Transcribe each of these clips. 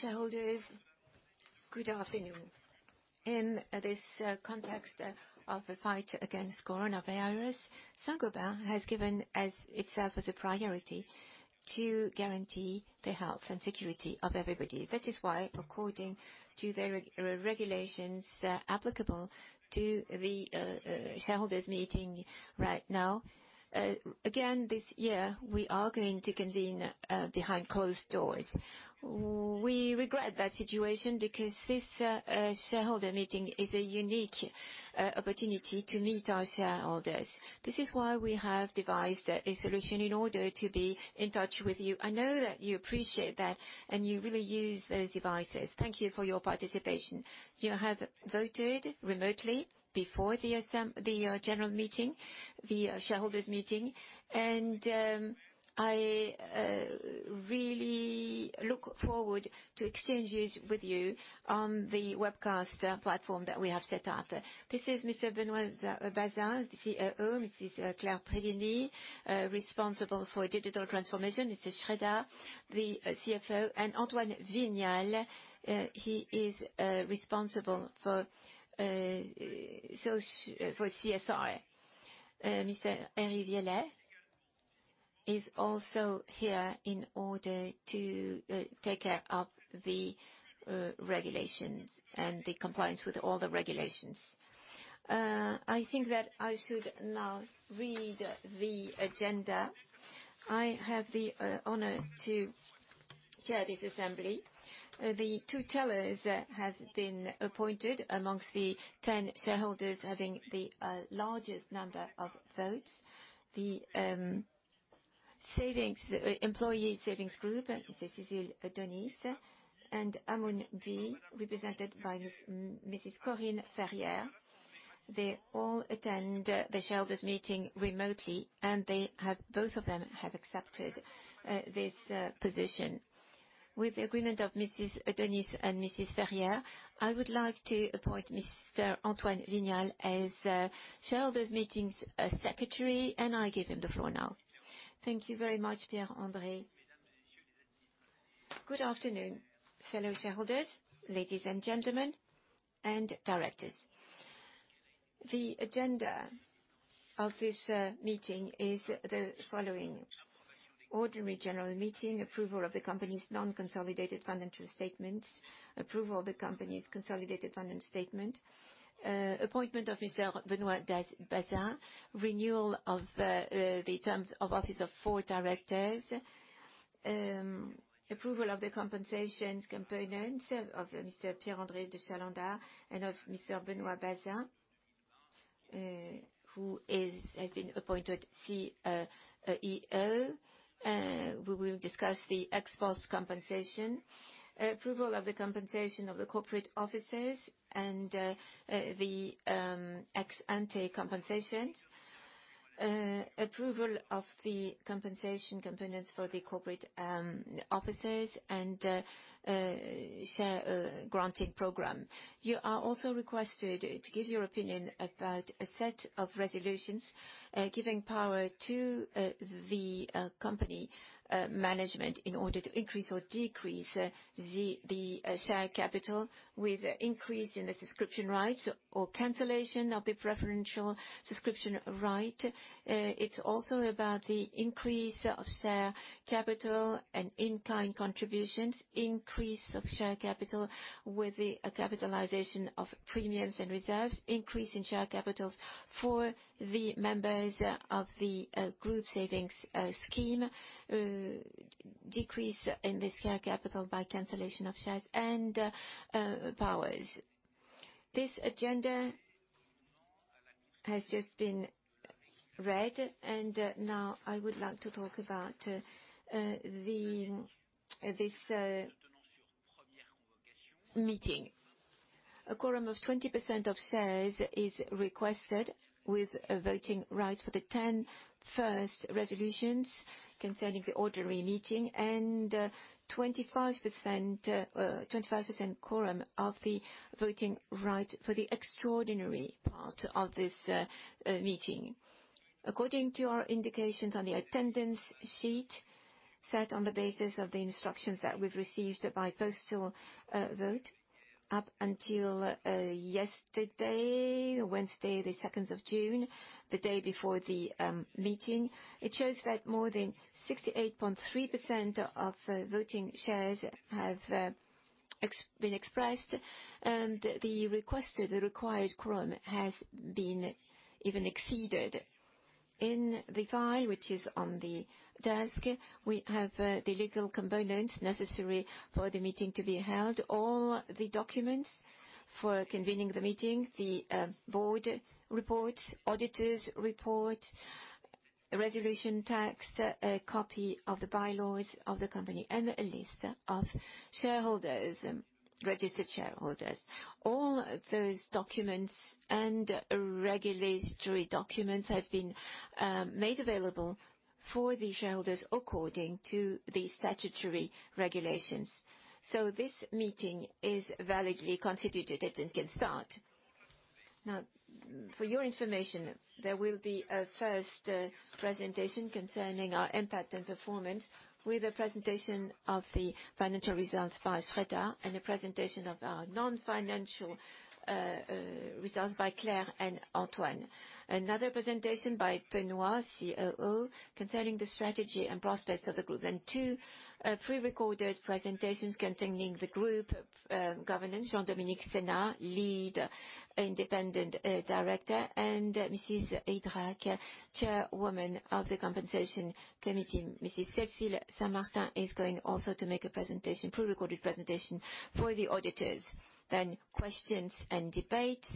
Fellow shareholders, good afternoon. In this context of the fight against coronavirus, Saint-Gobain has given itself as a priority to guarantee the health and security of everybody. That is why, according to the regulations applicable to the shareholders' meeting right now, again this year we are going to convene behind closed doors. We regret that situation because this shareholder meeting is a unique opportunity to meet our shareholders. This is why we have devised a solution in order to be in touch with you. I know that you appreciate that and you really use those devices. Thank you for your participation. You have voted remotely before the general meeting, the shareholders' meeting, and I really look forward to exchanging with you on the webcast platform that we have set up. This is Mr. Benoit Bazin, the CEO; Mrs. Claire Pedini, responsible for digital transformation; Mr. Schröder, the CFO, and Antoine Vignal, he is responsible for CSR. Mr. Henri Villers is also here in order to take care of the regulations and the compliance with all the regulations. I think that I should now read the agenda. I have the honor to chair this assembly. The two tellers have been appointed amongst the 10 shareholders having the largest number of votes. The employee savings group, Mrs. Cécile Denis, and Amundi, represented by Mrs. Corinne Ferrier, they all attend the shareholders' meeting remotely, and both of them have accepted this position. With the agreement of Mrs. Denis and Mrs. Ferrier, I would like to appoint Mr. Antoine Vignial as shareholders' meeting secretary, and I give him the floor now. Thank you very much, Pierre-André. Good afternoon, fellow shareholders, ladies and gentlemen, and directors. The agenda of this meeting is the following: ordinary general meeting, approval of the company's non-consolidated financial statements, approval of the company's consolidated financial statement, appointment of Mr. Benoit Bazin, renewal of the terms of office of four directors, approval of the compensation components of Mr. Pierre-André de Chalendar and of Mr. Benoit Bazin, who has been appointed CEO. We will discuss the ex-post compensation, approval of the compensation of the corporate officers and the ex-ante compensations, approval of the compensation components for the corporate officers, and share granting program. You are also requested to give your opinion about a set of resolutions giving power to the company management in order to increase or decrease the share capital with increase in the subscription rights or cancellation of the preferential subscription right. It's also about the increase of share capital and in-kind contributions, increase of share capital with the capitalization of premiums and reserves, increase in share capital for the members of the group savings scheme, decrease in the share capital by cancellation of shares and powers. This agenda has just been read, and now I would like to talk about this meeting. A quorum of 20% of shares is requested with voting right for the 10 first resolutions concerning the ordinary meeting and 25% quorum of the voting right for the extraordinary part of this meeting. According to our indications on the attendance sheet, set on the basis of the instructions that we've received by postal vote up until yesterday, Wednesday, the 2nd of June, the day before the meeting, it shows that more than 68.3% of voting shares have been expressed, and the requested required quorum has been even exceeded. In the file, which is on the desk, we have the legal components necessary for the meeting to be held, all the documents for convening the meeting, the board reports, auditor's report, resolution text, a copy of the bylaws of the company, and a list of shareholders, registered shareholders. All those documents and regulatory documents have been made available for the shareholders according to the statutory regulations. This meeting is validly constituted and can start. For your information, there will be a first presentation concerning our impact and performance with a presentation of the financial results by Sridhar and a presentation of our non-financial results by Claire and Antoine. Another presentation by Benoit, COO, concerning the strategy and prospects of the group, and two prerecorded presentations concerning the group governance, Jean-Dominique Senard, lead independent director, and Mrs. Idrac, chairwoman of the compensation committee. Mrs. Cécile Saint-Martin is going also to make a prerecorded presentation for the auditors and questions and debates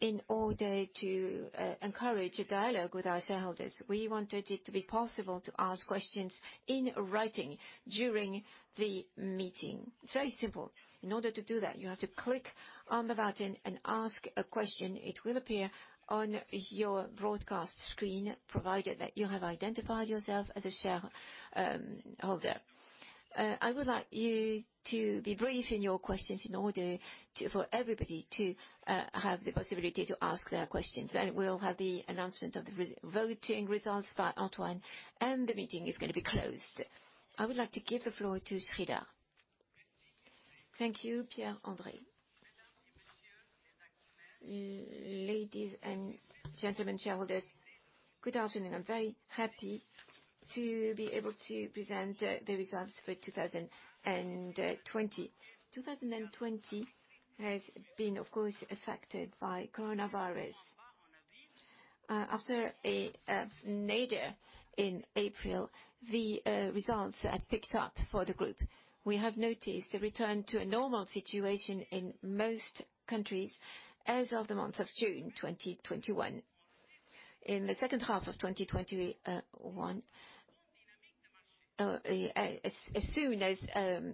in order to encourage a dialogue with our shareholders. We wanted it to be possible to ask questions in writing during the meeting. It's very simple. In order to do that, you have to click on the button and ask a question. It will appear on your broadcast screen provided that you have identified yourself as a shareholder. I would like you to be brief in your questions in order for everybody to have the possibility to ask their questions. We will have the announcement of the voting results by Antoine, and the meeting is going to be closed. I would like to give the floor to Sridhar. Thank you, Pierre-André. Ladies and gentlemen, shareholders, good afternoon. I'm very happy to be able to present the results for 2020. 2020 has been, of course, affected by coronavirus. After a nadir in April, the results have picked up for the group. We have noticed a return to a normal situation in most countries as of the month of June 2021. In the second half of 2021, as soon as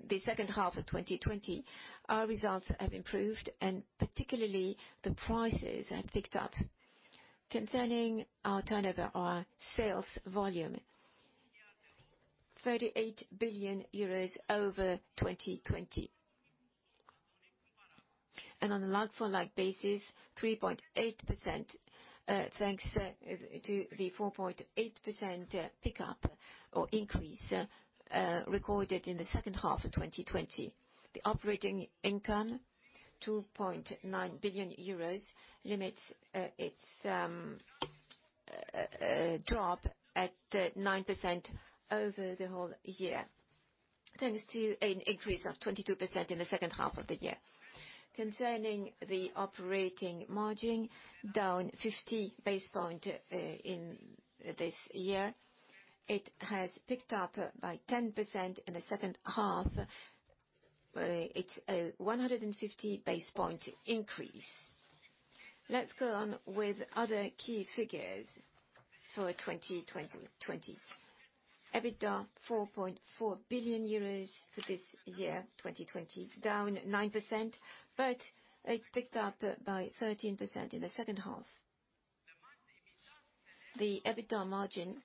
the second half of 2020, our results have improved, and particularly the prices have picked up. Concerning our turnover, our sales volume, 38 billion euros over 2020, and on a like-for-like basis, 3.8% thanks to the 4.8% pickup or increase recorded in the second half of 2020. The operating income, 2.9 billion euros, limits its drop at 9% over the whole year, thanks to an increase of 22% in the second half of the year. Concerning the operating margin, down 50 basis points in this year, it has picked up by 10% in the second half. It's a 150 basis point increase. Let's go on with other key figures for 2020. EBITDA, 4.4 billion euros for this year, 2020, down 9%, but it picked up by 13% in the second half. The EBITDA margin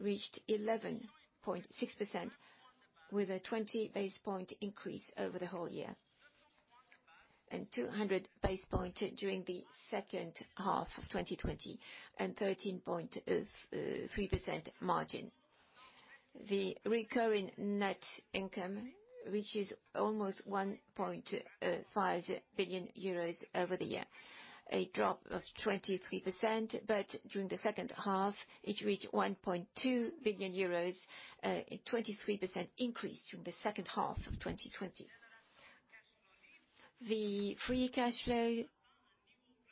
reached 11.6% with a 20 basis point increase over the whole year and 200 basis points during the second half of 2020, and 13.3% margin. The recurring net income reaches almost 1.5 billion euros over the year, a drop of 23%, but during the second half, it reached 1.2 billion euros, a 23% increase during the second half of 2020. The free cash flow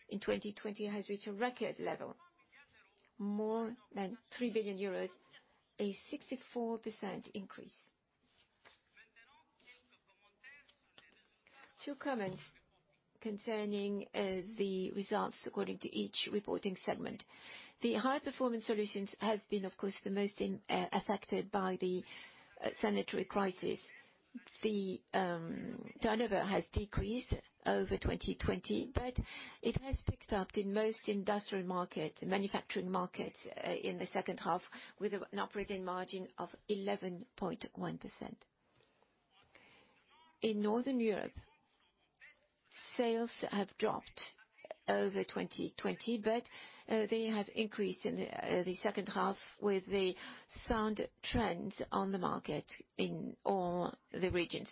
in 2020 has reached a record level, more than 3 billion euros, a 64% increase. Two comments concerning the results according to each reporting segment. The high-performance solutions have been, of course, the most affected by the sanitary crisis. The turnover has decreased over 2020, but it has picked up in most industrial markets, manufacturing markets in the second half, with an operating margin of 11.1%. In Northern Europe, sales have dropped over 2020, but they have increased in the second half with the sound trends on the market in all the regions.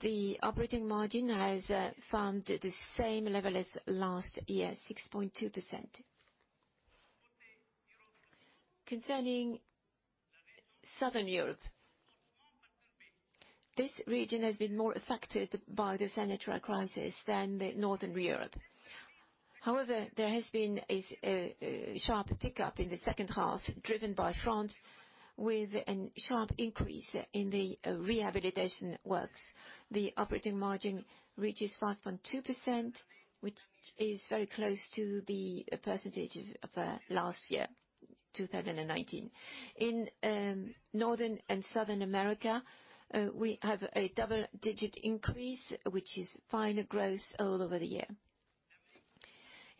The operating margin has found the same level as last year, 6.2%. Concerning Southern Europe, this region has been more affected by the sanitary crisis than Northern Europe. However, there has been a sharp pickup in the second half, driven by France, with a sharp increase in the rehabilitation works. The operating margin reaches 5.2%, which is very close to the percentage of last year, 2019. In Northern and Southern America, we have a double-digit increase, which is fine growth all over the year.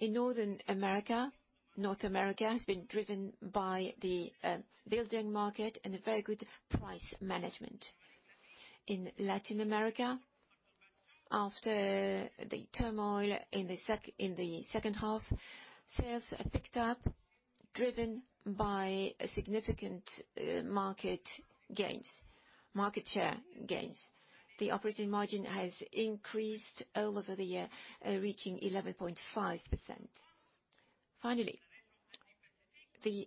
In Northern America, North America has been driven by the building market and very good price management. In Latin America, after the turmoil in the second half, sales have picked up, driven by significant market share gains. The operating margin has increased all over the year, reaching 11.5%. Finally, the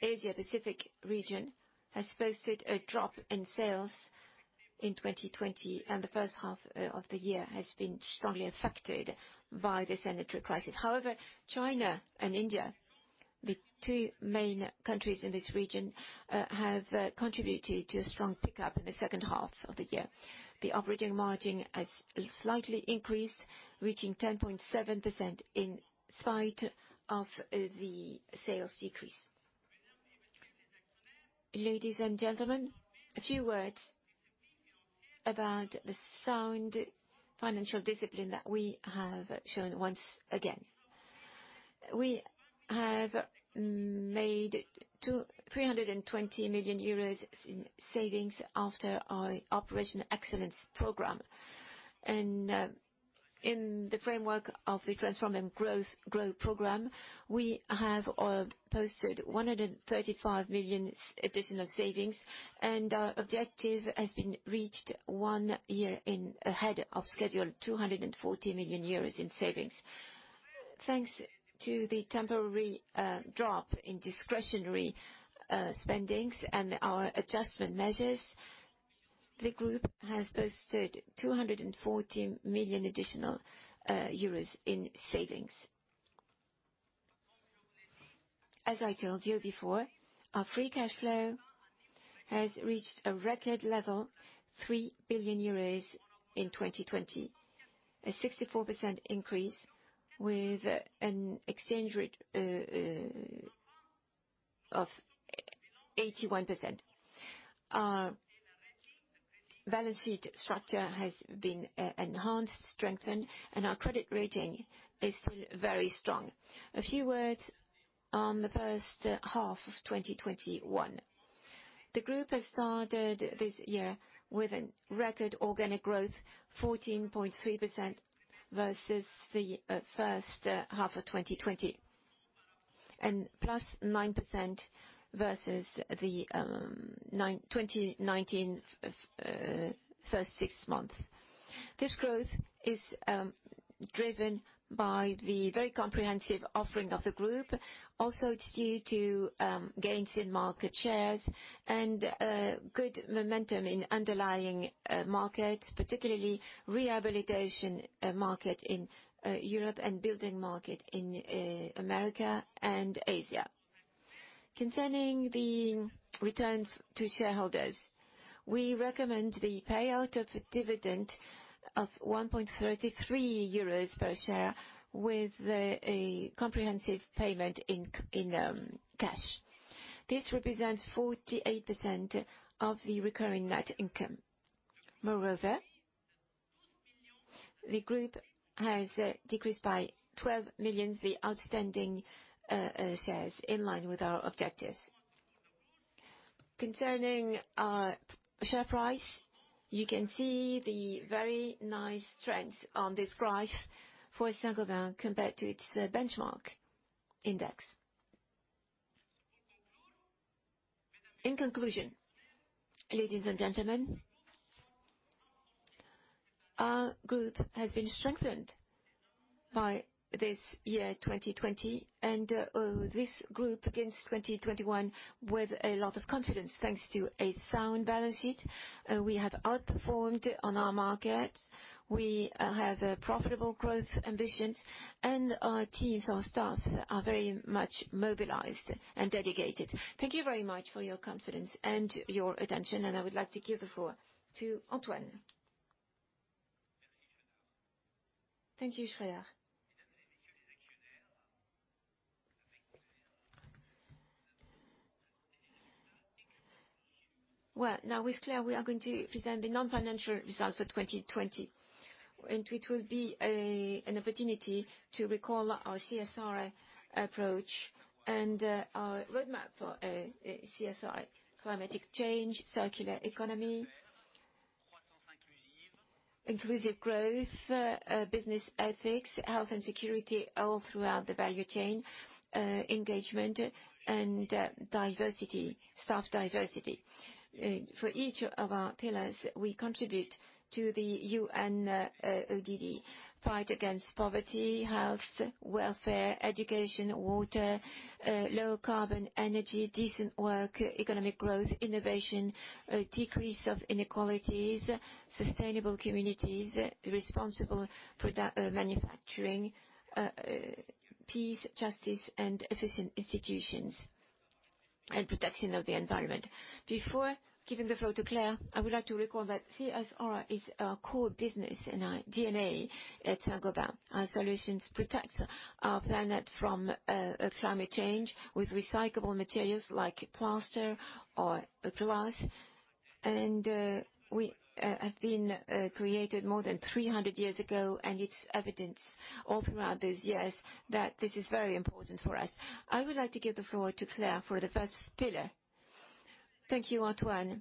Asia-Pacific region has posted a drop in sales in 2020, and the first half of the year has been strongly affected by the sanitary crisis. However, China and India, the two main countries in this region, have contributed to a strong pickup in the second half of the year. The operating margin has slightly increased, reaching 10.7% in spite of the sales decrease. Ladies and gentlemen, a few words about the sound financial discipline that we have shown once again. We have made 320 million euros in savings after our Operational Excellence Program. In the framework of the Transform & Grow Program, we have posted 135 million additional savings, and our objective has been reached one year ahead of schedule, 240 million euros in savings. Thanks to the temporary drop in discretionary spendings and our adjustment measures, the group has posted 240 million euros additional in savings. As I told you before, our free cash flow has reached a record level, 3 billion euros in 2020, a 64% increase with an exchange rate of 81%. Our balance sheet structure has been enhanced, strengthened, and our credit rating is still very strong. A few words on the first half of 2021. The group has started this year with a record organic growth, 14.3% versus the first half of 2020, and plus 9% versus the 2019 first six months. This growth is driven by the very comprehensive offering of the group. Also, it's due to gains in market shares and good momentum in underlying markets, particularly rehabilitation market in Europe and building market in America and Asia. Concerning the return to shareholders, we recommend the payout of a dividend of 1.33 euros per share with a comprehensive payment in cash. This represents 48% of the recurring net income. Moreover, the group has decreased by 12 million the outstanding shares, in line with our objectives. Concerning our share price, you can see the very nice trends on this graph for Saint-Gobain compared to its benchmark index. In conclusion, ladies and gentlemen, our group has been strengthened by this year 2020, and this group begins 2021 with a lot of confidence thanks to a sound balance sheet. We have outperformed on our markets. We have profitable growth ambitions, and our teams, our staff are very much mobilized and dedicated. Thank you very much for your confidence and your attention, and I would like to give the floor to Antoine. Thank you, Sridhar. Now with Claire, we are going to present the non-financial results for 2020, and it will be an opportunity to recall our CSR approach and our roadmap for CSR, climate change, circular economy, inclusive growth, business ethics, health and security all throughout the value chain, engagement, and staff diversity. For each of our pillars, we contribute to the UN, fight against poverty, health, welfare, education, water, low carbon energy, decent work, economic growth, innovation, decrease of inequalities, sustainable communities, responsible manufacturing, peace, justice, and efficient institutions, and protection of the environment. Before giving the floor to Claire, I would like to recall that CSR is our core business and our DNA at Saint-Gobain. Our solutions protect our planet from climate change with recyclable materials like plaster or glass, and we have been created more than 300 years ago, and it's evidence all throughout those years that this is very important for us. I would like to give the floor to Claire for the first pillar. Thank you, Antoine.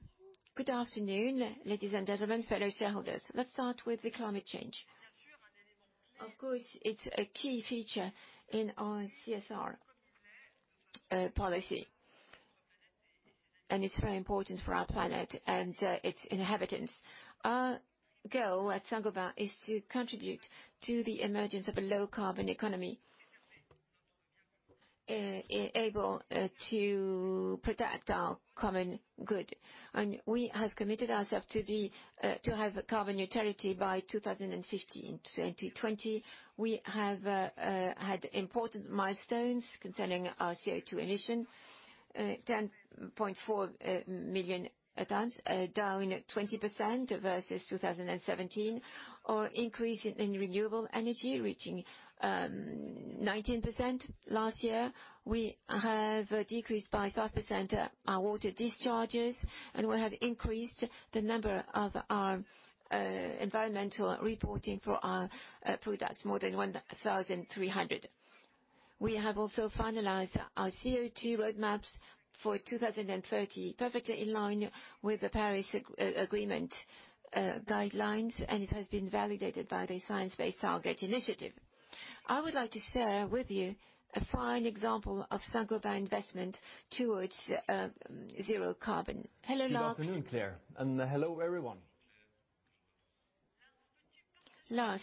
Good afternoon, ladies and gentlemen, fellow shareholders. Let's start with the climate change. Of course, it's a key feature in our CSR policy, and it's very important for our planet and its inhabitants. Our goal at Saint-Gobain is to contribute to the emergence of a low carbon economy able to protect our common good. We have committed ourselves to have carbon neutrality by 2050. In 2020, we have had important milestones concerning our CO2 emission, 10.4 million tons, down 20% versus 2017, or increase in renewable energy reaching 19% last year. We have decreased by 5% our water discharges, and we have increased the number of our environmental reporting for our products, more than 1,300. We have also finalized our CO2 roadmaps for 2030, perfectly in line with the Paris Agreement guidelines, and it has been validated by the Science-Based Target Initiative. I would like to share with you a fine example of Saint-Gobain investment towards zero carbon. Hello, Lars. Good afternoon, Claire, and hello everyone. Lars,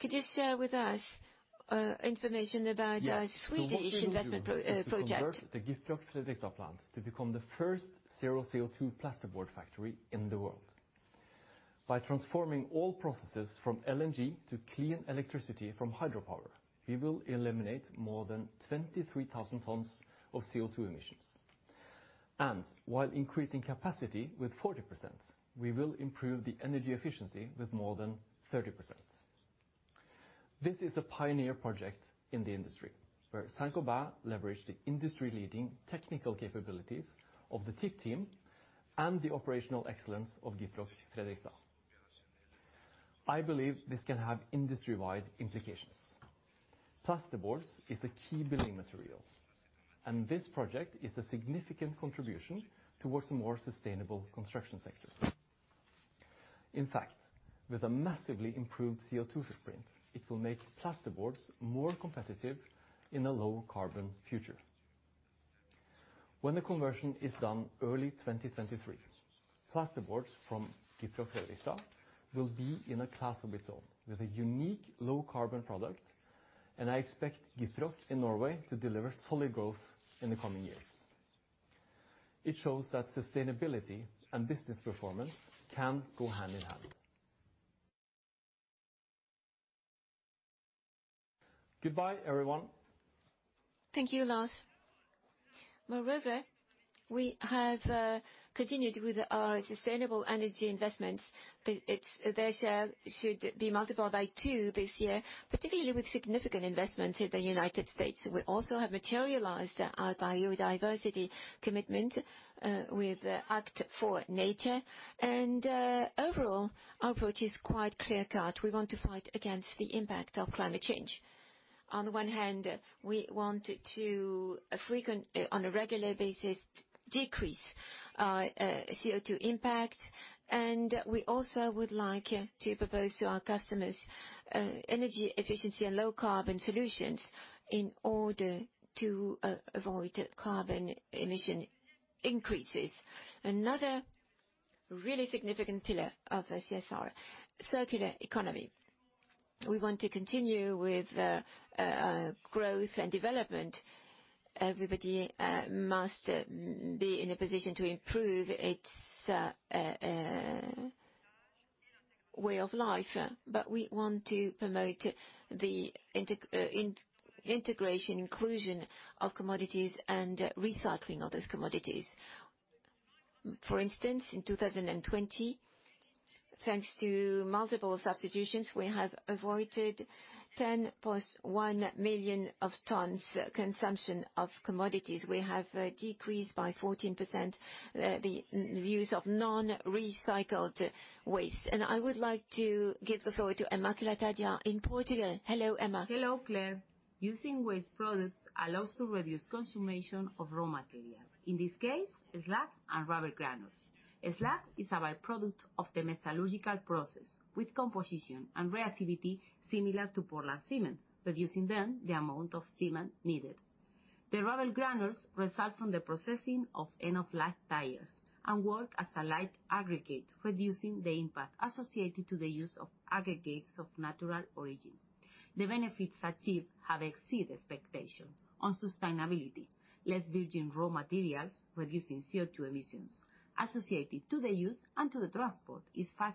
could you share with us information about our Swedish investment project? The gift job for the Dijkstra plant to become the First Zero CO2 plasterboard factory in the world. By transforming all processes from LNG to clean electricity from hydropower, we will eliminate more than 23,000 tons of CO2 emissions. While increasing capacity with 40%, we will improve the energy efficiency with more than 30%. This is a pioneer project in the industry where Saint-Gobain leveraged the industry-leading technical capabilities of the TIC team and the operational excellence of GIFA Gjovik for the Dijkstra. I believe this can have industry-wide implications. Plasterboard is a key building material, and this project is a significant contribution towards a more sustainable construction sector. In fact, with a massively improved CO2 footprint, it will make plasterboard more competitive in a low carbon future. When the conversion is done early 2023, plasterboard from GIFA Gjovik for the Dijkstra will be in a class of its own with a unique low carbon product, and I expect GIFA Gjovik in Norway to deliver solid growth in the coming years. It shows that sustainability and business performance can go hand in hand. Goodbye, everyone. Thank you, Lars. Moreover, we have continued with our sustainable energy investments. Their share should be multiplied by two this year, particularly with significant investments in the United States. We also have materialized our biodiversity commitment with Act for Nature, and overall, our approach is quite clear-cut. We want to fight against the impact of climate change. On the one hand, we want to, on a regular basis, decrease our CO2 impact, and we also would like to propose to our customers energy efficiency and low carbon solutions in order to avoid carbon emission increases. Another really significant pillar of CSR, circular economy. We want to continue with growth and development. Everybody must be in a position to improve its way of life, but we want to promote the integration, inclusion of commodities and recycling of those commodities. For instance, in 2020, thanks to multiple substitutions, we have avoided 10.1 million tons consumption of commodities. We have decreased by 14% the use of non-recycled waste. I would like to give the floor to Emma Caldeira in Portugal. Hello, Emma. Hello, Claire. Using waste products allows to reduce consumption of raw materials. In this case, slag and rubber granules. Slag is a byproduct of the metallurgical process with composition and reactivity similar to Portland cement, reducing then the amount of cement needed. The rubber granules result from the processing of end-of-life tires and work as a light aggregate, reducing the impact associated to the use of aggregates of natural origin. The benefits achieved have exceeded expectations on sustainability. Less virgin raw materials, reducing CO2 emissions associated to the use and to the transport, is 5%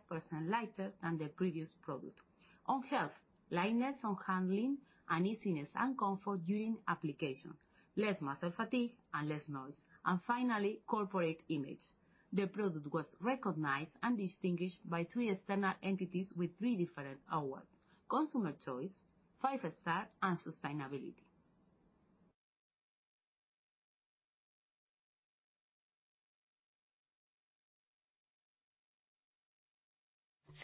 lighter than the previous product. On health, lightness on handling, uneasiness and comfort during application, less muscle fatigue and less noise, and finally, corporate image. The product was recognized and distinguished by three external entities with three different awards: Consumer Choice, Five Star, and Sustainability.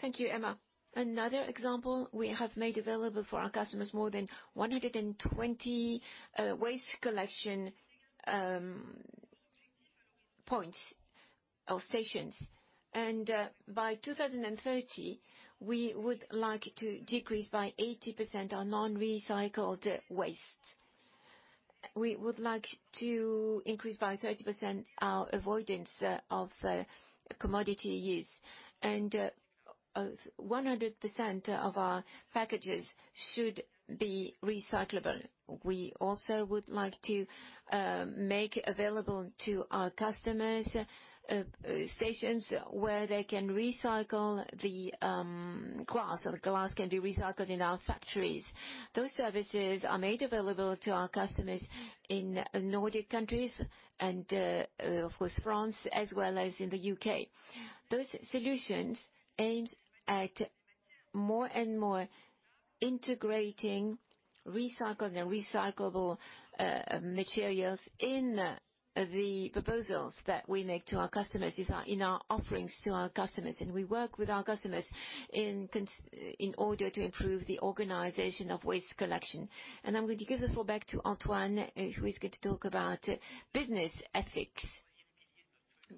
Thank you, Emma. Another example, we have made available for our customers more than 120 waste collection points or stations, and by 2030, we would like to decrease by 80% our non-recycled waste. We would like to increase by 30% our avoidance of commodity use, and 100% of our packages should be recyclable. We also would like to make available to our customers stations where they can recycle the glass, or the glass can be recycled in our factories. Those services are made available to our customers in Nordic countries and, of course, France, as well as in the U.K. Those solutions aim at more and more integrating recycled and recyclable materials in the proposals that we make to our customers, in our offerings to our customers, and we work with our customers in order to improve the organization of waste collection. I am going to give the floor back to Antoine, who is going to talk about business ethics.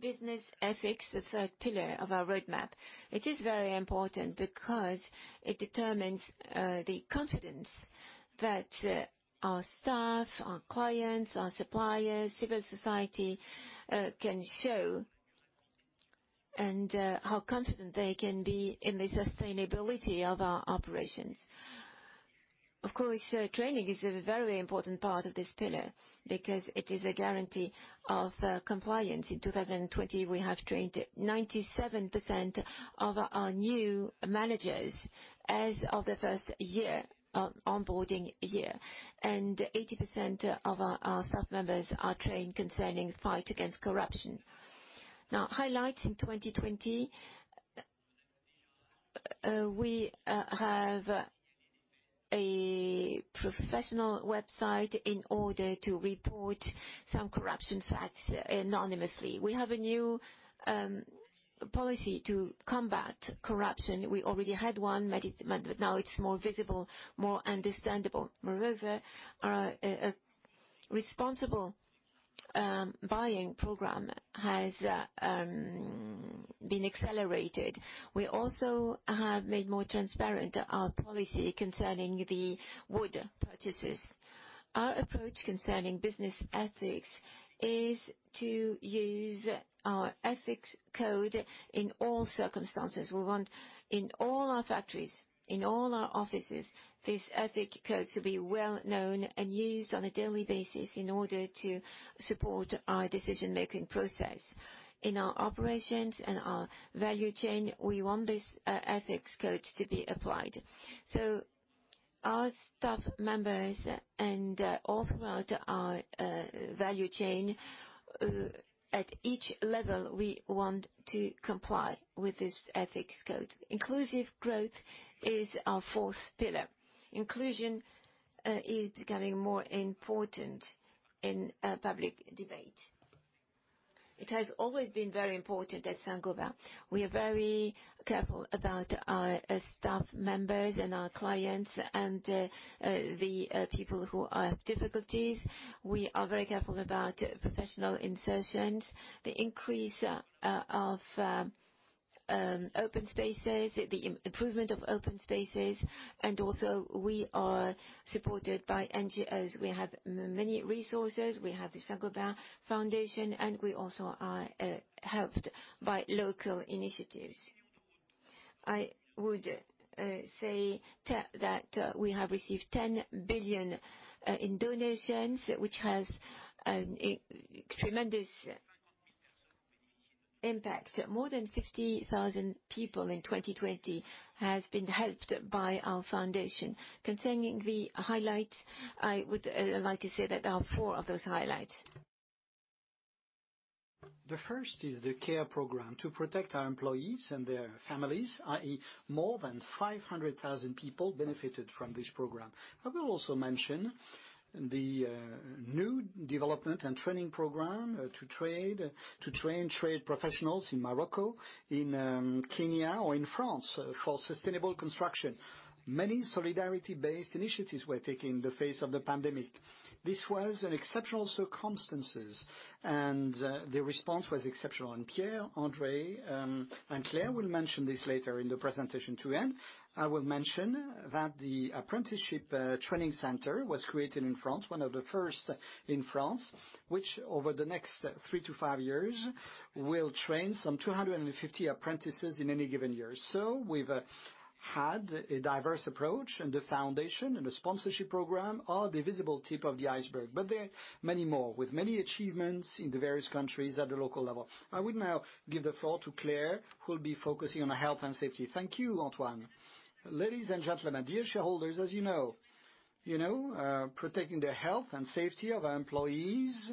Business ethics, the third pillar of our roadmap, it is very important because it determines the confidence that our staff, our clients, our suppliers, civil society can show, and how confident they can be in the sustainability of our operations. Of course, training is a very important part of this pillar because it is a guarantee of compliance. In 2020, we have trained 97% of our new managers as of the first year, onboarding year, and 80% of our staff members are trained concerning fight against corruption. Now, highlights in 2020, we have a professional website in order to report some corruption facts anonymously. We have a new policy to combat corruption. We already had one, but now it's more visible, more understandable. Moreover, our responsible buying program has been accelerated. We also have made more transparent our policy concerning the wood purchases. Our approach concerning business ethics is to use our ethics code in all circumstances. We want, in all our factories, in all our offices, this ethics code to be well known and used on a daily basis in order to support our decision-making process. In our operations and our value chain, we want this ethics code to be applied. Our staff members and all throughout our value chain, at each level, we want to comply with this ethics code. Inclusive growth is our fourth pillar. Inclusion is becoming more important in public debate. It has always been very important at Saint-Gobain. We are very careful about our staff members and our clients and the people who have difficulties. We are very careful about professional insertions, the increase of open spaces, the improvement of open spaces, and also we are supported by NGOs. We have many resources. We have the Saint-Gobain Foundation, and we also are helped by local initiatives. I would say that we have received 10 billion in donations, which has tremendous impact. More than 50,000 people in 2020 have been helped by our foundation. Concerning the highlights, I would like to say that there are four of those highlights. The first is the care program to protect our employees and their families, i.e., more than 500,000 people benefited from this program. I will also mention the new development and training program to train trade professionals in Morocco, in Kenya, or in France for sustainable construction. Many solidarity-based initiatives were taken in the face of the pandemic. This was an exceptional circumstance, and the response was exceptional. Pierre-André and Claire will mention this later in the presentation to end. I will mention that the apprenticeship training center was created in France, one of the first in France, which over the next three to five years will train some 250 apprentices in any given year. We have had a diverse approach and the foundation and the sponsorship program are the visible tip of the iceberg, but there are many more with many achievements in the various countries at the local level. I would now give the floor to Claire, who will be focusing on health and safety. Thank you, Antoine. Ladies and gentlemen, dear shareholders, as you know, protecting the health and safety of our employees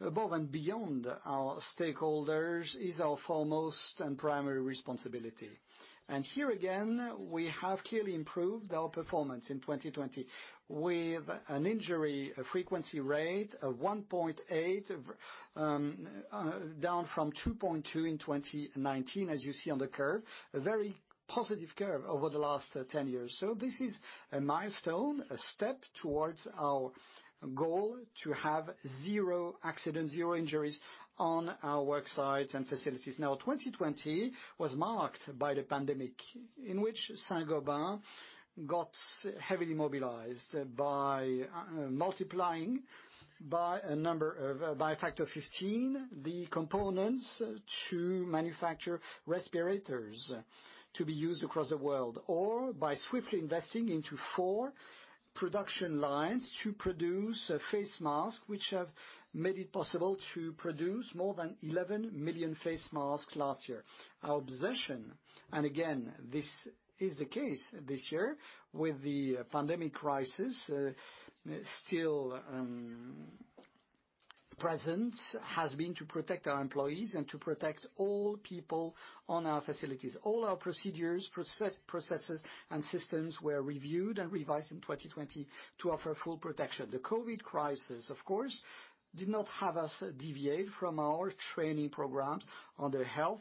above and beyond our stakeholders is our foremost and primary responsibility. Here again, we have clearly improved our performance in 2020 with an injury frequency rate of 1.8, down from 2.2 in 2019, as you see on the curve, a very positive curve over the last 10 years. This is a milestone, a step towards our goal to have zero accidents, zero injuries on our worksites and facilities. Now, 2020 was marked by the pandemic in which Saint-Gobain got heavily mobilized by multiplying by a factor of 15 the components to manufacture respirators to be used across the world, or by swiftly investing into four production lines to produce face masks, which have made it possible to produce more than 11 million face masks last year. Our obsession, and again, this is the case this year with the pandemic crisis still present, has been to protect our employees and to protect all people on our facilities. All our procedures, processes, and systems were reviewed and revised in 2020 to offer full protection. The COVID crisis, of course, did not have us deviate from our training programs on the health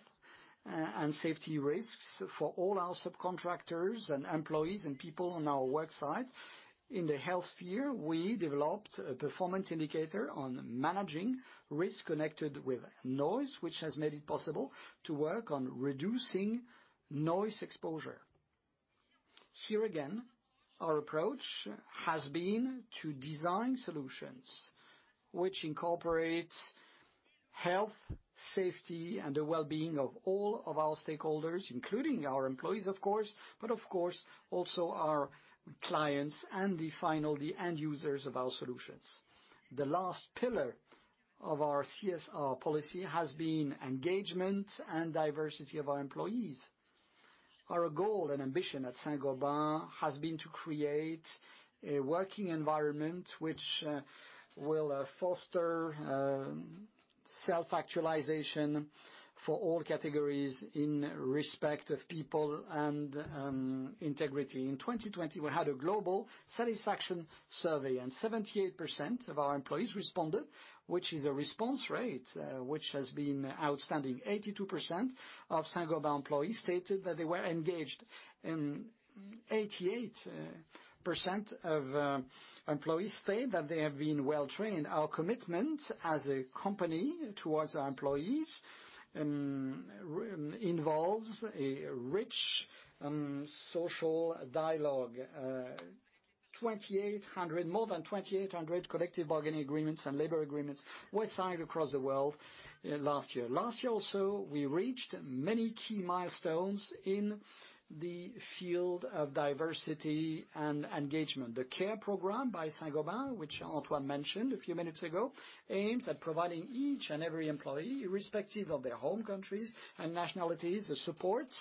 and safety risks for all our subcontractors and employees and people on our worksites. In the health sphere, we developed a performance indicator on managing risk connected with noise, which has made it possible to work on reducing noise exposure. Here again, our approach has been to design solutions which incorporate health, safety, and the well-being of all of our stakeholders, including our employees, of course, but of course, also our clients and the final end users of our solutions. The last pillar of our CSR policy has been engagement and diversity of our employees. Our goal and ambition at Saint-Gobain has been to create a working environment which will foster self-actualization for all categories in respect of people and integrity. In 2020, we had a global satisfaction survey, and 78% of our employees responded, which is a response rate which has been outstanding. 82% of Saint-Gobain employees stated that they were engaged, and 88% of employees stated that they have been well trained. Our commitment as a company towards our employees involves a rich social dialogue. More than 2,800 collective bargaining agreements and labor agreements were signed across the world last year. Last year also, we reached many key milestones in the field of diversity and engagement. The care program by Saint-Gobain, which Antoine mentioned a few minutes ago, aims at providing each and every employee, irrespective of their home countries and nationalities, supports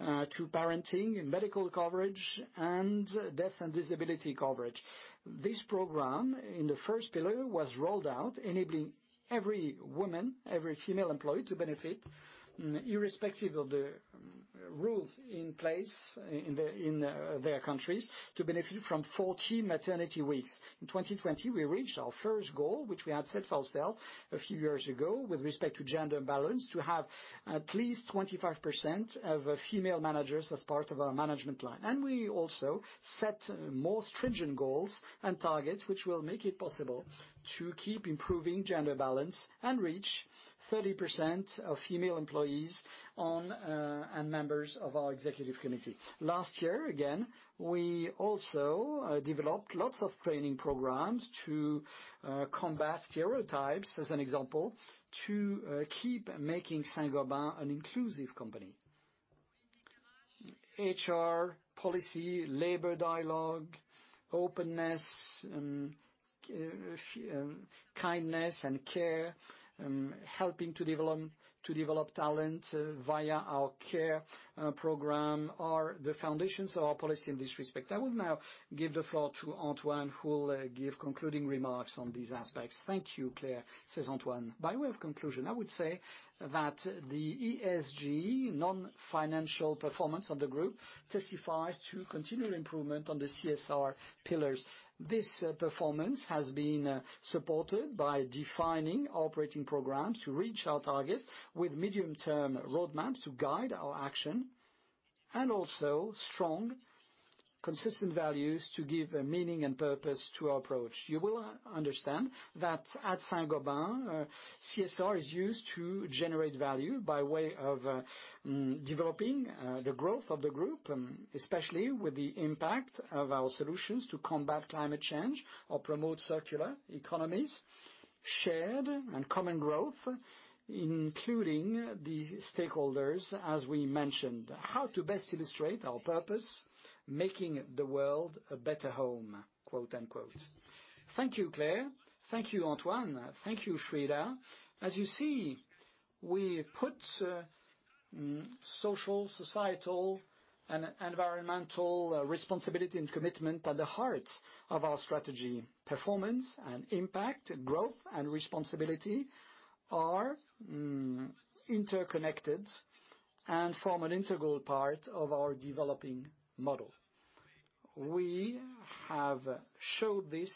to parenting and medical coverage and death and disability coverage. This program, in the first pillar, was rolled out, enabling every woman, every female employee to benefit, irrespective of the rules in place in their countries, to benefit from 14 maternity weeks. In 2020, we reached our first goal, which we had set for ourselves a few years ago with respect to gender balance, to have at least 25% of female managers as part of our management line. We also set more stringent goals and targets which will make it possible to keep improving gender balance and reach 30% of female employees and members of our executive committee. Last year, again, we also developed lots of training programs to combat stereotypes, as an example, to keep making Saint-Gobain an inclusive company. HR, policy, labor dialogue, openness, kindness, and care, helping to develop talent via our care program are the foundations of our policy in this respect. I will now give the floor to Antoine, who will give concluding remarks on these aspects. Thank you, Claire, says Antoine. By way of conclusion, I would say that the ESG, non-financial performance of the group, testifies to continued improvement on the CSR pillars. This performance has been supported by defining operating programs to reach our targets with medium-term roadmaps to guide our action, and also strong, consistent values to give meaning and purpose to our approach. You will understand that at Saint-Gobain, CSR is used to generate value by way of developing the growth of the group, especially with the impact of our solutions to combat climate change or promote circular economies, shared and common growth, including the stakeholders, as we mentioned. How to best illustrate our purpose? Making the world a better home. Thank you, Claire. Thank you, Antoine. Thank you, Srira. As you see, we put social, societal, and environmental responsibility and commitment at the heart of our strategy. Performance and impact, growth and responsibility are interconnected and form an integral part of our developing model. We have showed this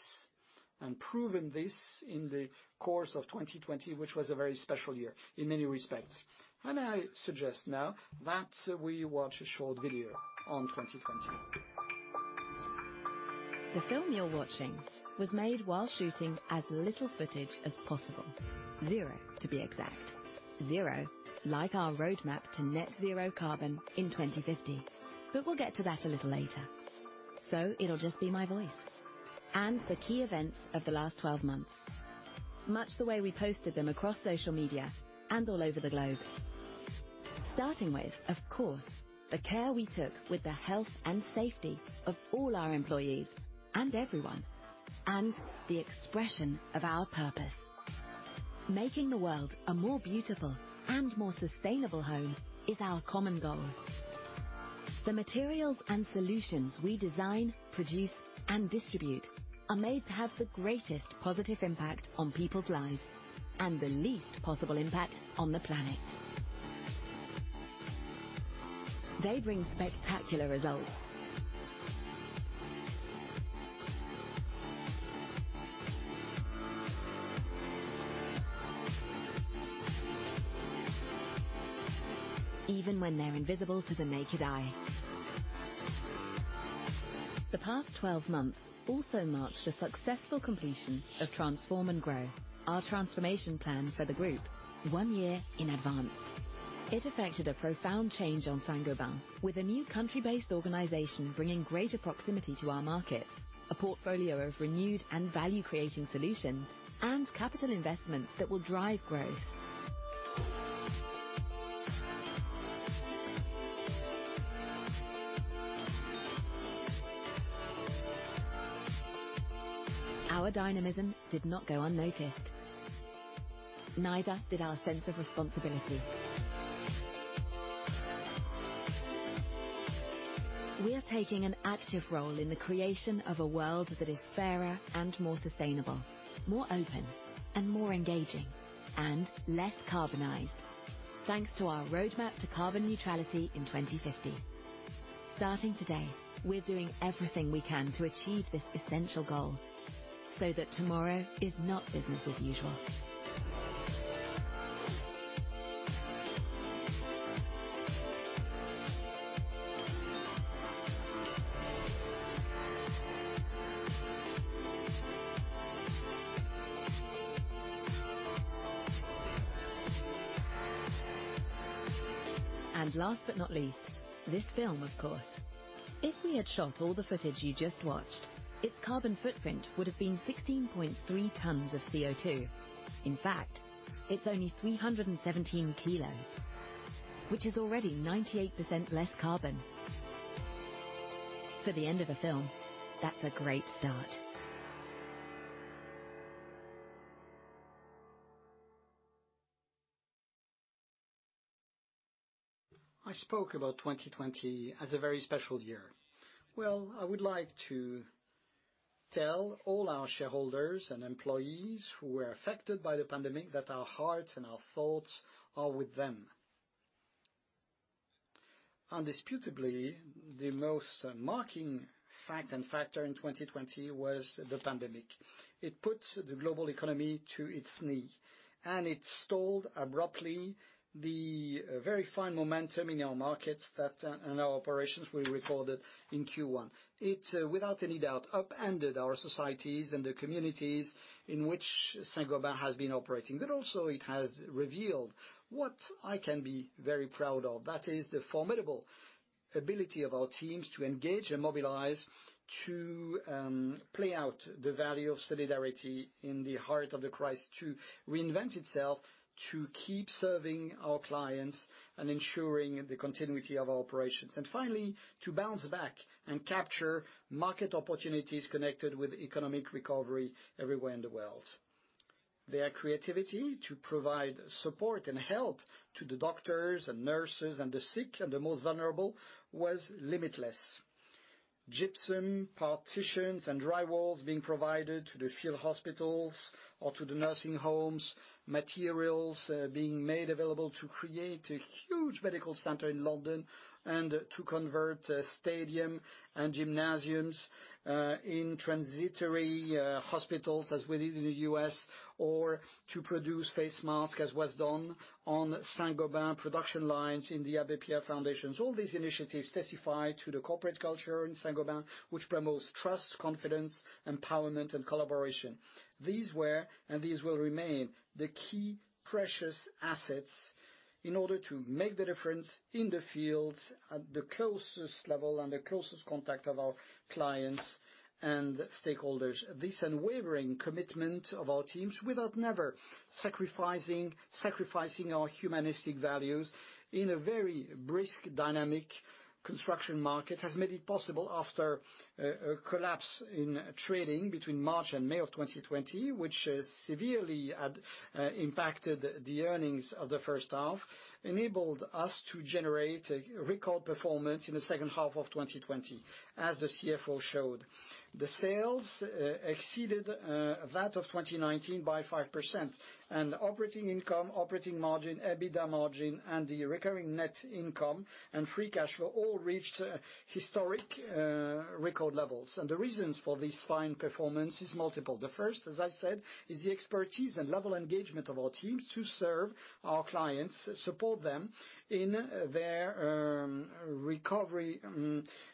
and proven this in the course of 2020, which was a very special year in many respects. I suggest now that we watch a short video on 2020. The film you're watching was made while shooting as little footage as possible. Zero, to be exact. Zero, like our roadmap to net zero carbon in 2050. We will get to that a little later. It will just be my voice and the key events of the last 12 months, much the way we posted them across social media and all over the globe. Starting with, of course, the care we took with the health and safety of all our employees and everyone, and the expression of our purpose. Making the world a more beautiful and more sustainable home is our common goal. The materials and solutions we design, produce, and distribute are made to have the greatest positive impact on people's lives and the least possible impact on the planet. They bring spectacular results, even when they are invisible to the naked eye. The past 12 months also marked the successful completion of Transform & Grow, our transformation plan for the group, one year in advance. It affected a profound change on Saint-Gobain, with a new country-based organization bringing greater proximity to our markets, a portfolio of renewed and value-creating solutions, and capital investments that will drive growth. Our dynamism did not go unnoticed, neither did our sense of responsibility. We are taking an active role in the creation of a world that is fairer and more sustainable, more open, and more engaging, and less carbonized, thanks to our roadmap to carbon neutrality in 2050. Starting today, we're doing everything we can to achieve this essential goal so that tomorrow is not business as usual. Last but not least, this film, of course. If we had shot all the footage you just watched, its carbon footprint would have been 16.3 tons of CO2. In fact, it's only 317 kilos, which is already 98% less carbon. For the end of a film, that's a great start. I spoke about 2020 as a very special year. I would like to tell all our shareholders and employees who were affected by the pandemic that our hearts and our thoughts are with them. Undisputably, the most marking fact and factor in 2020 was the pandemic. It put the global economy to its knee, and it stalled abruptly the very fine momentum in our markets and our operations we recorded in Q1. It, without any doubt, upended our societies and the communities in which Saint-Gobain has been operating. It has also revealed what I can be very proud of, that is the formidable ability of our teams to engage and mobilize to play out the value of solidarity in the heart of the crisis, to reinvent itself, to keep serving our clients and ensuring the continuity of our operations. Finally, to bounce back and capture market opportunities connected with economic recovery everywhere in the world. Their creativity to provide support and help to the doctors and nurses and the sick and the most vulnerable was limitless. Gypsum partitions and drywalls being provided to the field hospitals or to the nursing homes, materials being made available to create a huge medical center in London and to convert stadiums and gymnasiums into transitory hospitals as we did in the U.S., or to produce face masks as was done on Saint-Gobain production lines in the Abbé Pierre Foundations. All these initiatives testify to the corporate culture in Saint-Gobain, which promotes trust, confidence, empowerment, and collaboration. These were, and these will remain, the key precious assets in order to make the difference in the fields at the closest level and the closest contact of our clients and stakeholders. This unwavering commitment of our teams, without ever sacrificing our humanistic values in a very brisk dynamic construction market, has made it possible after a collapse in trading between March and May of 2020, which severely impacted the earnings of the first half, enabled us to generate record performance in the second half of 2020, as the CFO showed. The sales exceeded that of 2019 by 5%. Operating income, operating margin, EBITDA margin, and the recurring net income and free cash flow all reached historic record levels. The reasons for this fine performance is multiple. The first, as I said, is the expertise and level of engagement of our teams to serve our clients, support them in their recovery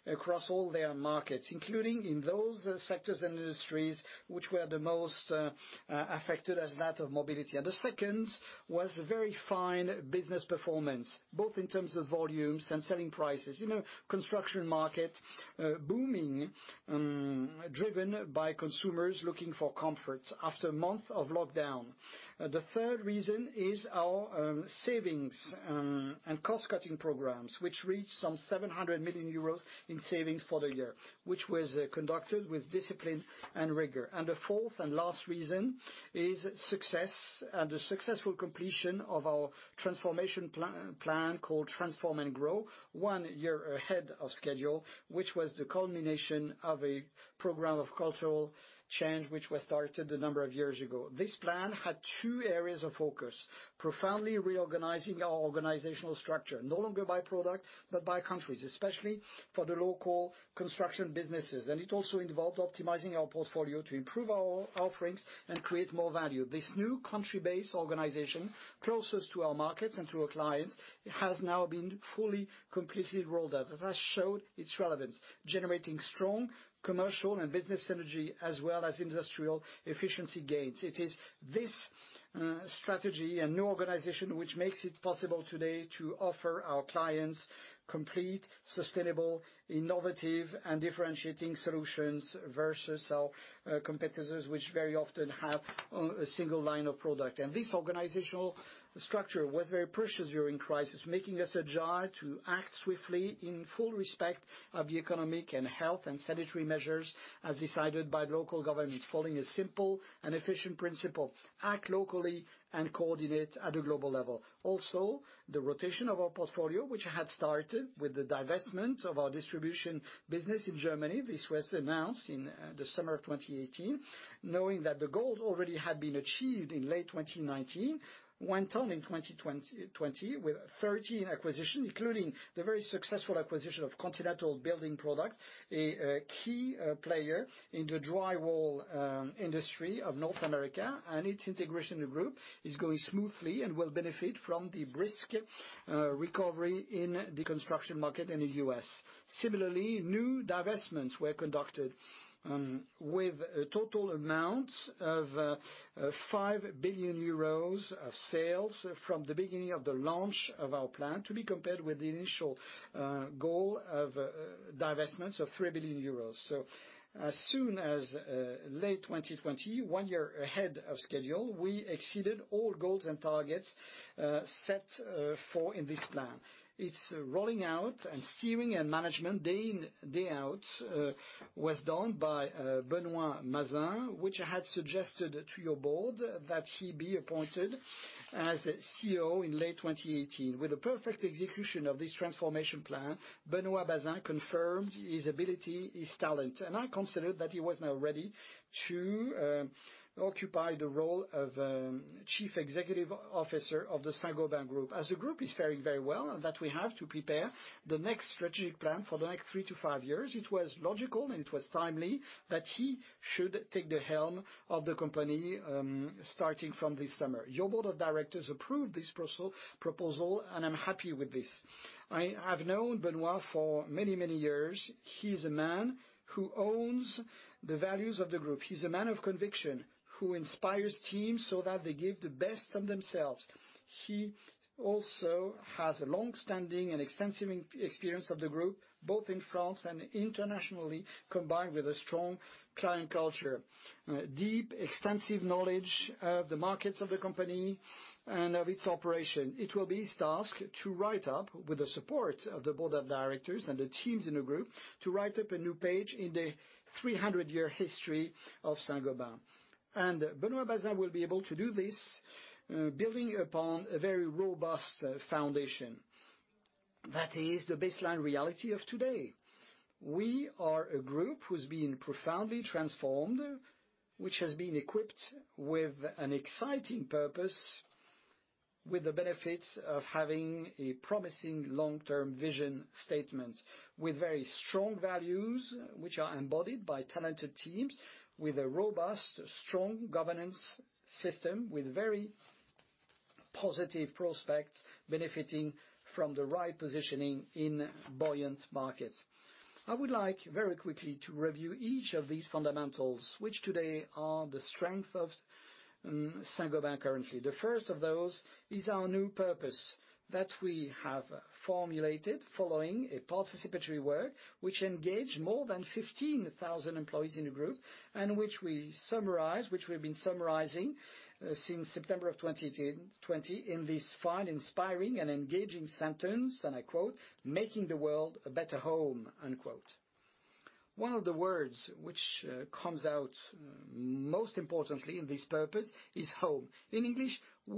across all their markets, including in those sectors and industries which were the most affected, as that of mobility. The second was very fine business performance, both in terms of volumes and selling prices. Construction market booming, driven by consumers looking for comfort after months of lockdown. The third reason is our savings and cost-cutting programs, which reached some 700 million euros in savings for the year, which was conducted with discipline and rigor. The fourth and last reason is success and the successful completion of our transformation plan called Transform & Grow, one year ahead of schedule, which was the culmination of a program of cultural change which was started a number of years ago. This plan had two areas of focus: profoundly reorganizing our organizational structure, no longer by product, but by countries, especially for the local construction businesses. It also involved optimizing our portfolio to improve our offerings and create more value. This new country-based organization, closest to our markets and to our clients, has now been fully, completely rolled out. It has showed its relevance, generating strong commercial and business synergy as well as industrial efficiency gains. It is this strategy and new organization which makes it possible today to offer our clients complete, sustainable, innovative, and differentiating solutions versus our competitors, which very often have a single line of product. This organizational structure was very precious during crisis, making us agile to act swiftly in full respect of the economic and health and sanitary measures as decided by local governments, following a simple and efficient principle: act locally and coordinate at a global level. Also, the rotation of our portfolio, which had started with the divestment of our distribution business in Germany, this was announced in the summer of 2018, knowing that the goal already had been achieved in late 2019, went on in 2020 with 13 acquisitions, including the very successful acquisition of Continental Building Products, a key player in the drywall industry of North America, and its integration in the group is going smoothly and will benefit from the brisk recovery in the construction market in the U.S. Similarly, new divestments were conducted with a total amount of 5 billion euros of sales from the beginning of the launch of our plan, to be compared with the initial goal of divestments of 3 billion euros. As soon as late 2020, one year ahead of schedule, we exceeded all goals and targets set for in this plan. Its rolling out and steering and management day in, day out was done by Benoit Bazin, which I had suggested to your board that he be appointed as CEO in late 2018. With the perfect execution of this transformation plan, Benoit Bazin confirmed his ability, his talent. I consider that he was now ready to occupy the role of Chief Executive Officer of the Saint-Gobain Group. As the group is faring very well and that we have to prepare the next strategic plan for the next three to five years, it was logical and it was timely that he should take the helm of the company starting from this summer. Your board of directors approved this proposal, and I'm happy with this. I have known Benoît for many, many years. He is a man who owns the values of the group. He's a man of conviction who inspires teams so that they give the best of themselves. He also has a long-standing and extensive experience of the group, both in France and internationally, combined with a strong client culture, deep, extensive knowledge of the markets of the company and of its operation. It will be his task to write up, with the support of the board of directors and the teams in the group, to write up a new page in the 300-year history of Saint-Gobain. Benoît Bazin will be able to do this building upon a very robust foundation. That is the baseline reality of today. We are a group who's been profoundly transformed, which has been equipped with an exciting purpose, with the benefits of having a promising long-term vision statement, with very strong values which are embodied by talented teams, with a robust, strong governance system, with very positive prospects benefiting from the right positioning in buoyant markets. I would like very quickly to review each of these fundamentals, which today are the strength of Saint-Gobain currently. The first of those is our new purpose that we have formulated following a participatory work which engaged more than 15,000 employees in the group and which we summarized, which we've been summarizing since September of 2020 in this fine inspiring and engaging sentence, and I quote, "Making the world a better home." One of the words which comes out most importantly in this purpose is home. In English, the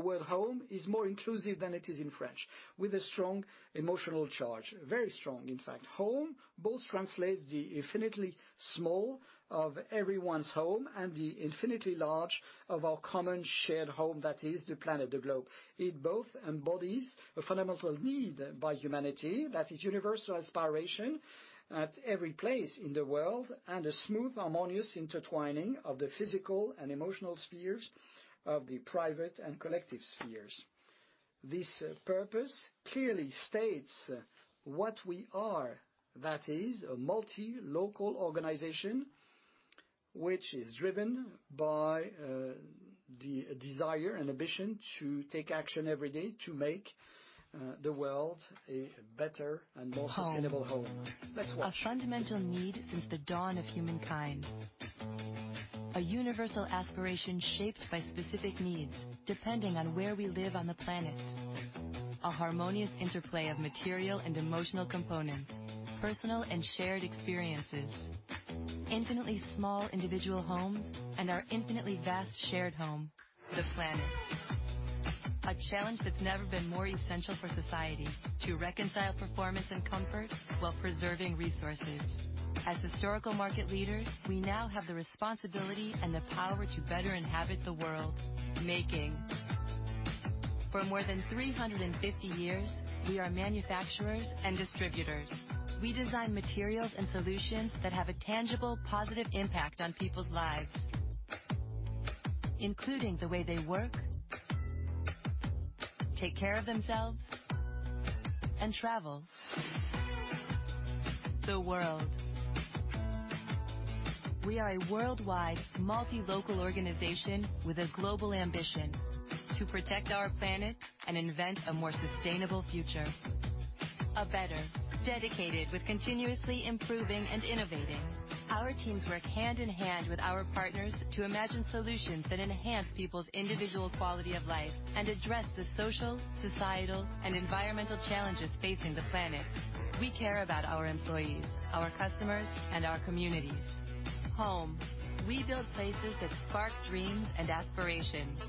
word home is more inclusive than it is in French, with a strong emotional charge, very strong in fact. Home both translates the infinitely small of everyone's home and the infinitely large of our common shared home, that is the planet, the globe. It both embodies a fundamental need by humanity, that is universal aspiration at every place in the world and a smooth, harmonious intertwining of the physical and emotional spheres of the private and collective spheres. This purpose clearly states what we are, that is a multi-local organization which is driven by the desire and ambition to take action every day to make the world a better and more sustainable home. Let's watch. A fundamental need since the dawn of humankind. A universal aspiration shaped by specific needs depending on where we live on the planet. A harmonious interplay of material and emotional components, personal and shared experiences. Infinitely small individual homes and our infinitely vast shared home, the planet. A challenge that's never been more essential for society to reconcile performance and comfort while preserving resources. As historical market leaders, we now have the responsibility and the power to better inhabit the world, making. For more than 350 years, we are manufacturers and distributors. We design materials and solutions that have a tangible, positive impact on people's lives, including the way they work, take care of themselves, and travel the world. We are a worldwide multi-local organization with a global ambition to protect our planet and invent a more sustainable future. A better, dedicated, with continuously improving and innovating. Our teams work hand in hand with our partners to imagine solutions that enhance people's individual quality of life and address the social, societal, and environmental challenges facing the planet. We care about our employees, our customers, and our communities. Home. We build places that spark dreams and aspirations,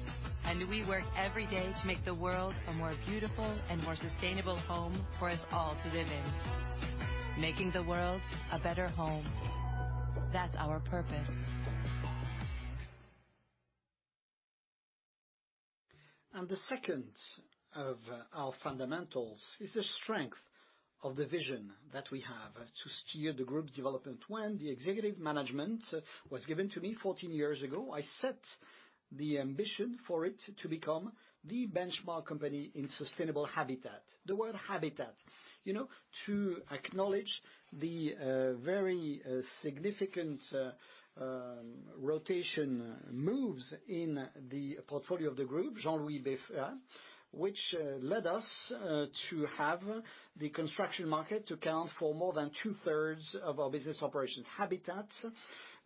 and we work every day to make the world a more beautiful and more sustainable home for us all to live in, making the world a better home. That's our purpose. The second of our fundamentals is the strength of the vision that we have to steer the group's development. When the executive management was given to me 14 years ago, I set the ambition for it to become the benchmark company in sustainable habitat. The word habitat, to acknowledge the very significant rotation moves in the portfolio of the group, Jean-Louis Beffa, which led us to have the construction market account for more than two-thirds of our business operations. Habitat,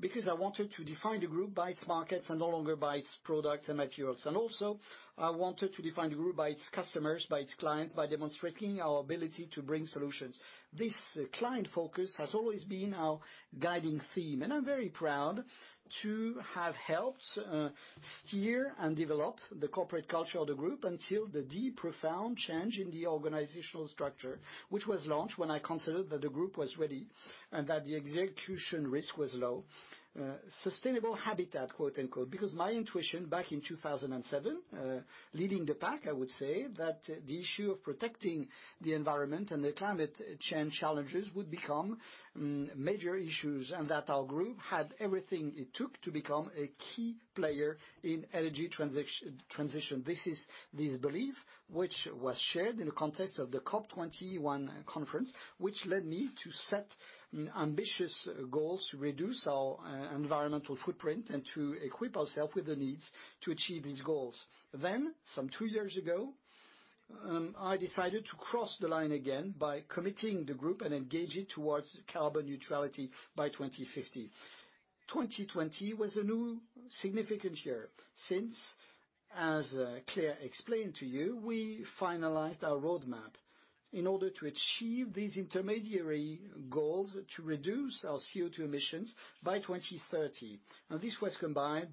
because I wanted to define the group by its markets and no longer by its products and materials. Also, I wanted to define the group by its customers, by its clients, by demonstrating our ability to bring solutions. This client focus has always been our guiding theme. I'm very proud to have helped steer and develop the corporate culture of the group until the deep, profound change in the organizational structure, which was launched when I considered that the group was ready and that the execution risk was low. "Sustainable habitat," quote unquote, because my intuition back in 2007, leading the pack, I would say that the issue of protecting the environment and the climate change challenges would become major issues and that our group had everything it took to become a key player in energy transition. This is this belief, which was shared in the context of the COP21 conference, which led me to set ambitious goals to reduce our environmental footprint and to equip ourselves with the needs to achieve these goals. Some two years ago, I decided to cross the line again by committing the group and engage it towards carbon neutrality by 2050. 2020 was a new significant year since, as Claire explained to you, we finalized our roadmap in order to achieve these intermediary goals to reduce our CO2 emissions by 2030. This was combined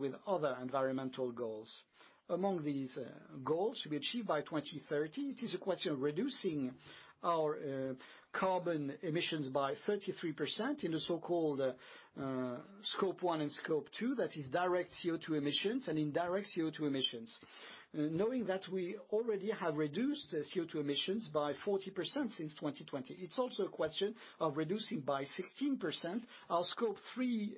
with other environmental goals. Among these goals to be achieved by 2030, it is a question of reducing our carbon emissions by 33% in the so-called Scope 1 and Scope 2, that is direct CO2 emissions and indirect CO2 emissions. Knowing that we already have reduced CO2 emissions by 40% since 2020, it is also a question of reducing by 16% our Scope 3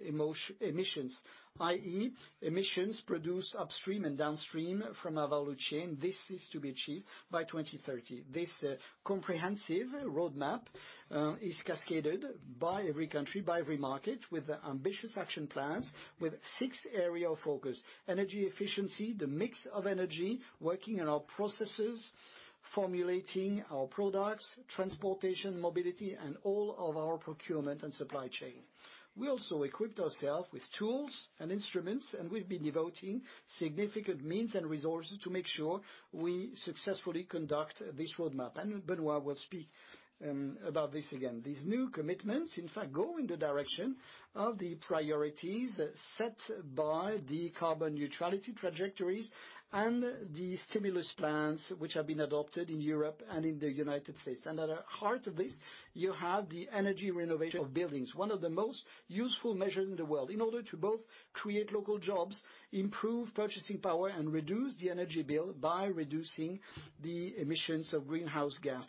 emissions, i.e., emissions produced upstream and downstream from our value chain. This is to be achieved by 2030. This comprehensive roadmap is cascaded by every country, by every market, with ambitious action plans, with six areas of focus: energy efficiency, the mix of energy working in our processes, formulating our products, transportation, mobility, and all of our procurement and supply chain. We also equipped ourselves with tools and instruments, and we've been devoting significant means and resources to make sure we successfully conduct this roadmap. Benoît will speak about this again. These new commitments, in fact, go in the direction of the priorities set by the carbon neutrality trajectories and the stimulus plans which have been adopted in Europe and in the United States. At the heart of this, you have the energy renovation of buildings, one of the most useful measures in the world in order to both create local jobs, improve purchasing power, and reduce the energy bill by reducing the emissions of greenhouse gas.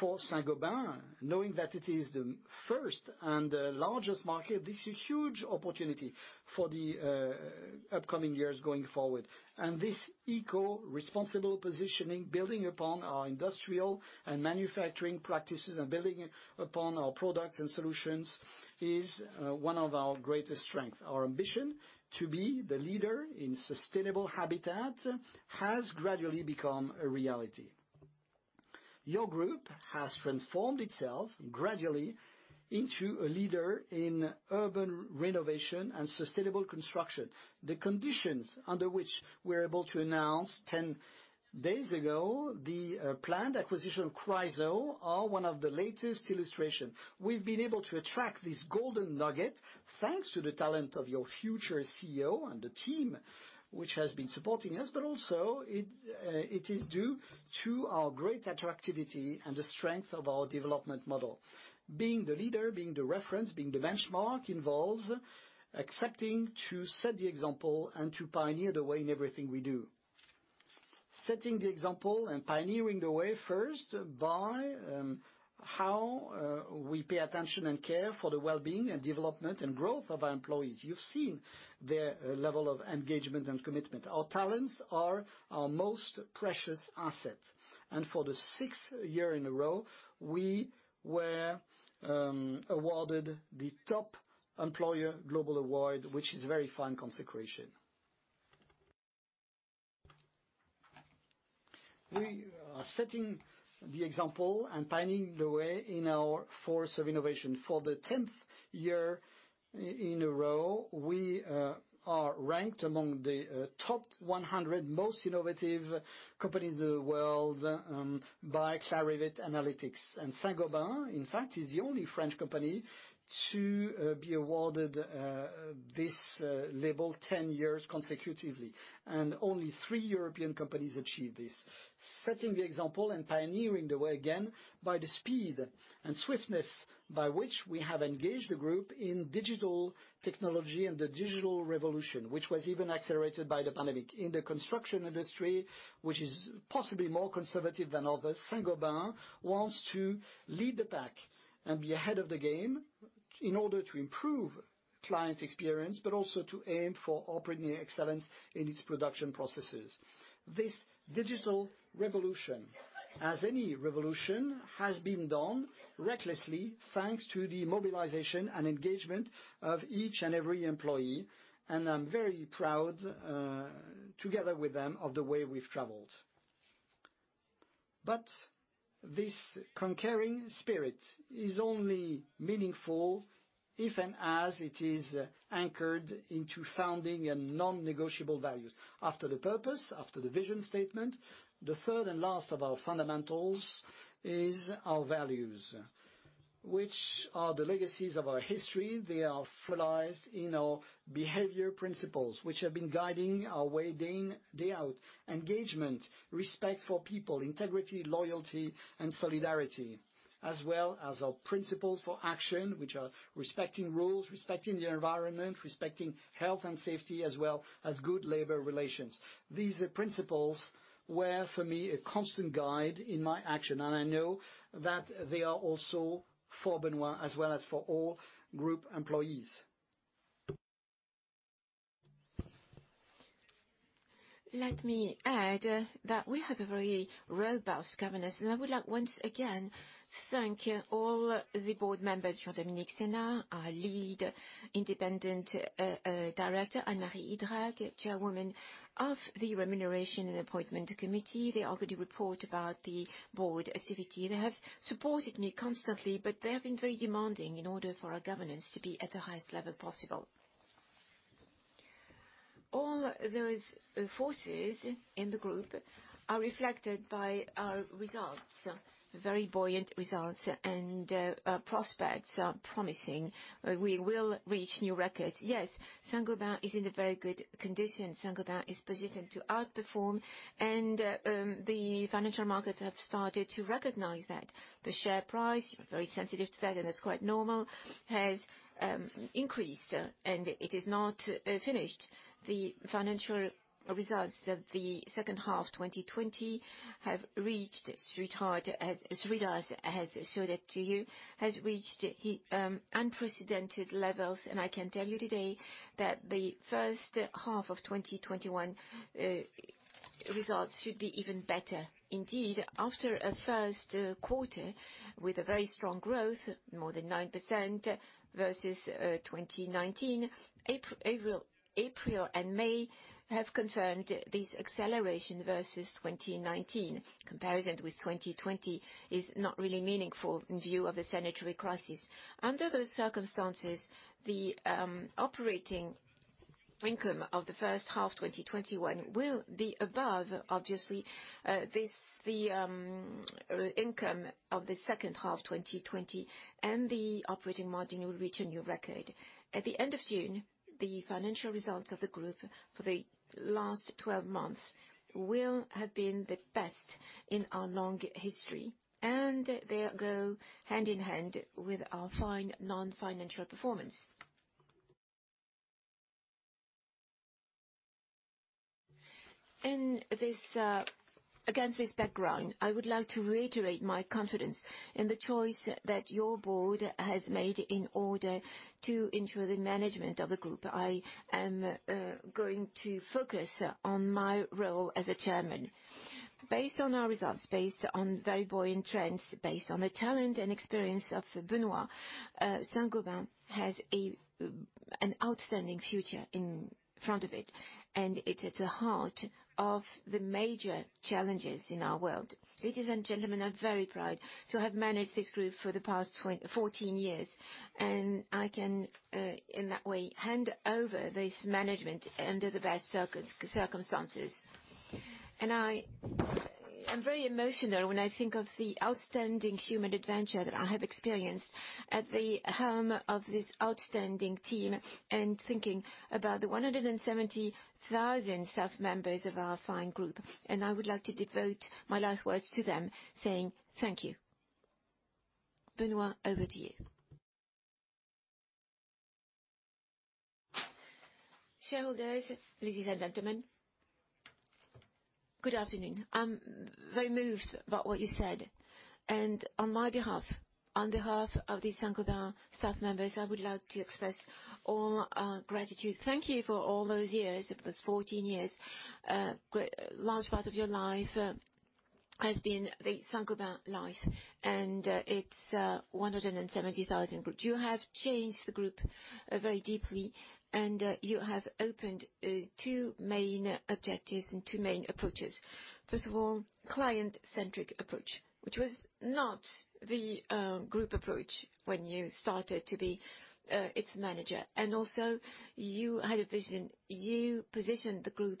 For Saint-Gobain, knowing that it is the first and largest market, this is a huge opportunity for the upcoming years going forward. This eco-responsible positioning, building upon our industrial and manufacturing practices and building upon our products and solutions, is one of our greatest strengths. Our ambition to be the leader in sustainable habitat has gradually become a reality. Your group has transformed itself gradually into a leader in urban renovation and sustainable construction. The conditions under which we're able to announce 10 days ago the planned acquisition of Chryso are one of the latest illustrations. We've been able to attract this golden nugget thanks to the talent of your future CEO and the team which has been supporting us, but also it is due to our great attractivity and the strength of our development model. Being the leader, being the reference, being the benchmark involves accepting to set the example and to pioneer the way in everything we do. Setting the example and pioneering the way first by how we pay attention and care for the well-being and development and growth of our employees. You've seen the level of engagement and commitment. Our talents are our most precious asset. For the sixth year in a row, we were awarded the Top Employer Global award, which is a very fine consecration. We are setting the example and pioneering the way in our force of innovation. For the 10th year in a row, we are ranked among the top 100 most innovative companies in the world by Clarivate Analytics. Saint-Gobain, in fact, is the only French company to be awarded this label 10 years consecutively. Only three European companies achieved this. Setting the example and pioneering the way again by the speed and swiftness by which we have engaged the group in digital technology and the digital revolution, which was even accelerated by the pandemic. In the construction industry, which is possibly more conservative than others, Saint-Gobain wants to lead the pack and be ahead of the game in order to improve client experience, but also to aim for operating excellence in its production processes. This digital revolution, as any revolution, has been done recklessly thanks to the mobilization and engagement of each and every employee. I'm very proud, together with them, of the way we've traveled. This concurring spirit is only meaningful if and as it is anchored into founding and non-negotiable values. After the purpose, after the vision statement, the third and last of our fundamentals is our values, which are the legacies of our history. They are formalized in our behavior principles, which have been guiding our way day in, day out. Engagement, respect for people, integrity, loyalty, and solidarity, as well as our principles for action, which are respecting rules, respecting the environment, respecting health and safety, as well as good labor relations. These principles were, for me, a constant guide in my action. I know that they are also for Benoit as well as for all group employees. Let me add that we have a very robust governance. I would like once again to thank all the board members, Jean-Dominique Senard, our lead independent director, Anne-Marie Idrac, Chairwoman of the Remuneration and Appointment Committee. They are going to report about the board activity. They have supported me constantly, but they have been very demanding in order for our governance to be at the highest level possible. All those forces in the group are reflected by our results, very buoyant results and prospects promising. We will reach new records. Yes, Saint-Gobain is in very good condition. Saint-Gobain is positioned to outperform. The financial markets have started to recognize that. The share price, you're very sensitive to that, and that's quite normal, has increased. It is not finished. The financial results of the second half of 2020 have reached, Sridhar has showed it to you, have reached unprecedented levels. I can tell you today that the first half of 2021 results should be even better. Indeed, after a first quarter with very strong growth, more than 9% versus 2019, April and May have confirmed this acceleration versus 2019. Comparison with 2020 is not really meaningful in view of the sanitary crisis. Under those circumstances, the operating income of the first half of 2021 will be above, obviously, the income of the second half of 2020, and the operating margin will reach a new record. At the end of June, the financial results of the group for the last 12 months will have been the best in our long history. They go hand in hand with our fine non-financial performance. Against this background, I would like to reiterate my confidence in the choice that your board has made in order to ensure the management of the group. I am going to focus on my role as a Chairman. Based on our results, based on very buoyant trends, based on the talent and experience of Benoît, Saint-Gobain has an outstanding future in front of it. It is at the heart of the major challenges in our world. Ladies and gentlemen, I'm very proud to have managed this group for the past 14 years. I can, in that way, hand over this management under the best circumstances. I am very emotional when I think of the outstanding human adventure that I have experienced at the helm of this outstanding team and thinking about the 170,000 staff members of our fine group. I would like to devote my last words to them, saying thank you. Benoît, over to you. Shareholders, ladies and gentlemen, good afternoon. I'm very moved by what you said. On my behalf, on behalf of the Saint-Gobain staff members, I would like to express all our gratitude. Thank you for all those years, those 14 years. A large part of your life has been the Saint-Gobain life. It is 170,000. You have changed the group very deeply. You have opened two main objectives and two main approaches. First of all, client-centric approach, which was not the group approach when you started to be its manager. You had a vision. You positioned the group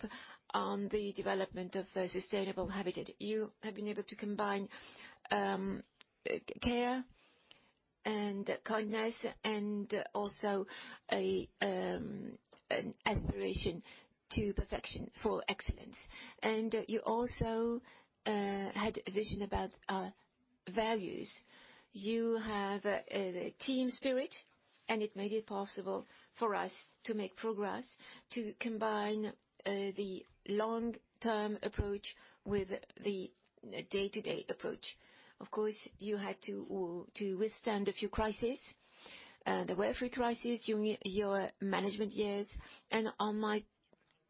on the development of sustainable habitat. You have been able to combine care and kindness and also an aspiration to perfection for excellence. You also had a vision about our values. You have a team spirit. It made it possible for us to make progress, to combine the long-term approach with the day-to-day approach. Of course, you had to withstand a few crises, the welfare crisis, your management years. On my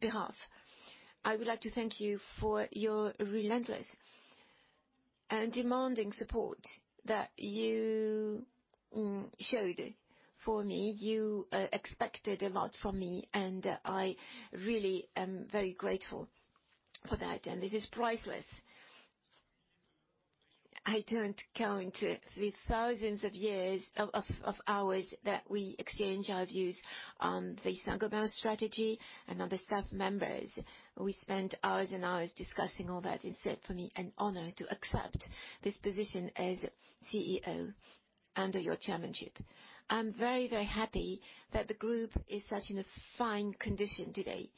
behalf, I would like to thank you for your relentless and demanding support that you showed for me. You expected a lot from me. I really am very grateful for that. This is priceless. I do not count the thousands of hours that we exchange our views on the Saint-Gobain strategy and on the staff members. We spent hours and hours discussing all that. It is for me an honor to accept this position as CEO under your chairmanship. I am very, very happy that the group is such in a fine condition today.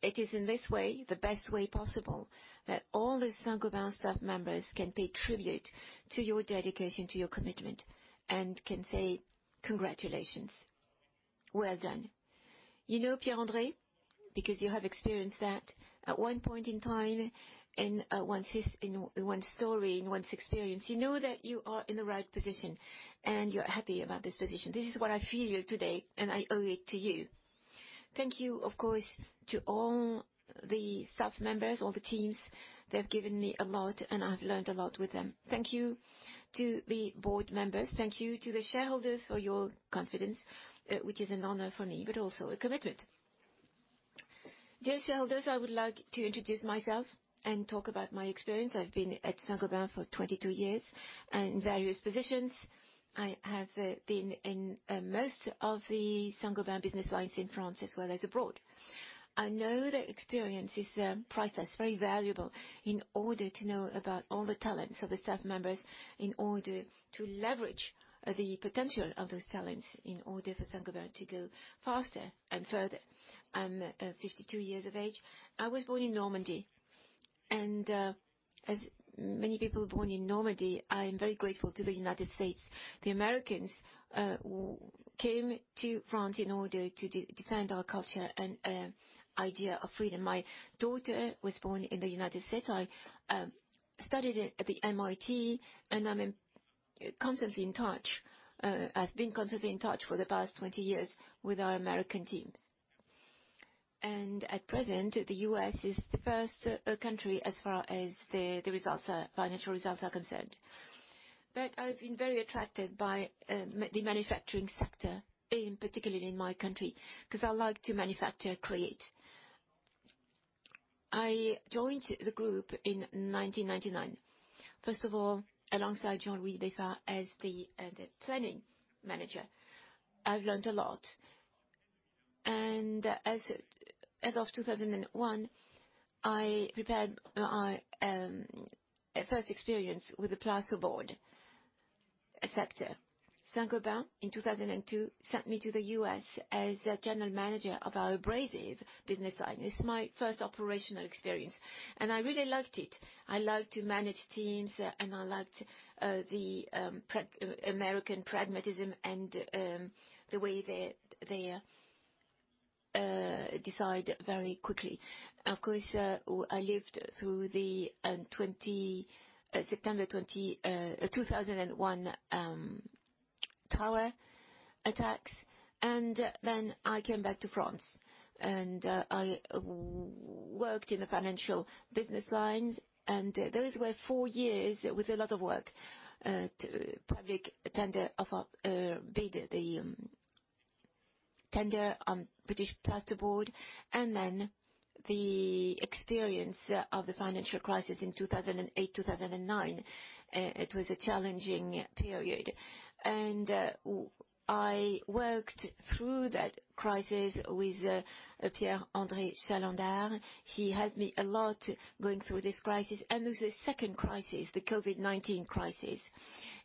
It is in this way, the best way possible, that all the Saint-Gobain staff members can pay tribute to your dedication, to your commitment, and can say congratulations. Well done. You know, Pierre-André, because you have experienced that at one point in time, in one story, in one experience, you know that you are in the right position. You're happy about this position. This is what I feel today. I owe it to you. Thank you, of course, to all the staff members, all the teams. They have given me a lot. I've learned a lot with them. Thank you to the board members. Thank you to the shareholders for your confidence, which is an honor for me, but also a commitment. Dear shareholders, I would like to introduce myself and talk about my experience. I've been at Saint-Gobain for 22 years in various positions. I have been in most of the Saint-Gobain business lines in France as well as abroad. I know that experience is priceless, very valuable in order to know about all the talents of the staff members, in order to leverage the potential of those talents, in order for Saint-Gobain to go faster and further. I'm 52 years of age. I was born in Normandy. As many people born in Normandy, I am very grateful to the United States. The Americans came to France in order to defend our culture and idea of freedom. My daughter was born in the United States. I studied at the MIT. I'm constantly in touch. I've been constantly in touch for the past 20 years with our American teams. At present, the U.S. is the first country as far as the results, financial results, are concerned. I've been very attracted by the manufacturing sector, particularly in my country, because I like to manufacture, create. I joined the group in 1999. First of all, alongside Jean-Louis Desphare as the planning manager, I've learned a lot. As of 2001, I prepared my first experience with the Placo board sector. Saint-Gobain, in 2002, sent me to the U.S. as a general manager of our abrasive business line. It's my first operational experience. I really liked it. I liked to manage teams. I liked the American pragmatism and the way they decide very quickly. Of course, I lived through the September 2001 tower attacks. I came back to France. I worked in the financial business lines. Those were four years with a lot of work, public tender offer bids, the tender on British Placo board, and the experience of the financial crisis in 2008, 2009. It was a challenging period. I worked through that crisis with Pierre-André de Chalendar. He helped me a lot going through this crisis. There was a second crisis, the COVID-19 crisis.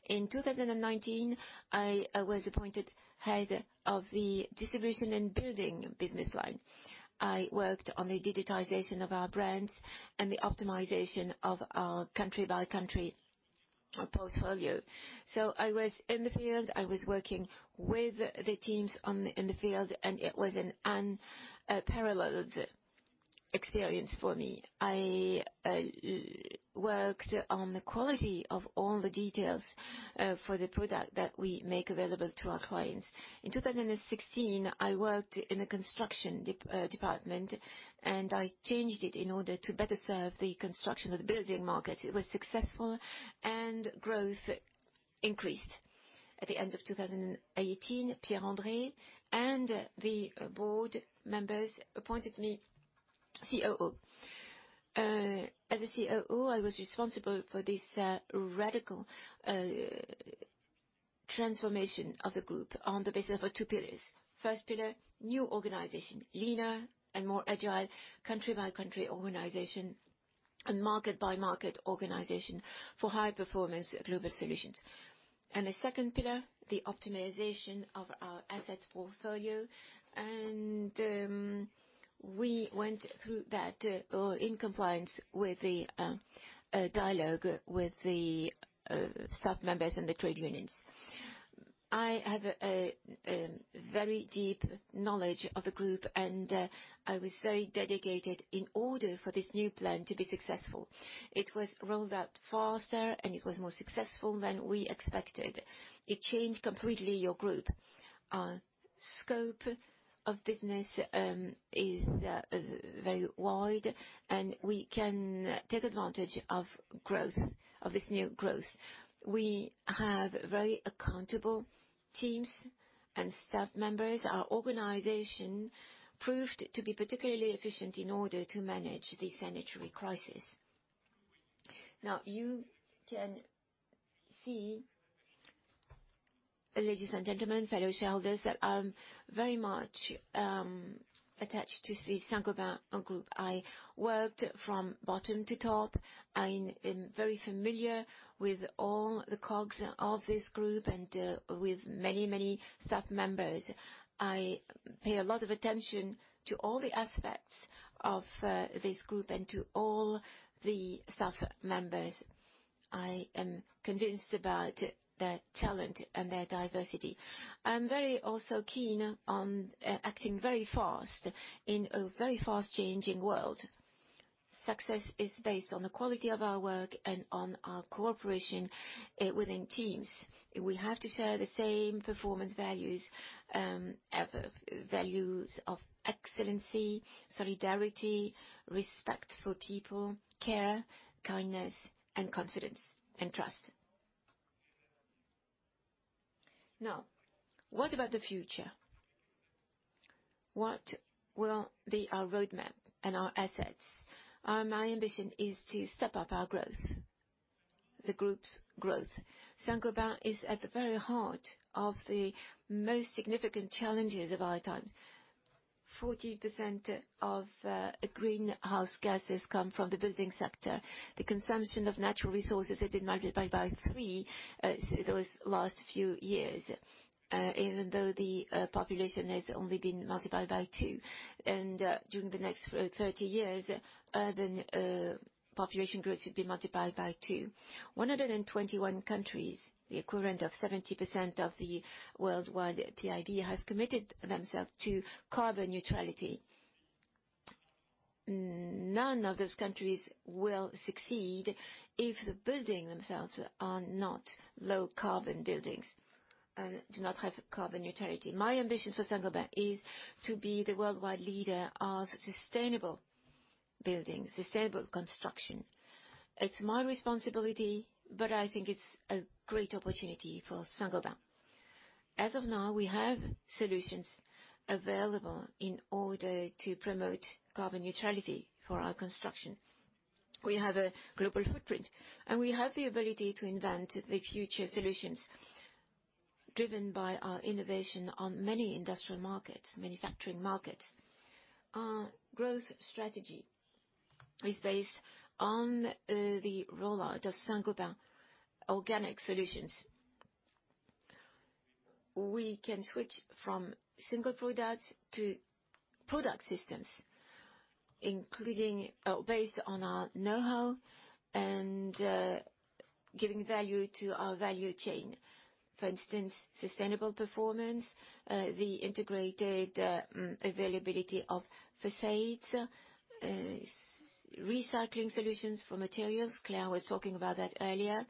In 2019, I was appointed head of the distribution and building business line. I worked on the digitization of our brands and the optimization of our country-by-country portfolio. I was in the field. I was working with the teams in the field. It was an unparalleled experience for me. I worked on the quality of all the details for the product that we make available to our clients. In 2016, I worked in the construction department. I changed it in order to better serve the construction of the building market. It was successful. Growth increased. At the end of 2018, Pierre-André and the board members appointed me COO. As COO, I was responsible for this radical transformation of the group on the basis of two pillars. First pillar, new organization, leaner and more agile country-by-country organization and market-by-market organization for high-performance global solutions. The second pillar, the optimization of our assets portfolio. We went through that in compliance with the dialogue with the staff members and the trade unions. I have a very deep knowledge of the group. I was very dedicated in order for this new plan to be successful. It was rolled out faster. It was more successful than we expected. It changed completely your group. Our scope of business is very wide. We can take advantage of this new growth. We have very accountable teams and staff members. Our organization proved to be particularly efficient in order to manage the sanitary crisis. Now, you can see, ladies and gentlemen, fellow shareholders, that I'm very much attached to the Saint-Gobain group. I worked from bottom to top. I am very familiar with all the cogs of this group and with many, many staff members. I pay a lot of attention to all the aspects of this group and to all the staff members. I am convinced about their talent and their diversity. I'm also very keen on acting very fast in a very fast-changing world. Success is based on the quality of our work and on our cooperation within teams. We have to share the same performance values, values of excellency, solidarity, respect for people, care, kindness, and confidence and trust. Now, what about the future? What will be our roadmap and our assets? My ambition is to step up our growth, the group's growth. Saint-Gobain is at the very heart of the most significant challenges of our time. 40% of greenhouse gases come from the building sector. The consumption of natural resources has been multiplied by three those last few years, even though the population has only been multiplied by two. During the next 30 years, urban population growth should be multiplied by two. 121 countries, the equivalent of 70% of the worldwide GDP, have committed themselves to carbon neutrality. None of those countries will succeed if the buildings themselves are not low-carbon buildings and do not have carbon neutrality. My ambition for Saint-Gobain is to be the worldwide leader of sustainable buildings, sustainable construction. It's my responsibility. I think it's a great opportunity for Saint-Gobain. As of now, we have solutions available in order to promote carbon neutrality for our construction. We have a global footprint. We have the ability to invent the future solutions driven by our innovation on many industrial markets, manufacturing markets. Our growth strategy is based on the rollout of Saint-Gobain organic solutions. We can switch from single products to product systems, based on our know-how and giving value to our value chain. For instance, sustainable performance, the integrated availability of facades, recycling solutions for materials. Claire was talking about that earlier.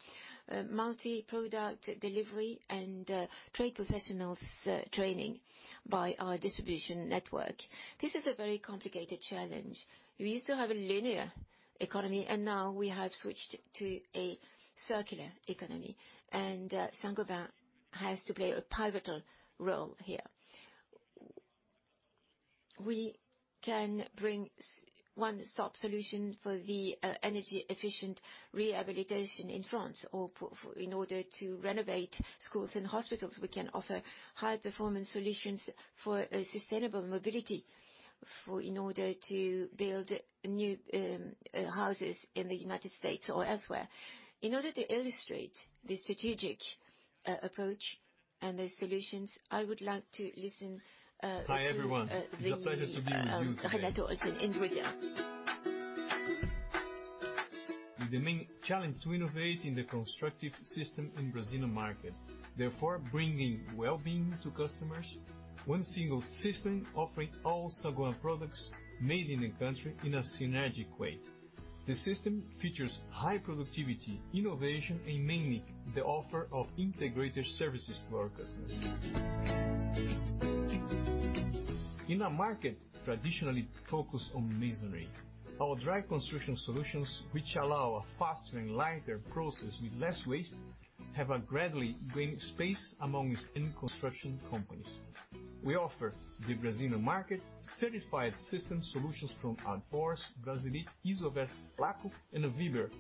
Multi-product delivery and trade professionals' training by our distribution network. This is a very complicated challenge. We used to have a linear economy. Now, we have switched to a circular economy. Saint-Gobain has to play a pivotal role here. We can bring one-stop solution for the energy-efficient rehabilitation in France. In order to renovate schools and hospitals, we can offer high-performance solutions for sustainable mobility in order to build new houses in the United States or elsewhere. In order to illustrate the strategic approach and the solutions, I would like to listen. Hi everyone. It's a pleasure to be with you. Renaud Thorenson in Brazil. The main challenge is to innovate in the constructive system in the Brazilian market, therefore bringing well-being to customers. One single system offering all Saint-Gobain products made in the country in a synergic way. The system features high productivity, innovation, and mainly the offer of integrated services to our customers. In a market traditionally focused on masonry, our dry construction solutions, which allow a faster and lighter process with less waste, have a gradually growing space amongst any construction companies. We offer the Brazilian market certified system solutions from Brasilit, Isover, Laco, and Viber,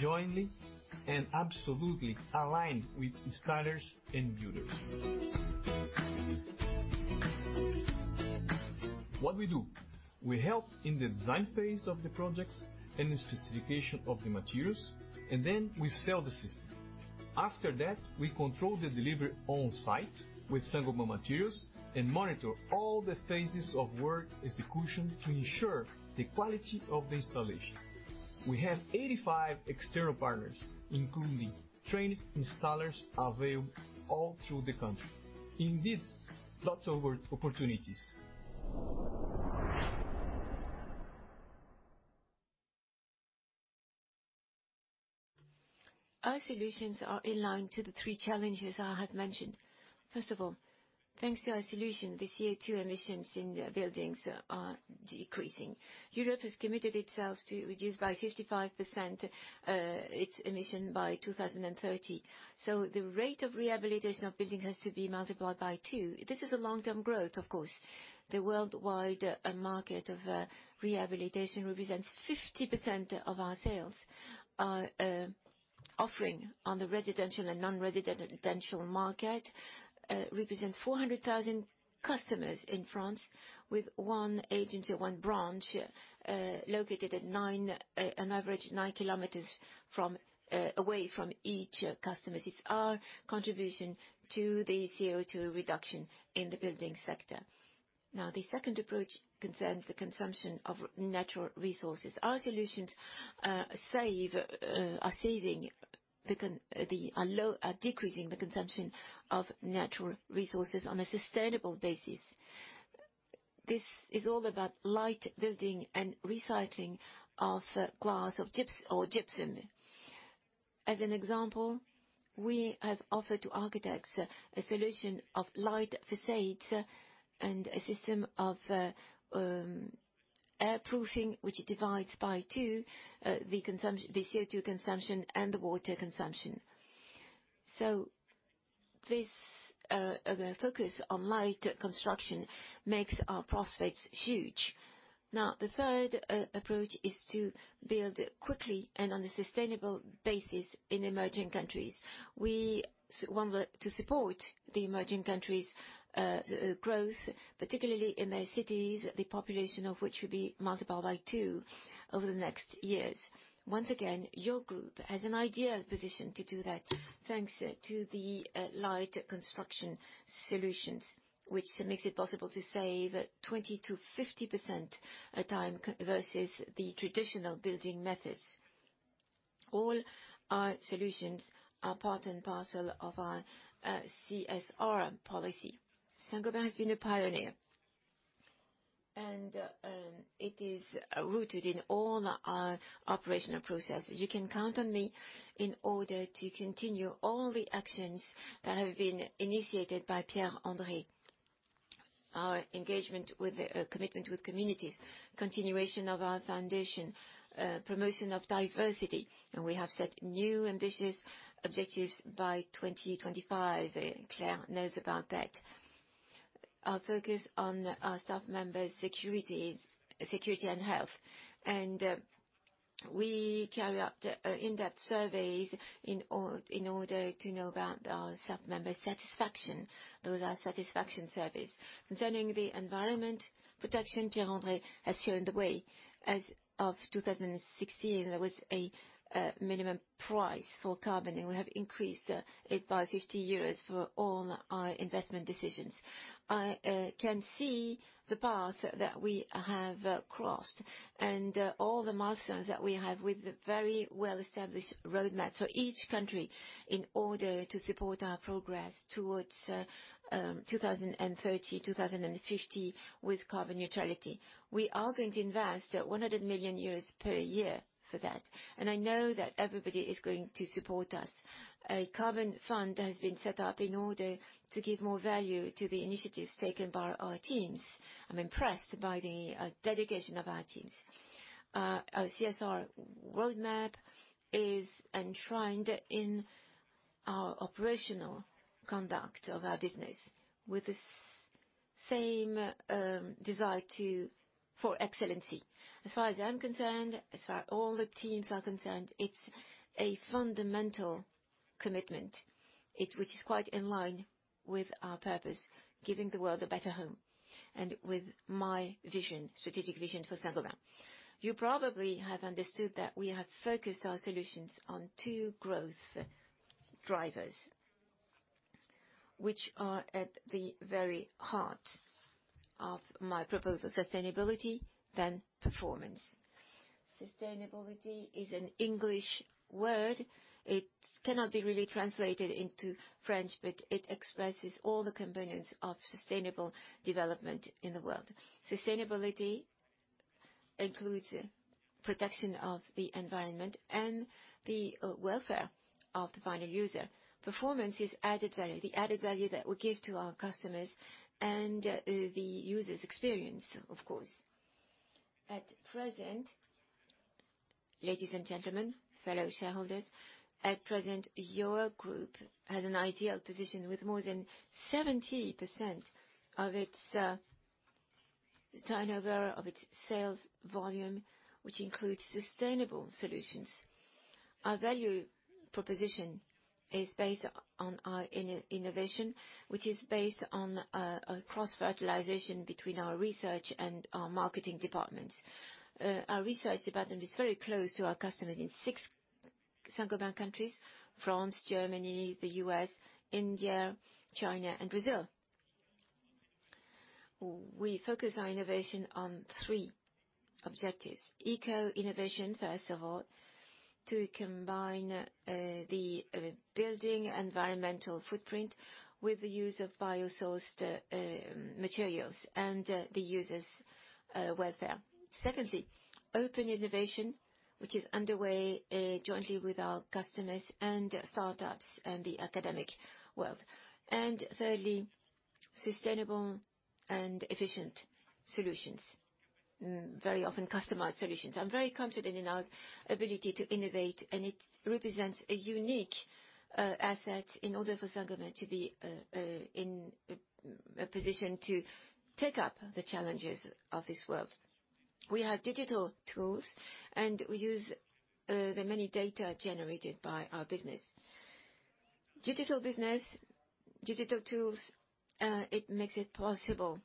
jointly and absolutely aligned with installers and builders. What we do? We help in the design phase of the projects and the specification of the materials. Then we sell the system. After that, we control the delivery on site with Saint-Gobain materials and monitor all the phases of work execution to ensure the quality of the installation. We have 85 external partners, including trained installers available all through the country. Indeed, lots of opportunities. Our solutions are in line to the three challenges I have mentioned. First of all, thanks to our solution, the CO2 emissions in buildings are decreasing. Europe has committed itself to reduce by 55% its emissions by 2030. The rate of rehabilitation of buildings has to be multiplied by two. This is a long-term growth, of course. The worldwide market of rehabilitation represents 50% of our sales. Our offering on the residential and non-residential market represents 400,000 customers in France, with one agency, one branch located at an average of 9 kilometers away from each customer. It's our contribution to the CO2 reduction in the building sector. Now, the second approach concerns the consumption of natural resources. Our solutions are saving the decreasing the consumption of natural resources on a sustainable basis. This is all about light building and recycling of glass or gypsum. As an example, we have offered to architects a solution of light facades and a system of airproofing, which divides by two the CO2 consumption and the water consumption. This focus on light construction makes our prospects huge. Now, the third approach is to build quickly and on a sustainable basis in emerging countries. We want to support the emerging countries' growth, particularly in their cities, the population of which will be multiplied by two over the next years. Once again, your group has an ideal position to do that, thanks to the light construction solutions, which makes it possible to save 20%-50% of time versus the traditional building methods. All our solutions are part and parcel of our CSR policy. Saint-Gobain has been a pioneer. It is rooted in all our operational processes. You can count on me in order to continue all the actions that have been initiated by Pierre-André. Our engagement with the commitment with communities, continuation of our foundation, promotion of diversity. We have set new ambitious objectives by 2025. Claire knows about that. Our focus on our staff members' security and health. We carry out in-depth surveys in order to know about our staff members' satisfaction. Those are satisfaction surveys. Concerning the environment protection, Pierre-André has shown the way. As of 2016, there was a minimum price for carbon. We have increased it by 50 euros for all our investment decisions. I can see the path that we have crossed and all the milestones that we have with the very well-established roadmap for each country in order to support our progress towards 2030, 2050 with carbon neutrality. We are going to invest 100 million euros per year for that. I know that everybody is going to support us. A carbon fund has been set up in order to give more value to the initiatives taken by our teams. I'm impressed by the dedication of our teams. Our CSR roadmap is enshrined in our operational conduct of our business with the same desire for excellency. As far as I'm concerned, as far as all the teams are concerned, it's a fundamental commitment, which is quite in line with our purpose, giving the world a better home and with my strategic vision for Saint-Gobain. You probably have understood that we have focused our solutions on two growth drivers, which are at the very heart of my proposal: sustainability, then performance. Sustainability is an English word. It cannot be really translated into French, but it expresses all the components of sustainable development in the world. Sustainability includes protection of the environment and the welfare of the final user. Performance is added value, the added value that we give to our customers and the user's experience, of course. At present, ladies and gentlemen, fellow shareholders, at present, your group has an ideal position with more than 70% of its turnover, of its sales volume, which includes sustainable solutions. Our value proposition is based on our innovation, which is based on cross-fertilization between our research and our marketing departments. Our research department is very close to our customers in six Saint-Gobain countries: France, Germany, the U.S., India, China, and Brazil. We focus our innovation on three objectives: eco-innovation, first of all, to combine the building environmental footprint with the use of bio-sourced materials and the user's welfare. Secondly, open innovation, which is underway jointly with our customers and startups and the academic world. Thirdly, sustainable and efficient solutions, very often customized solutions. I'm very confident in our ability to innovate. It represents a unique asset in order for Saint-Gobain to be in a position to take up the challenges of this world. We have digital tools. We use the many data generated by our business. Digital business, digital tools, it makes it possible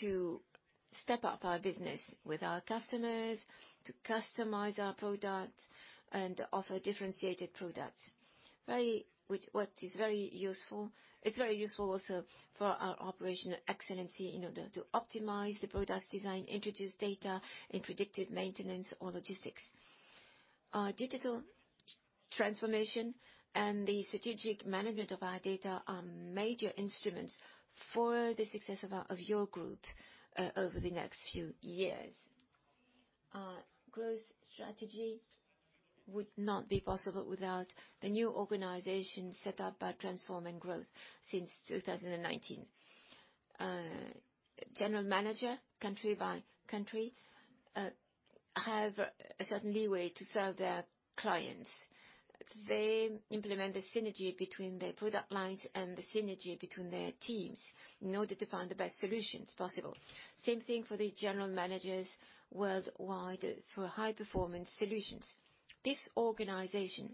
to step up our business with our customers, to customize our products, and offer differentiated products, which is very useful. It's very useful also for our operational excellence in order to optimize the product design, introduce data in predictive maintenance or logistics. Our digital transformation and the strategic management of our data are major instruments for the success of your group over the next few years. Our growth strategy would not be possible without the new organization set up by Transform & Grow since 2019. General Manager, country by country, have a certain leeway to serve their clients. They implement the synergy between their product lines and the synergy between their teams in order to find the best solutions possible. Same thing for the General Managers worldwide for high-performance solutions. This organization,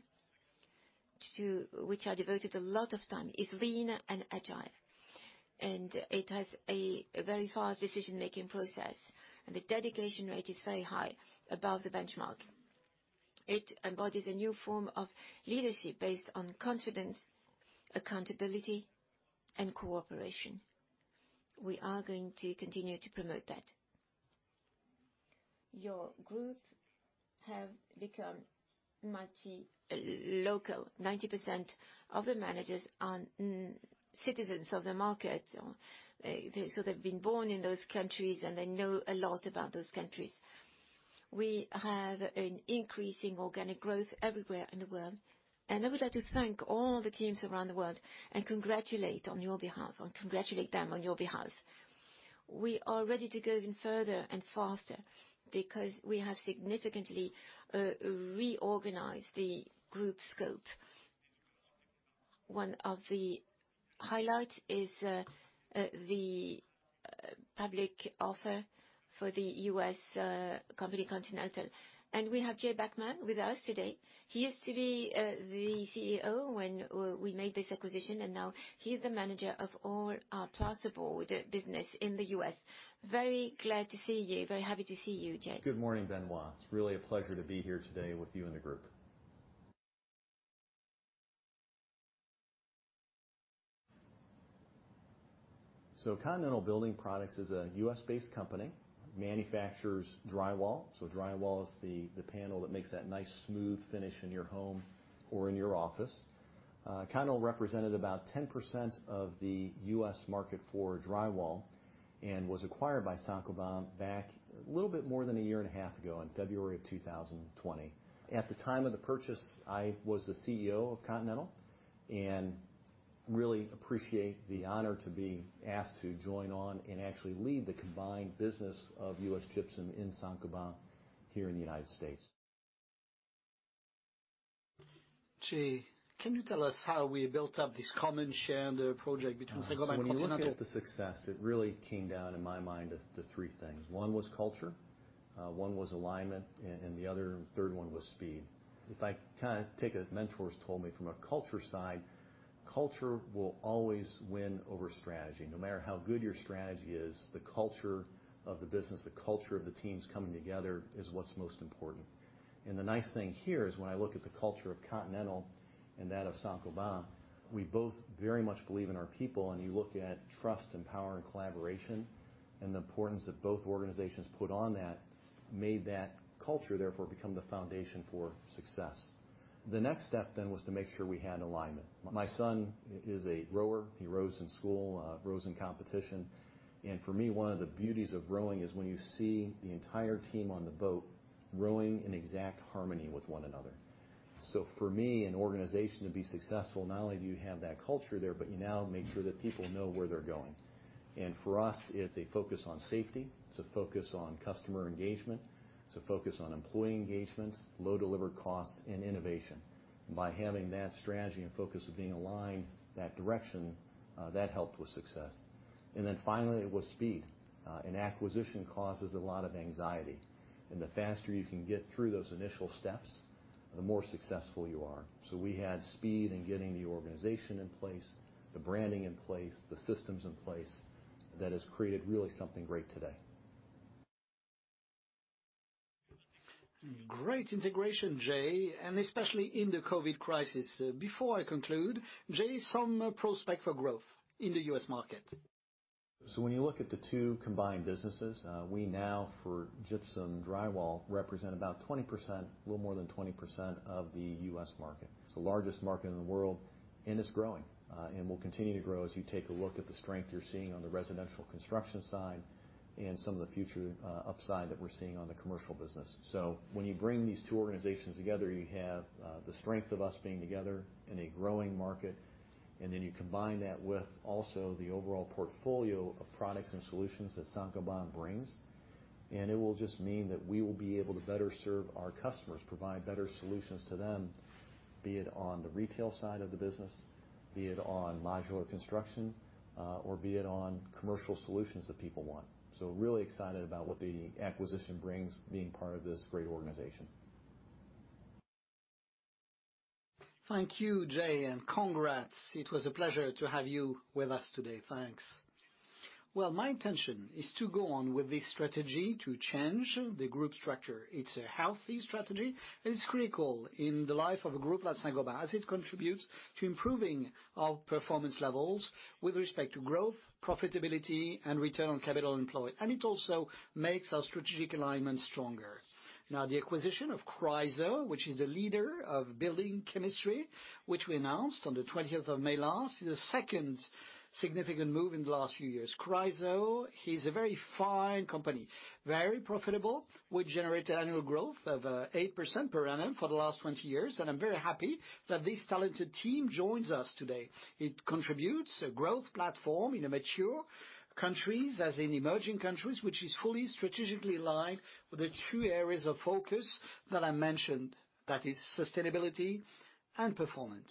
to which I devoted a lot of time, is lean and agile. It has a very fast decision-making process. The dedication rate is very high, above the benchmark. It embodies a new form of leadership based on confidence, accountability, and cooperation. We are going to continue to promote that. Your group has become multi-local. 90% of the managers are citizens of the market. They have been born in those countries. They know a lot about those countries. We have an increasing organic growth everywhere in the world. I would like to thank all the teams around the world and congratulate them on your behalf. We are ready to go even further and faster because we have significantly reorganized the group scope. One of the highlights is the public offer for the U.S. company Continental Building Products. We have Jay Bachman with us today. He used to be the CEO when we made this acquisition. Now he's the manager of all our plausible business in the U.S. Very glad to see you. Very happy to see you, Jay. Good morning, Benoit. It's really a pleasure to be here today with you and the group. Continental Building Products is a U.S.-based company. Manufactures drywall. Drywall is the panel that makes that nice smooth finish in your home or in your office. Continental represented about 10% of the U.S. market for drywall and was acquired by Saint-Gobain back a little bit more than a year and a half ago in February of 2020. At the time of the purchase, I was the CEO of Continental and really appreciate the honor to be asked to join on and actually lead the combined business of U.S. gypsum in Saint-Gobain here in the United States. Jay, can you tell us how we built up this common shared project between Saint-Gobain and Continental? When we look at the success, it really came down, in my mind, to three things. One was culture. One was alignment. The third one was speed. If I kind of take a mentor's told me from a culture side, culture will always win over strategy. No matter how good your strategy is, the culture of the business, the culture of the teams coming together is what's most important. The nice thing here is when I look at the culture of Continental and that of Saint-Gobain, we both very much believe in our people. You look at trust and power and collaboration and the importance that both organizations put on that made that culture, therefore, become the foundation for success. The next step was to make sure we had alignment. My son is a rower. He rows in school, rows in competition. For me, one of the beauties of rowing is when you see the entire team on the boat rowing in exact harmony with one another. For me, an organization to be successful, not only do you have that culture there, but you now make sure that people know where they're going. For us, it's a focus on safety. It's a focus on customer engagement. It's a focus on employee engagement, low delivered costs, and innovation. By having that strategy and focus of being aligned, that direction, that helped with success. Finally, it was speed. Acquisition causes a lot of anxiety. The faster you can get through those initial steps, the more successful you are. We had speed in getting the organization in place, the branding in place, the systems in place that has created really something great today. Great integration, Jay, and especially in the COVID crisis. Before I conclude, Jay, some prospect for growth in the U.S. market. When you look at the two combined businesses, we now, for gypsum drywall, represent about 20%, a little more than 20% of the U.S. market. It's the largest market in the world. It's growing. We will continue to grow as you take a look at the strength you're seeing on the residential construction side and some of the future upside that we're seeing on the commercial business. When you bring these two organizations together, you have the strength of us being together in a growing market. You combine that with also the overall portfolio of products and solutions that Saint-Gobain brings. It will just mean that we will be able to better serve our customers, provide better solutions to them, be it on the retail side of the business, be it on modular construction, or be it on commercial solutions that people want. Really excited about what the acquisition brings being part of this great organization. Thank you, Jay. Congrats. It was a pleasure to have you with us today. Thanks. My intention is to go on with this strategy to change the group structure. It's a healthy strategy. It is critical in the life of a group like Saint-Gobain as it contributes to improving our performance levels with respect to growth, profitability, and return on capital employed. It also makes our strategic alignment stronger. Now, the acquisition of Chryso, which is the leader of building chemistry, which we announced on the 20th of May last, is the second significant move in the last few years. Chryso is a very fine company, very profitable, which generated annual growth of 8% per annum for the last 20 years. I am very happy that this talented team joins us today. It contributes a growth platform in mature countries as in emerging countries, which is fully strategically aligned with the two areas of focus that I mentioned, that is sustainability and performance.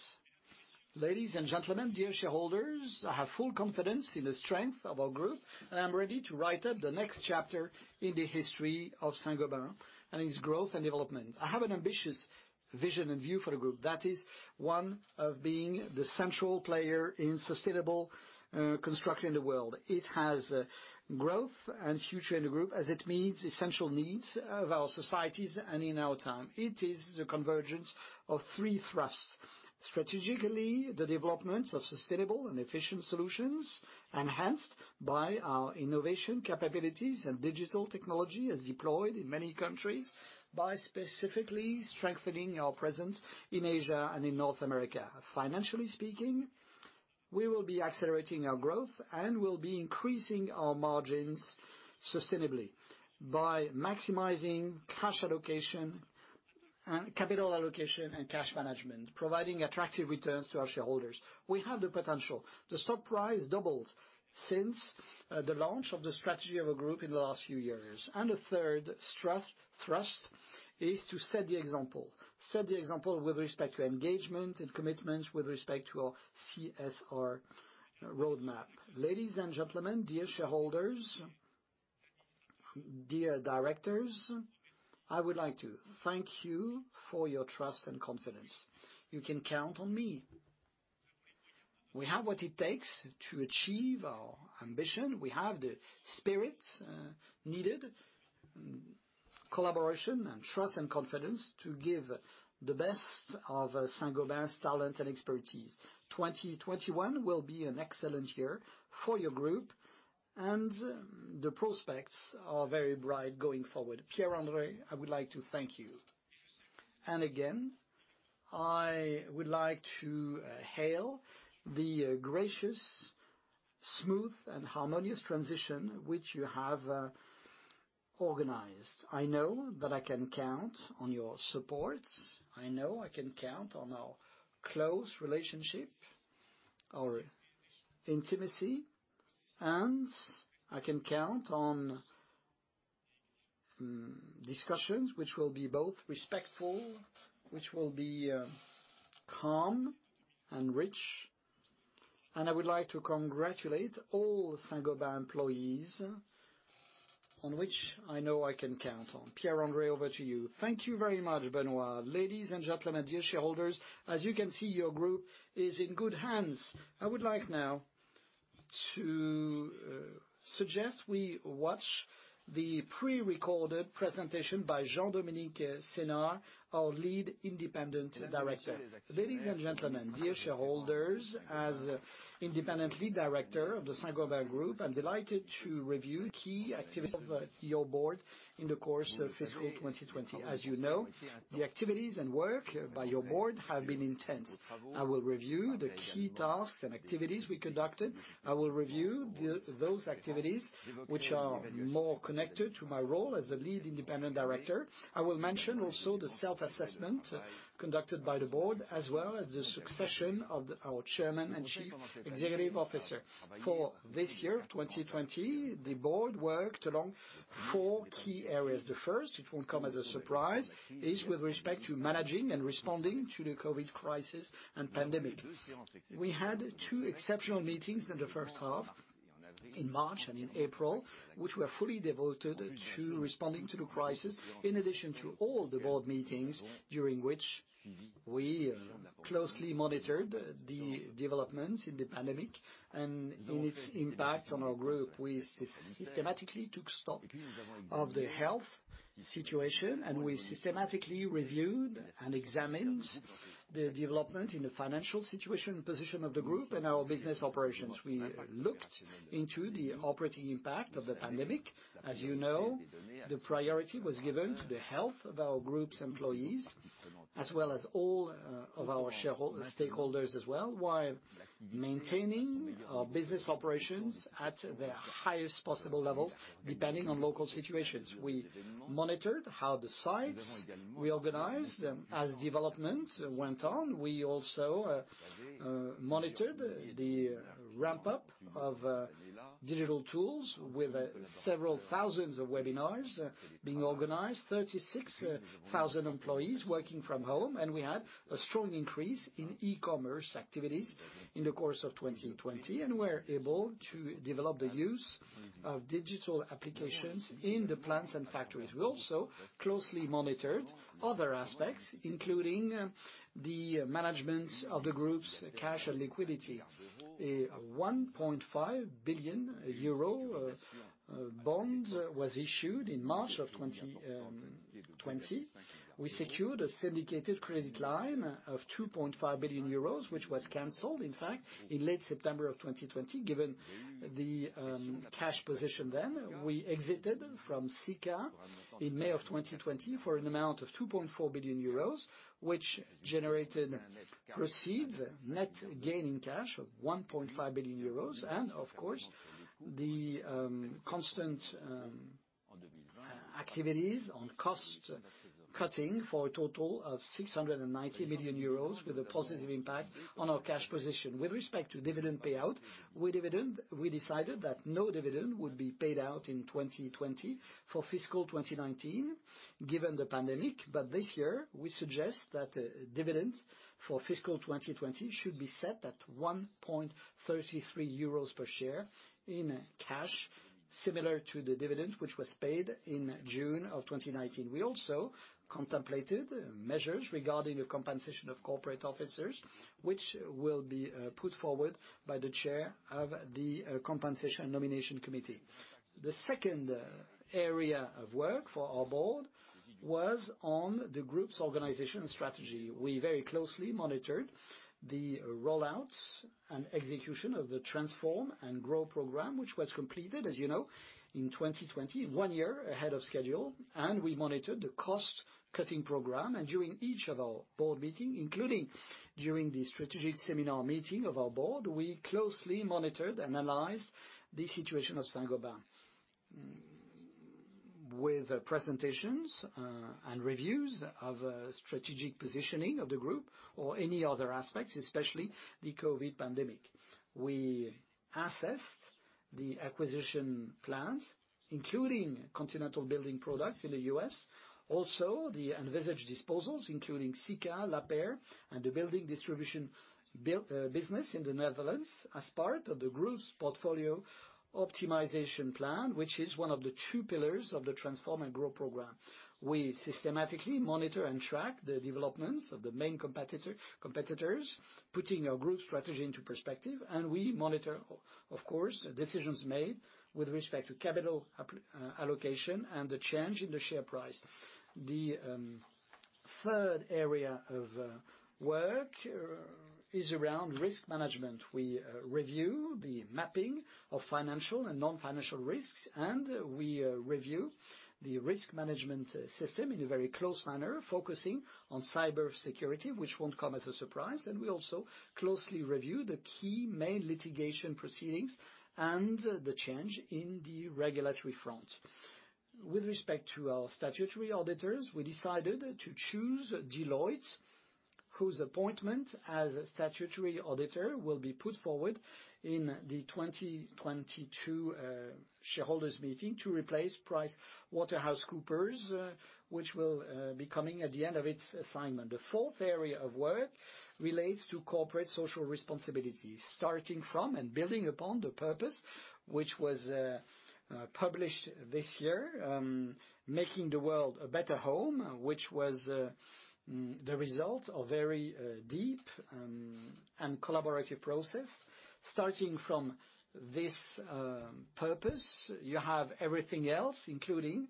Ladies and gentlemen, dear shareholders, I have full confidence in the strength of our group. I am ready to write up the next chapter in the history of Saint-Gobain and its growth and development. I have an ambitious vision and view for the group. That is one of being the central player in sustainable construction in the world. It has growth and future in the group as it meets essential needs of our societies and in our time. It is the convergence of three thrusts. Strategically, the development of sustainable and efficient solutions enhanced by our innovation capabilities and digital technology as deployed in many countries by specifically strengthening our presence in Asia and in North America. Financially speaking, we will be accelerating our growth and will be increasing our margins sustainably by maximizing cash allocation and capital allocation and cash management, providing attractive returns to our shareholders. We have the potential. The stock price doubled since the launch of the strategy of our group in the last few years. The third thrust is to set the example, set the example with respect to engagement and commitments with respect to our CSR roadmap. Ladies and gentlemen, dear shareholders, dear directors, I would like to thank you for your trust and confidence. You can count on me. We have what it takes to achieve our ambition. We have the spirit needed, collaboration, and trust and confidence to give the best of Saint-Gobain's talent and expertise. 2021 will be an excellent year for your group. The prospects are very bright going forward. Pierre-André, I would like to thank you. I would like to hail the gracious, smooth, and harmonious transition which you have organized. I know that I can count on your support. I know I can count on our close relationship, our intimacy. I can count on discussions which will be both respectful, which will be calm and rich. I would like to congratulate all Saint-Gobain employees on which I know I can count on. Pierre-André, over to you. Thank you very much, Benoit. Ladies and gentlemen, dear shareholders, as you can see, your group is in good hands. I would like now to suggest we watch the pre-recorded presentation by Jean-Dominique Snard, our lead independent director. Ladies and gentlemen, dear shareholders, as independent lead director of the Saint-Gobain Group, I'm delighted to review key activities of your board in the course of fiscal 2020. As you know, the activities and work by your board have been intense. I will review the key tasks and activities we conducted. I will review those activities which are more connected to my role as the Lead Independent Director. I will mention also the self-assessment conducted by the board as well as the succession of our Chairman and Chief Executive Officer. For this year, 2020, the board worked along four key areas. The first, it won't come as a surprise, is with respect to managing and responding to the COVID crisis and pandemic. We had two exceptional meetings in the first half in March and in April, which were fully devoted to responding to the crisis, in addition to all the board meetings during which we closely monitored the developments in the pandemic and its impact on our group. We systematically took stock of the health situation. We systematically reviewed and examined the development in the financial situation and position of the group and our business operations. We looked into the operating impact of the pandemic. As you know, the priority was given to the health of our group's employees as well as all of our stakeholders as well while maintaining our business operations at the highest possible levels depending on local situations. We monitored how the sites reorganized as development went on. We also monitored the ramp-up of digital tools with several thousands of webinars being organized, 36,000 employees working from home. We had a strong increase in e-commerce activities in the course of 2020. We were able to develop the use of digital applications in the plants and factories. We also closely monitored other aspects, including the management of the group's cash and liquidity. A 1.5 billion euro bond was issued in March of 2020. We secured a syndicated credit line of 2.5 billion euros, which was canceled, in fact, in late September of 2020. Given the cash position then, we exited from Sika in May of 2020 for an amount of 2.4 billion euros, which generated proceeds, net gain in cash of 1.5 billion euros. Of course, the constant activities on cost cutting for a total of 690 million euros with a positive impact on our cash position. With respect to dividend payout, we decided that no dividend would be paid out in 2020 for fiscal 2019 given the pandemic. This year, we suggest that dividends for fiscal 2020 should be set at 1.33 euros per share in cash, similar to the dividend which was paid in June of 2019. We also contemplated measures regarding the compensation of corporate officers, which will be put forward by the Chair of the Compensation Nomination Committee. The second area of work for our board was on the group's organization strategy. We very closely monitored the rollout and execution of the Transform & Grow program, which was completed, as you know, in 2020, one year ahead of schedule. We monitored the cost cutting program. During each of our board meetings, including during the strategic seminar meeting of our board, we closely monitored and analyzed the situation of Saint-Gobain with presentations and reviews of strategic positioning of the group or any other aspects, especially the COVID pandemic. We assessed the acquisition plans, including Continental Building Products in the U.S, also the envisaged disposals, including Sika, Lapeyre, and the building distribution business in the Netherlands as part of the group's portfolio optimization plan, which is one of the two pillars of the Transform & Grow program. We systematically monitor and track the developments of the main competitors, putting our group strategy into perspective. We monitor, of course, decisions made with respect to capital allocation and the change in the share price. The third area of work is around risk management. We review the mapping of financial and non-financial risks. We review the risk management system in a very close manner, focusing on cybersecurity, which won't come as a surprise. We also closely review the key main litigation proceedings and the change in the regulatory front. With respect to our statutory auditors, we decided to choose Deloitte, whose appointment as a statutory auditor will be put forward in the 2022 shareholders' meeting to replace PricewaterhouseCoopers, which will be coming at the end of its assignment. The fourth area of work relates to corporate social responsibility, starting from and building upon the purpose which was published this year, making the world a better home, which was the result of a very deep and collaborative process. Starting from this purpose, you have everything else, including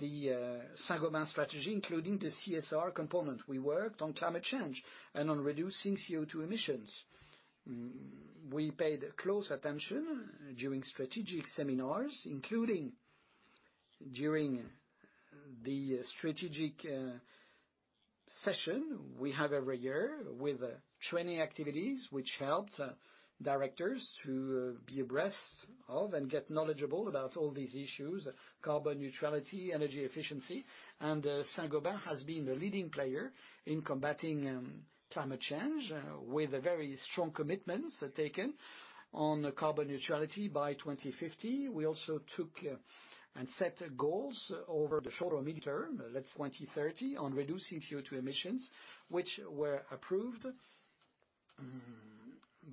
the Saint-Gobain strategy, including the CSR component. We worked on climate change and on reducing CO2 emissions. We paid close attention during strategic seminars, including during the strategic session we have every year with 20 activities, which helped directors to be abreast of and get knowledgeable about all these issues: carbon neutrality, energy efficiency. Saint-Gobain has been a leading player in combating climate change with very strong commitments taken on carbon neutrality by 2050. We also took and set goals over the short or medium term, let's say 2030, on reducing CO2 emissions, which were approved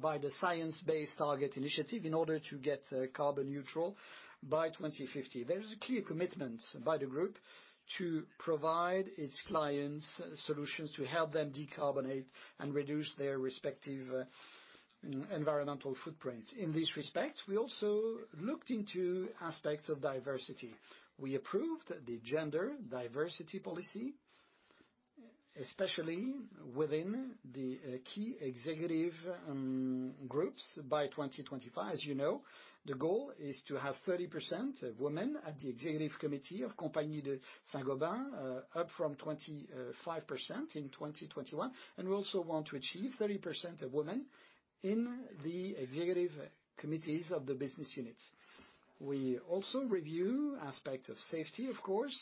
by the science-based target initiative in order to get carbon neutral by 2050. There's a clear commitment by the group to provide its clients solutions to help them decarbonate and reduce their respective environmental footprints. In this respect, we also looked into aspects of diversity. We approved the gender diversity policy, especially within the key executive groups by 2025. As you know, the goal is to have 30% of women at the executive committee of Compagnie de Saint-Gobain, up from 25% in 2021. We also want to achieve 30% of women in the executive committees of the business units. We also review aspects of safety, of course.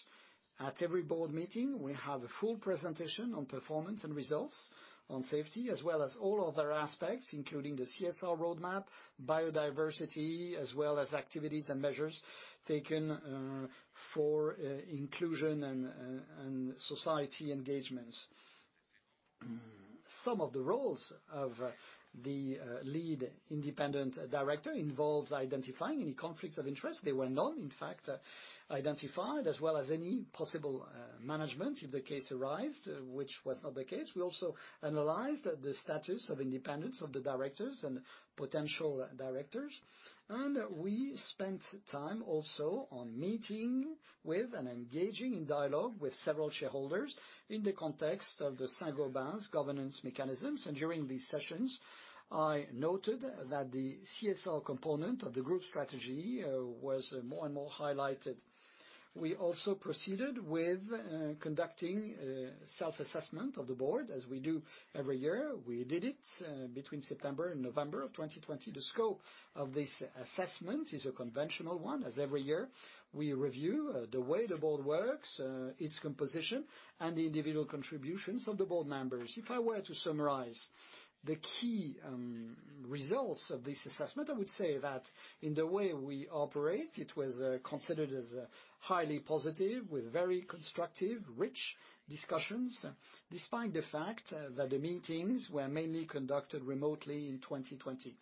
At every board meeting, we have a full presentation on performance and results on safety, as well as all other aspects, including the CSR roadmap, biodiversity, as well as activities and measures taken for inclusion and society engagements. Some of the roles of the lead independent director involved identifying any conflicts of interest. There were none, in fact, identified, as well as any possible management if the case arose, which was not the case. We also analyzed the status of independence of the directors and potential directors. We spent time also on meeting with and engaging in dialogue with several shareholders in the context of Saint-Gobain's governance mechanisms. During these sessions, I noted that the CSR component of the group strategy was more and more highlighted. We also proceeded with conducting self-assessment of the board, as we do every year. We did it between September and November of 2020. The scope of this assessment is a conventional one. As every year, we review the way the board works, its composition, and the individual contributions of the board members. If I were to summarize the key results of this assessment, I would say that in the way we operate, it was considered as highly positive, with very constructive, rich discussions, despite the fact that the meetings were mainly conducted remotely in 2020.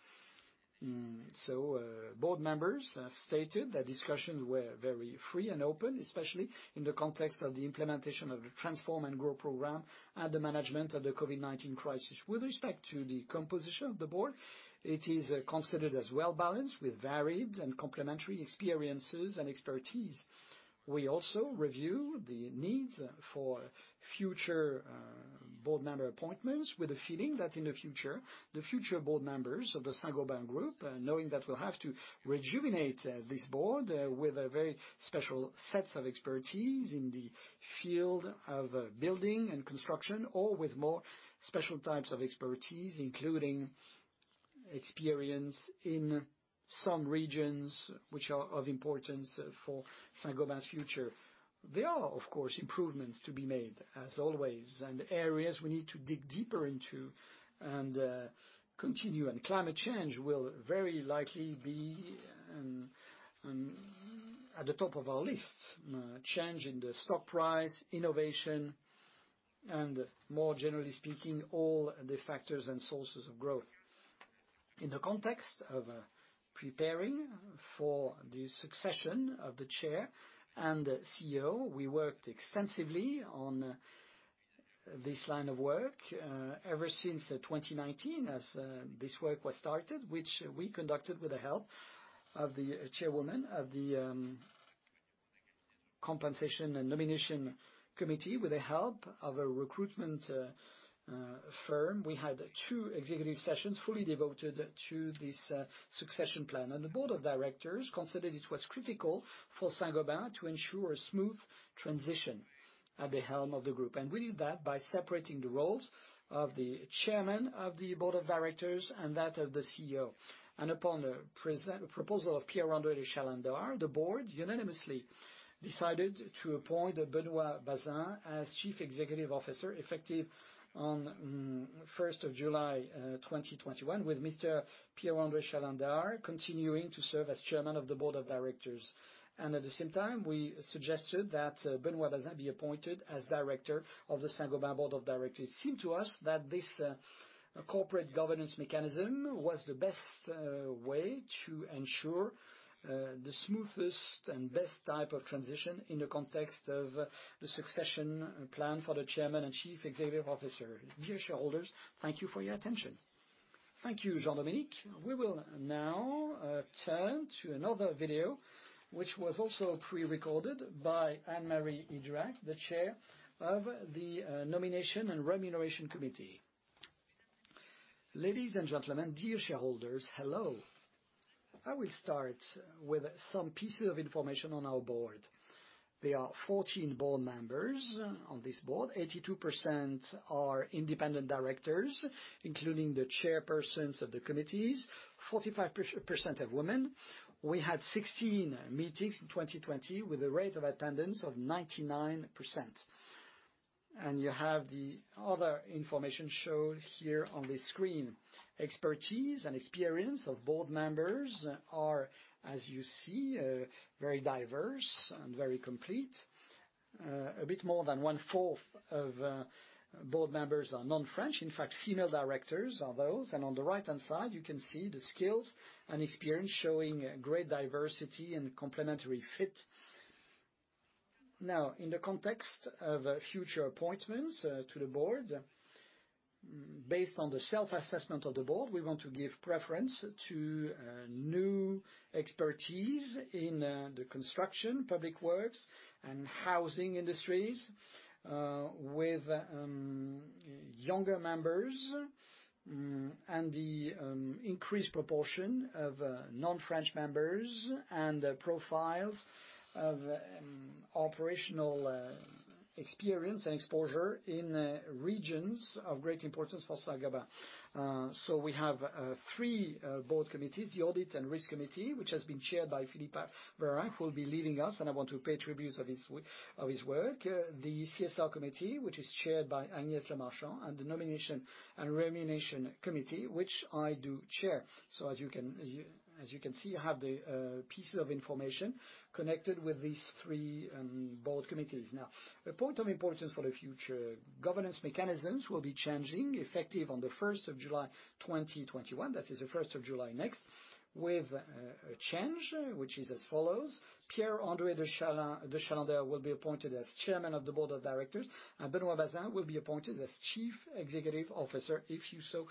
Board members have stated that discussions were very free and open, especially in the context of the implementation of the Transform & Grow program and the management of the COVID-19 crisis. With respect to the composition of the board, it is considered as well-balanced with varied and complementary experiences and expertise. We also review the needs for future board member appointments with a feeling that in the future, the future board members of the Saint-Gobain Group, knowing that we'll have to rejuvenate this board with very special sets of expertise in the field of building and construction, or with more special types of expertise, including experience in some regions which are of importance for Saint-Gobain's future. There are, of course, improvements to be made, as always, and areas we need to dig deeper into and continue. Climate change will very likely be at the top of our list: change in the stock price, innovation, and more generally speaking, all the factors and sources of growth. In the context of preparing for the succession of the chair and CEO, we worked extensively on this line of work ever since 2019, as this work was started, which we conducted with the help of the chairwoman of the compensation and nomination committee, with the help of a recruitment firm. We had two executive sessions fully devoted to this succession plan. The board of directors considered it was critical for Saint-Gobain to ensure a smooth transition at the helm of the group. We did that by separating the roles of the chairman of the board of directors and that of the CEO. Upon the proposal of Pierre-André de Chalendar, the board unanimously decided to appoint Benoît Bazin as Chief Executive Officer, effective on 1st of July 2021, with Mr. Pierre-André de Chalendar continuing to serve as Chairman of the board of directors. At the same time, we suggested that Benoît Bazin be appointed as director of the Saint-Gobain board of directors. It seemed to us that this corporate governance mechanism was the best way to ensure the smoothest and best type of transition in the context of the succession plan for the Chairman and Chief Executive Officer. Dear shareholders, thank you for your attention. Thank you, Jean-Dominique. We will now turn to another video, which was also pre-recorded by Anne-Marie Idrac, the chair of the nomination and remuneration committee. Ladies and gentlemen, dear shareholders, hello. I will start with some pieces of information on our board. There are 14 board members on this board. 82% are independent directors, including the chairpersons of the committees, 45% of women. We had 16 meetings in 2020 with a rate of attendance of 99%. You have the other information shown here on the screen. Expertise and experience of board members are, as you see, very diverse and very complete. A bit more than one-fourth of board members are non-French. In fact, female directors are those. On the right-hand side, you can see the skills and experience showing great diversity and complementary fit. Now, in the context of future appointments to the board, based on the self-assessment of the board, we want to give preference to new expertise in the construction, public works, and housing industries with younger members and the increased proportion of non-French members and profiles of operational experience and exposure in regions of great importance for Saint-Gobain. We have three board committees: the audit and risk committee, which has been chaired by Philippe Varin, who will be leaving us, and I want to pay tribute to his work; the CSR committee, which is chaired by Agnès Lemarchand; and the nomination and remuneration committee, which I do chair. As you can see, you have the pieces of information connected with these three board committees. Now, a point of importance for the future: governance mechanisms will be changing, effective on the 1st of July 2021. That is the 1st of July next, with a change which is as follows: Pierre-André de Chalendar will be appointed as Chairman of the Board of Directors, and Benoit Bazin will be appointed as Chief Executive Officer, if you so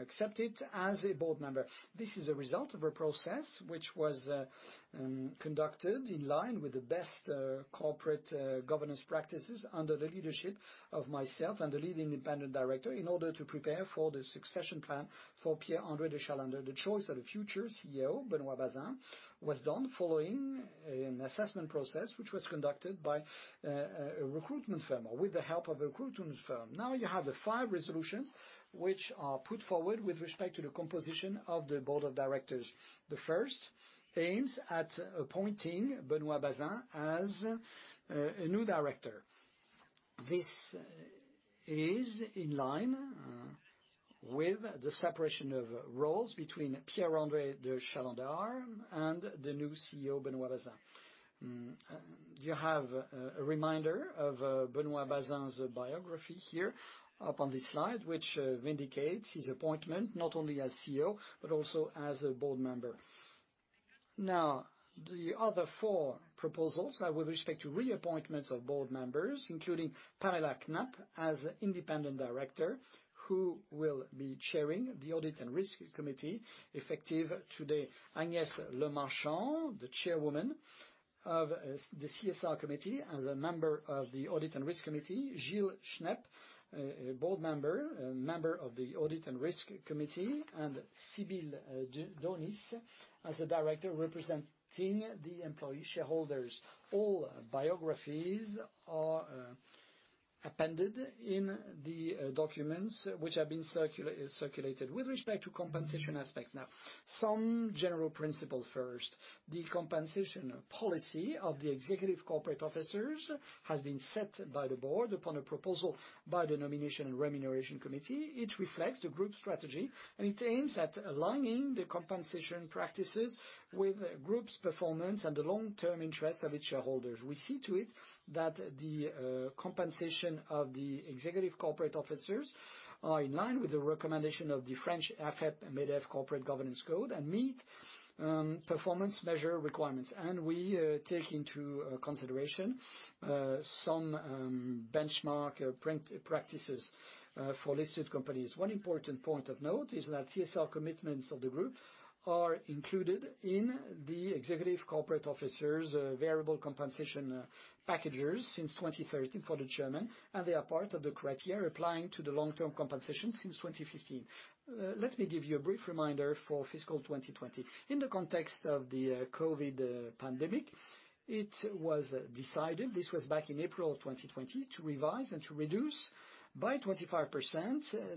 accept it, as a board member. This is a result of a process which was conducted in line with the best corporate governance practices under the leadership of myself and the lead independent director in order to prepare for the succession plan for Pierre-André de Chalendar. The choice of the future CEO, Benoît Bazin, was done following an assessment process which was conducted by a recruitment firm or with the help of a recruitment firm. Now, you have the five resolutions which are put forward with respect to the composition of the board of directors. The first aims at appointing Benoît Bazin as a new director. This is in line with the separation of roles between Pierre-André de Chalendar and the new CEO, Benoît Bazin. You have a reminder of Benoît Bazin's biography here up on this slide, which vindicates his appointment not only as CEO but also as a board member. Now, the other four proposals are with respect to reappointments of board members, including Pamela Knapp as an independent director who will be chairing the audit and risk committee effective today, Agnès Lemarchand, the chairwoman of the CSR committee as a member of the audit and risk committee, Gilles Schnepp, a board member, member of the audit and risk committee, and Sibylle Daunis as a director representing the employee shareholders. All biographies are appended in the documents which have been circulated with respect to compensation aspects. Now, some general principles first. The compensation policy of the executive corporate officers has been set by the board upon a proposal by the nomination and remuneration committee. It reflects the group strategy, and it aims at aligning the compensation practices with group's performance and the long-term interests of its shareholders. We see to it that the compensation of the executive corporate officers are in line with the recommendation of the French AFEP and MEDEF corporate governance code and meet performance measure requirements. We take into consideration some benchmark practices for listed companies. One important point of note is that CSR commitments of the group are included in the executive corporate officers' variable compensation packages since 2013 for the Chairman, and they are part of the criteria applying to the long-term compensation since 2015. Let me give you a brief reminder for fiscal 2020. In the context of the COVID pandemic, it was decided, back in April 2020, to revise and to reduce by 25%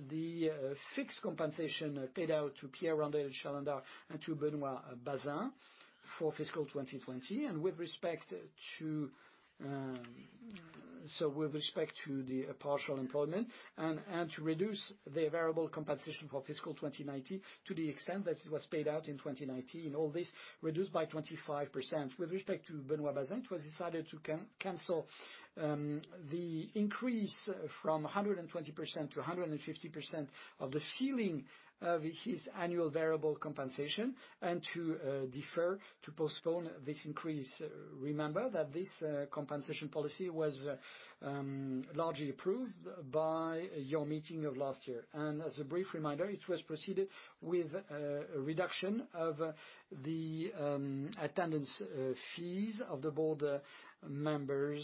the fixed compensation paid out to Pierre-André de Chalendar and to Benoit Bazin for fiscal 2020. With respect to the partial employment and to reduce the variable compensation for fiscal 2019 to the extent that it was paid out in 2019, all this reduced by 25%. With respect to Benoît Bazin, it was decided to cancel the increase from 120% to 150% of the ceiling of his annual variable compensation and to defer to postpone this increase. Remember that this compensation policy was largely approved by your meeting of last year. As a brief reminder, it was proceeded with a reduction of the attendance fees of the board members,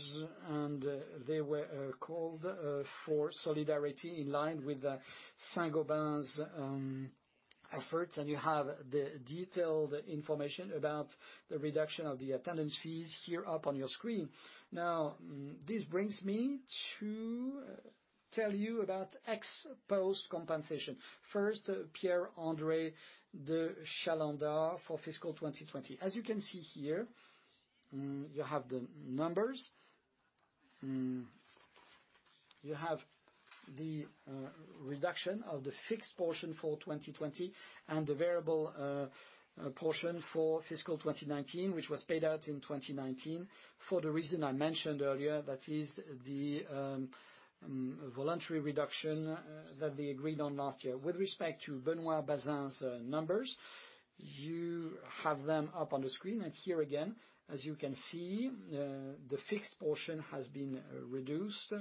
and they were called for solidarity in line with Saint-Gobain's efforts. You have the detailed information about the reduction of the attendance fees here up on your screen. Now, this brings me to tell you about ex-post compensation. First, Pierre-André de Chalendar for fiscal 2020. As you can see here, you have the numbers. You have the reduction of the fixed portion for 2020 and the variable portion for fiscal 2019, which was paid out in 2019 for the reason I mentioned earlier, that is the voluntary reduction that they agreed on last year. With respect to Benoît Bazin's numbers, you have them up on the screen. Here again, as you can see, the fixed portion has been reduced,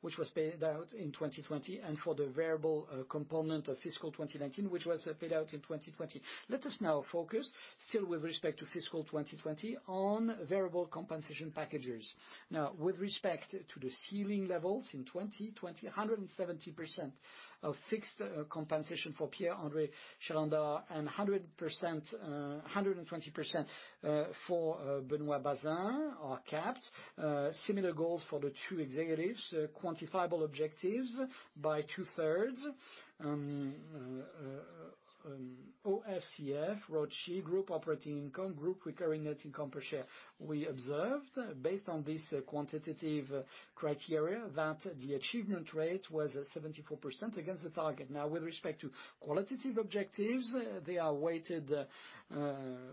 which was paid out in 2020, and for the variable component of fiscal 2019, which was paid out in 2020. Let us now focus still with respect to fiscal 2020 on variable compensation packages. Now, with respect to the ceiling levels in 2020, 170% of fixed compensation for Pierre-André de Chalendar and 120% for Benoît Bazin are capped. Similar goals for the two executives, quantifiable objectives by two-thirds. OFCF, wrote sheet group operating income, group recurring net income per share. We observed, based on these quantitative criteria, that the achievement rate was 74% against the target. Now, with respect to qualitative objectives, they are weighted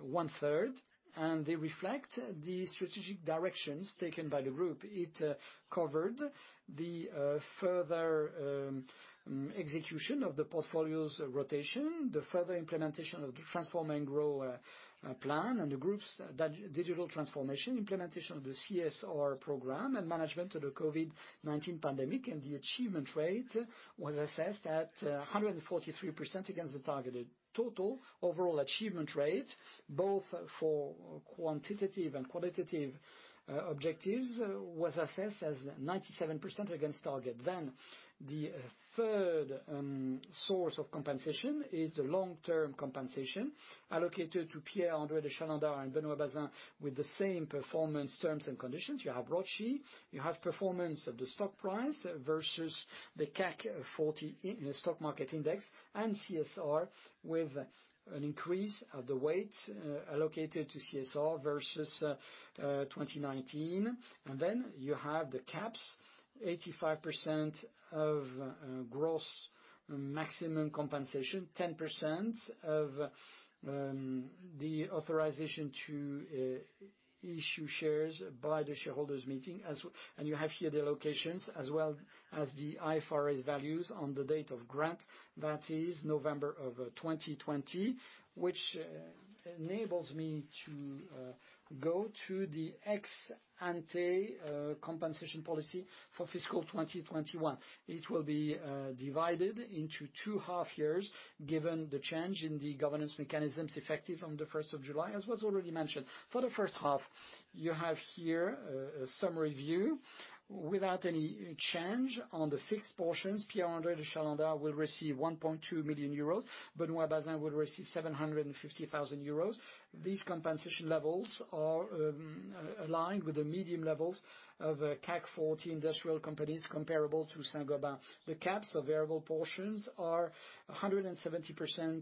one-third, and they reflect the strategic directions taken by the group. It covered the further execution of the portfolio's rotation, the further implementation of the Transform & Grow plan, and the group's digital transformation, implementation of the CSR program, and management of the COVID-19 pandemic. The achievement rate was assessed at 143% against the target. Total overall achievement rate, both for quantitative and qualitative objectives, was assessed as 97% against target. The third source of compensation is the long-term compensation allocated to Pierre-André de Chalendar and Benoit Bazin with the same performance terms and conditions. You have brought sheet. You have performance of the stock price versus the CAC 40 stock market index and CSR with an increase of the weight allocated to CSR versus 2019. You have the caps: 85% of gross maximum compensation, 10% of the authorization to issue shares by the shareholders' meeting. You have here the allocations as well as the IFRS values on the date of grant. That is November of 2020, which enables me to go to the ex-ante compensation policy for fiscal 2021. It will be divided into two half-years given the change in the governance mechanisms effective on the 1st of July, as was already mentioned. For the first half, you have here a summary view without any change on the fixed portions. Pierre-André de Chalendar will receive 1.2 million euros. Benoit Bazin will receive 750,000 euros. These compensation levels are aligned with the median levels of CAC 40 industrial companies comparable to Saint-Gobain. The caps of variable portions are 170%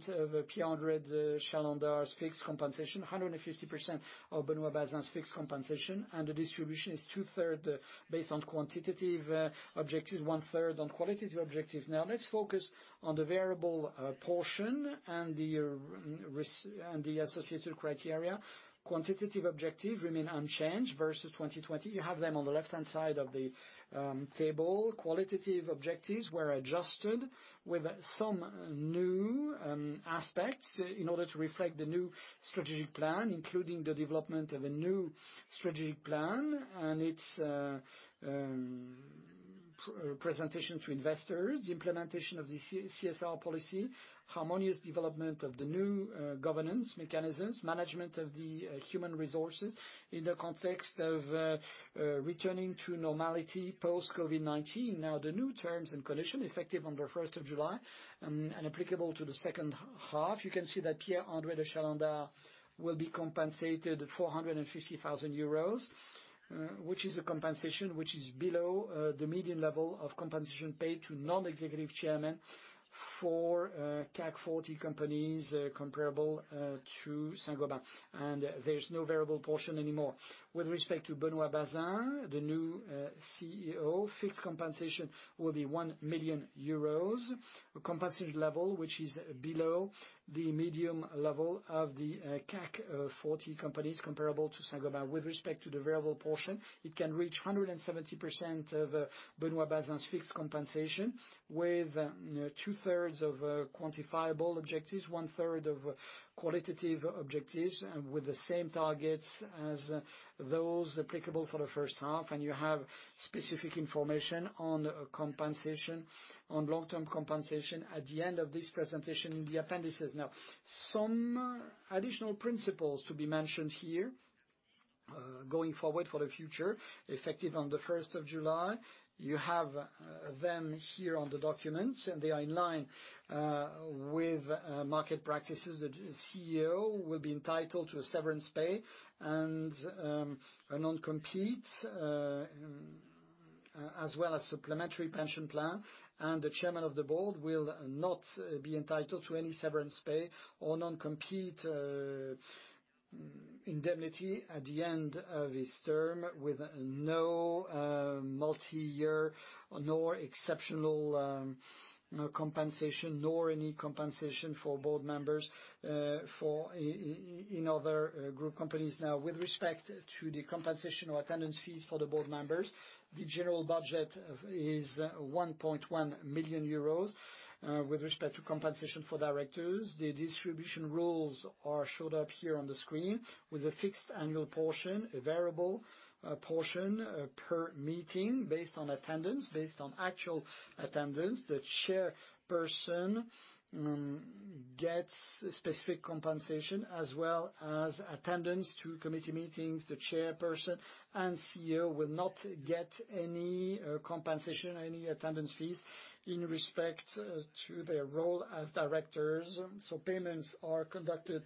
of Pierre-André de Chalendar's fixed compensation, 150% of Benoit Bazin's fixed compensation, and the distribution is two-thirds based on quantitative objectives, one-third on qualitative objectives. Now, let's focus on the variable portion and the associated criteria. Quantitative objectives remain unchanged versus 2020. You have them on the left-hand side of the table. Qualitative objectives were adjusted with some new aspects in order to reflect the new strategic plan, including the development of a new strategic plan and its presentation to investors, the implementation of the CSR policy, harmonious development of the new governance mechanisms, management of the human resources in the context of returning to normality post-COVID-19. Now, the new terms and conditions effective on the 1st of July and applicable to the second half, you can see that Pierre-André de Chalendar will be compensated 450,000 euros, which is a compensation below the median level of compensation paid to non-executive chairmen for CAC 40 companies comparable to Saint-Gobain. There is no variable portion anymore. With respect to Benoît Bazin, the new CEO, fixed compensation will be 1 million euros. Compensation level, which is below the median level of the CAC 40 companies comparable to Saint-Gobain. With respect to the variable portion, it can reach 170% of Benoit Bazin's fixed compensation with two-thirds of quantifiable objectives, one-third of qualitative objectives with the same targets as those applicable for the first half. You have specific information on long-term compensation at the end of this presentation in the appendices. Now, some additional principles to be mentioned here going forward for the future effective on the 1st of July. You have them here on the documents, and they are in line with market practices. The CEO will be entitled to a severance pay and a non-compete as well as a supplementary pension plan. The Chairman of the Board will not be entitled to any severance pay or non-compete indemnity at the end of his term with no multi-year nor exceptional compensation nor any compensation for board members in other group companies. Now, with respect to the compensation or attendance fees for the board members, the general budget is 1.1 million euros with respect to compensation for directors. The distribution rules are showed up here on the screen with a fixed annual portion, a variable portion per meeting based on attendance, based on actual attendance. The chairperson gets specific compensation as well as attendance to committee meetings. The chairperson and CEO will not get any compensation, any attendance fees in respect to their role as directors. Payments are conducted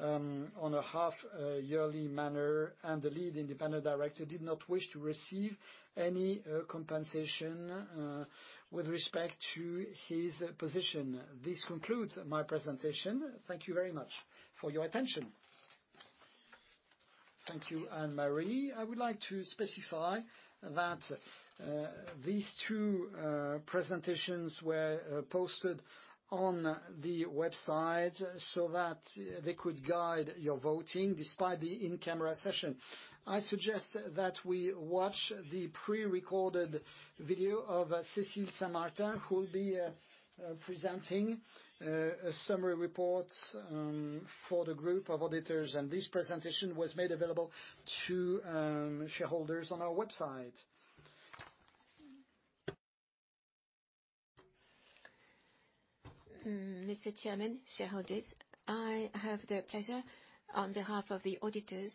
on a half-yearly manner, and the lead independent director did not wish to receive any compensation with respect to his position. This concludes my presentation. Thank you very much for your attention. Thank you, Anne-Marie. I would like to specify that these two presentations were posted on the website so that they could guide your voting despite the in-camera session. I suggest that we watch the pre-recorded video of Cécile Saint-Martin, who will be presenting a summary report for the group of auditors. This presentation was made available to shareholders on our website. Mr. Chairman, shareholders, I have the pleasure on behalf of the auditors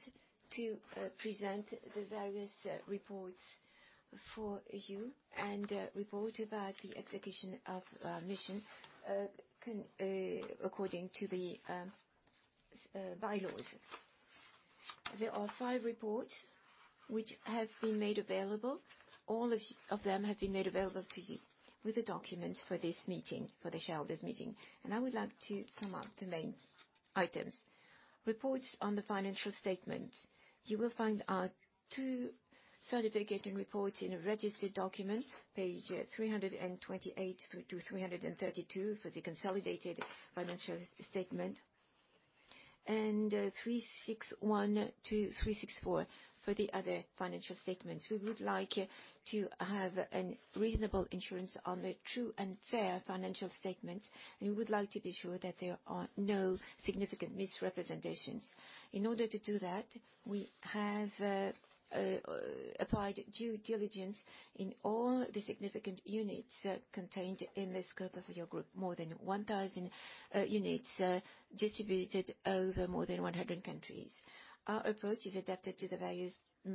to present the various reports for you and report about the execution of mission according to the bylaws. There are five reports which have been made available. All of them have been made available to you with the documents for this meeting, for the shareholders' meeting. I would like to sum up the main items. Reports on the financial statements. You will find our two certificates and reports in a registered document, page 328 to 332 for the consolidated financial statement, and 361 to 364 for the other financial statements. We would like to have reasonable insurance on the true and fair financial statements, and we would like to be sure that there are no significant misrepresentations. In order to do that, we have applied due diligence in all the significant units contained in the scope of your group, more than 1,000 units distributed over more than 100 countries. Our approach is adapted to the various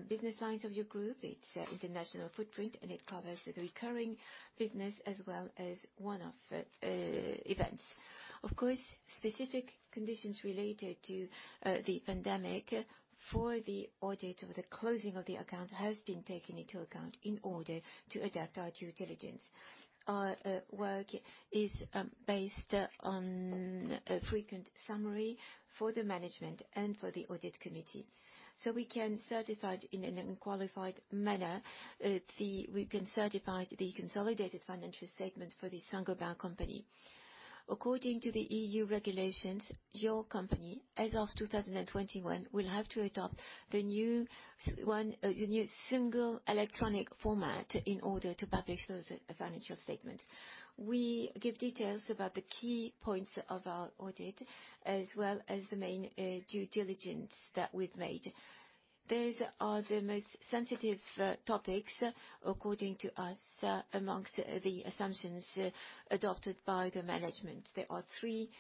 business lines of your group. It is an international footprint, and it covers the recurring business as well as one-off events. Of course, specific conditions related to the pandemic for the audit of the closing of the account have been taken into account in order to adapt our due diligence. Our work is based on a frequent summary for the management and for the audit committee. We can certify in an unqualified manner that we can certify the consolidated financial statement for the Saint-Gobain company. According to the EU regulations, your company, as of 2021, will have to adopt the new single electronic format in order to publish those financial statements. We give details about the key points of our audit as well as the main due diligence that we've made. Those are the most sensitive topics, according to us, amongst the assumptions adopted by the management. There are three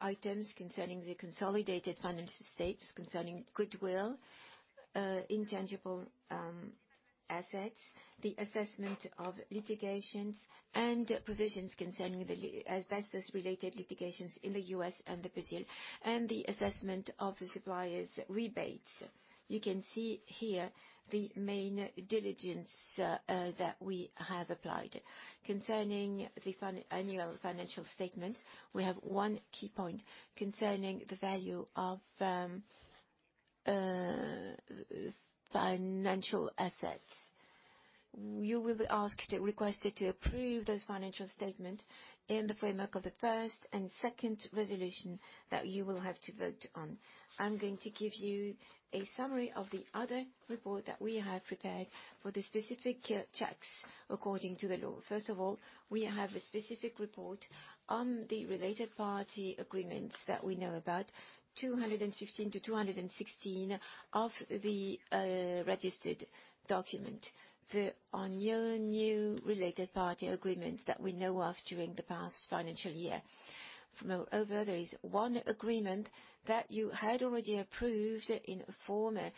items concerning the consolidated financial statements concerning goodwill, intangible assets, the assessment of litigations, and provisions concerning the asbestos-related litigations in the U.S. and Brazil, and the assessment of the suppliers' rebates. You can see here the main diligence that we have applied. Concerning the annual financial statements, we have one key point concerning the value of financial assets. You will be asked to request to approve those financial statements in the framework of the first and second resolution that you will have to vote on. I'm going to give you a summary of the other report that we have prepared for the specific checks according to the law. First of all, we have a specific report on the related party agreements that we know about, 215 to 216 of the registered document, the on your new related party agreements that we know of during the past financial year. Moreover, there is one agreement that you had already approved in a former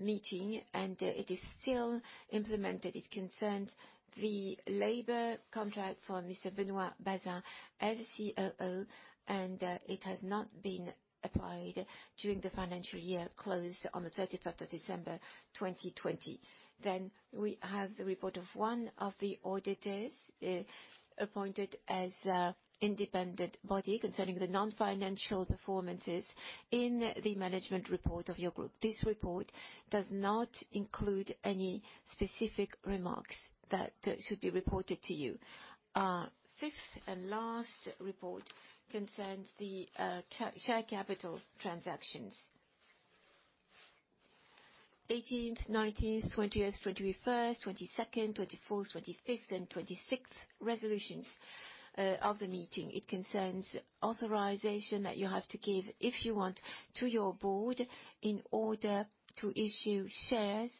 meeting, and it is still implemented. It concerns the labor contract for Mr.Benoît Bazin, as COO, and it has not been applied during the financial year closed on the 31st of December 2020. Next, we have the report of one of the auditors appointed as an independent body concerning the non-financial performances in the management report of your group. This report does not include any specific remarks that should be reported to you. Fifth and last report concerns the share capital transactions: 18th, 19th, 20th, 21st, 22nd, 24th, 25th, and 26th resolutions of the meeting. It concerns authorization that you have to give if you want to your board in order to issue shares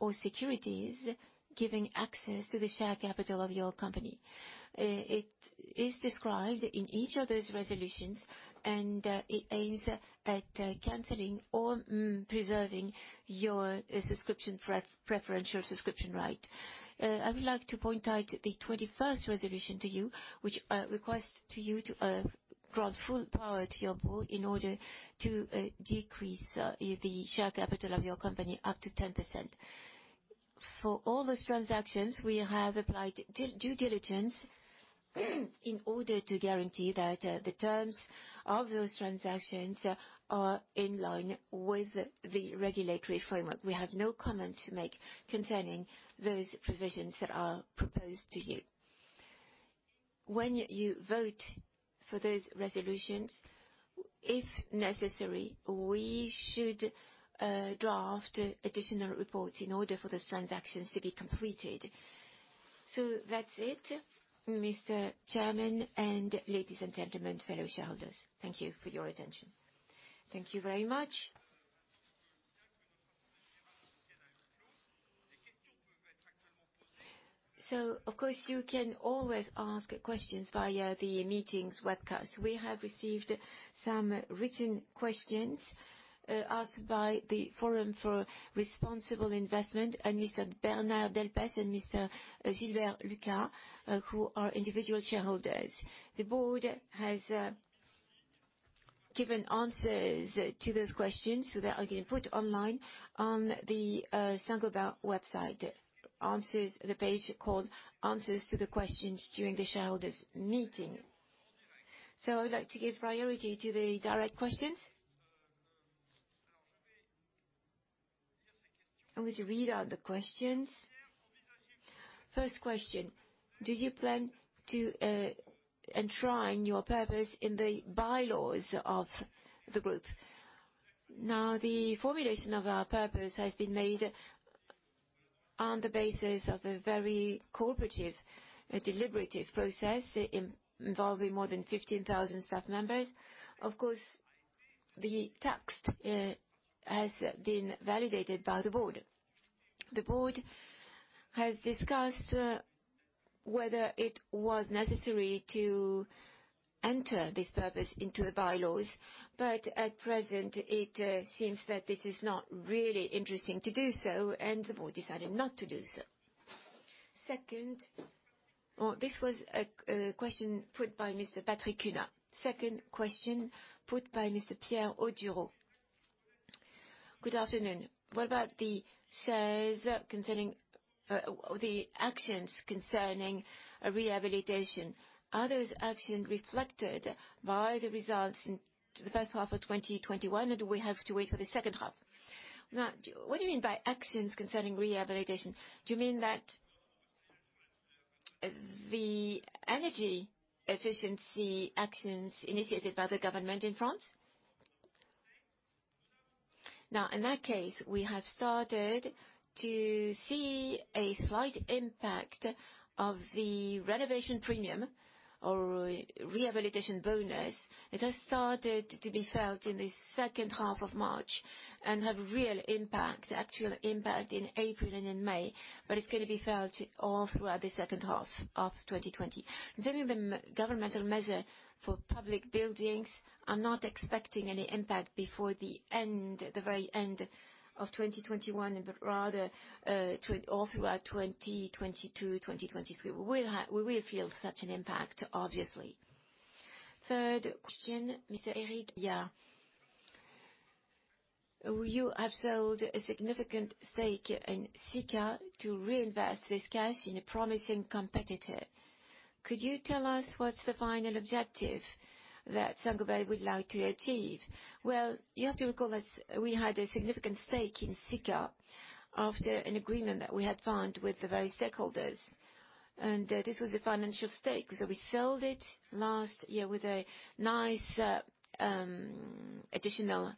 or securities giving access to the share capital of your company. It is described in each of those resolutions, and it aims at canceling or preserving your preferential subscription right. I would like to point out the 21st resolution to you, which requests you to grant full power to your board in order to decrease the share capital of your company up to 10%. For all those transactions, we have applied due diligence in order to guarantee that the terms of those transactions are in line with the regulatory framework. We have no comment to make concerning those provisions that are proposed to you. When you vote for those resolutions, if necessary, we should draft additional reports in order for those transactions to be completed. That's it, Mr. Chairman, and ladies and gentlemen, fellow shareholders. Thank you for your attention. Thank you very much. Of course, you can always ask questions via the meeting's webcast. We have received some written questions asked by the Forum for Responsible Investment and Mr. Bernard Delpes and Mr. Gilbert Lucas, who are individual shareholders. The board has given answers to those questions, so they are getting put online on the Saint-Gobain website, the page called Answers to the Questions During the Shareholders' Meeting. I would like to give priority to the direct questions. I'm going to read out the questions. First question: Do you plan to enshrine your purpose in the bylaws of the group? Now, the formulation of our purpose has been made on the basis of a very corporative, deliberative process involving more than 15,000 staff members. Of course, the text has been validated by the board. The board has discussed whether it was necessary to enter this purpose into the bylaws, but at present, it seems that this is not really interesting to do so, and the board decided not to do so. Second, this was a question put by Mr. Patrick Kühner. Second question put by Mr. Pierre Oduro. Good afternoon. What about the actions concerning rehabilitation? Are those actions reflected by the results in the first half of 2021, or do we have to wait for the second half? Now, what do you mean by actions concerning rehabilitation? Do you mean that the energy efficiency actions initiated by the government in France? Now, in that case, we have started to see a slight impact of the renovation premium or rehabilitation bonus that has started to be felt in the second half of March and have real impact, actual impact in April and in May, but it's going to be felt all throughout the second half of 2020. Given the governmental measure for public buildings, I'm not expecting any impact before the very end of 2021, but rather all throughout 2022, 2023. We will feel such an impact, obviously. Third question, Mr. Éric. Year. You have sold a significant stake in Sika to reinvest this cash in a promising competitor. Could you tell us what's the final objective that Saint-Gobain would like to achieve? You have to recall that we had a significant stake in Sika after an agreement that we had found with the various stakeholders, and this was a financial stake. We sold it last year with a nice additional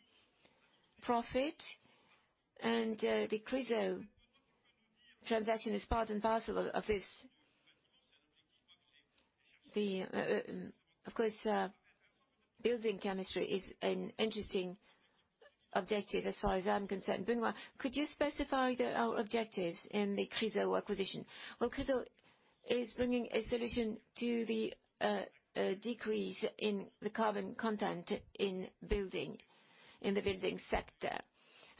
profit, and the Chryso transaction is part and parcel of this. Of course, building chemistry is an interesting objective as far as I'm concerned. Benoit, could you specify our objectives in the Chryso acquisition? Chryso is bringing a solution to the decrease in the carbon content in the building sector.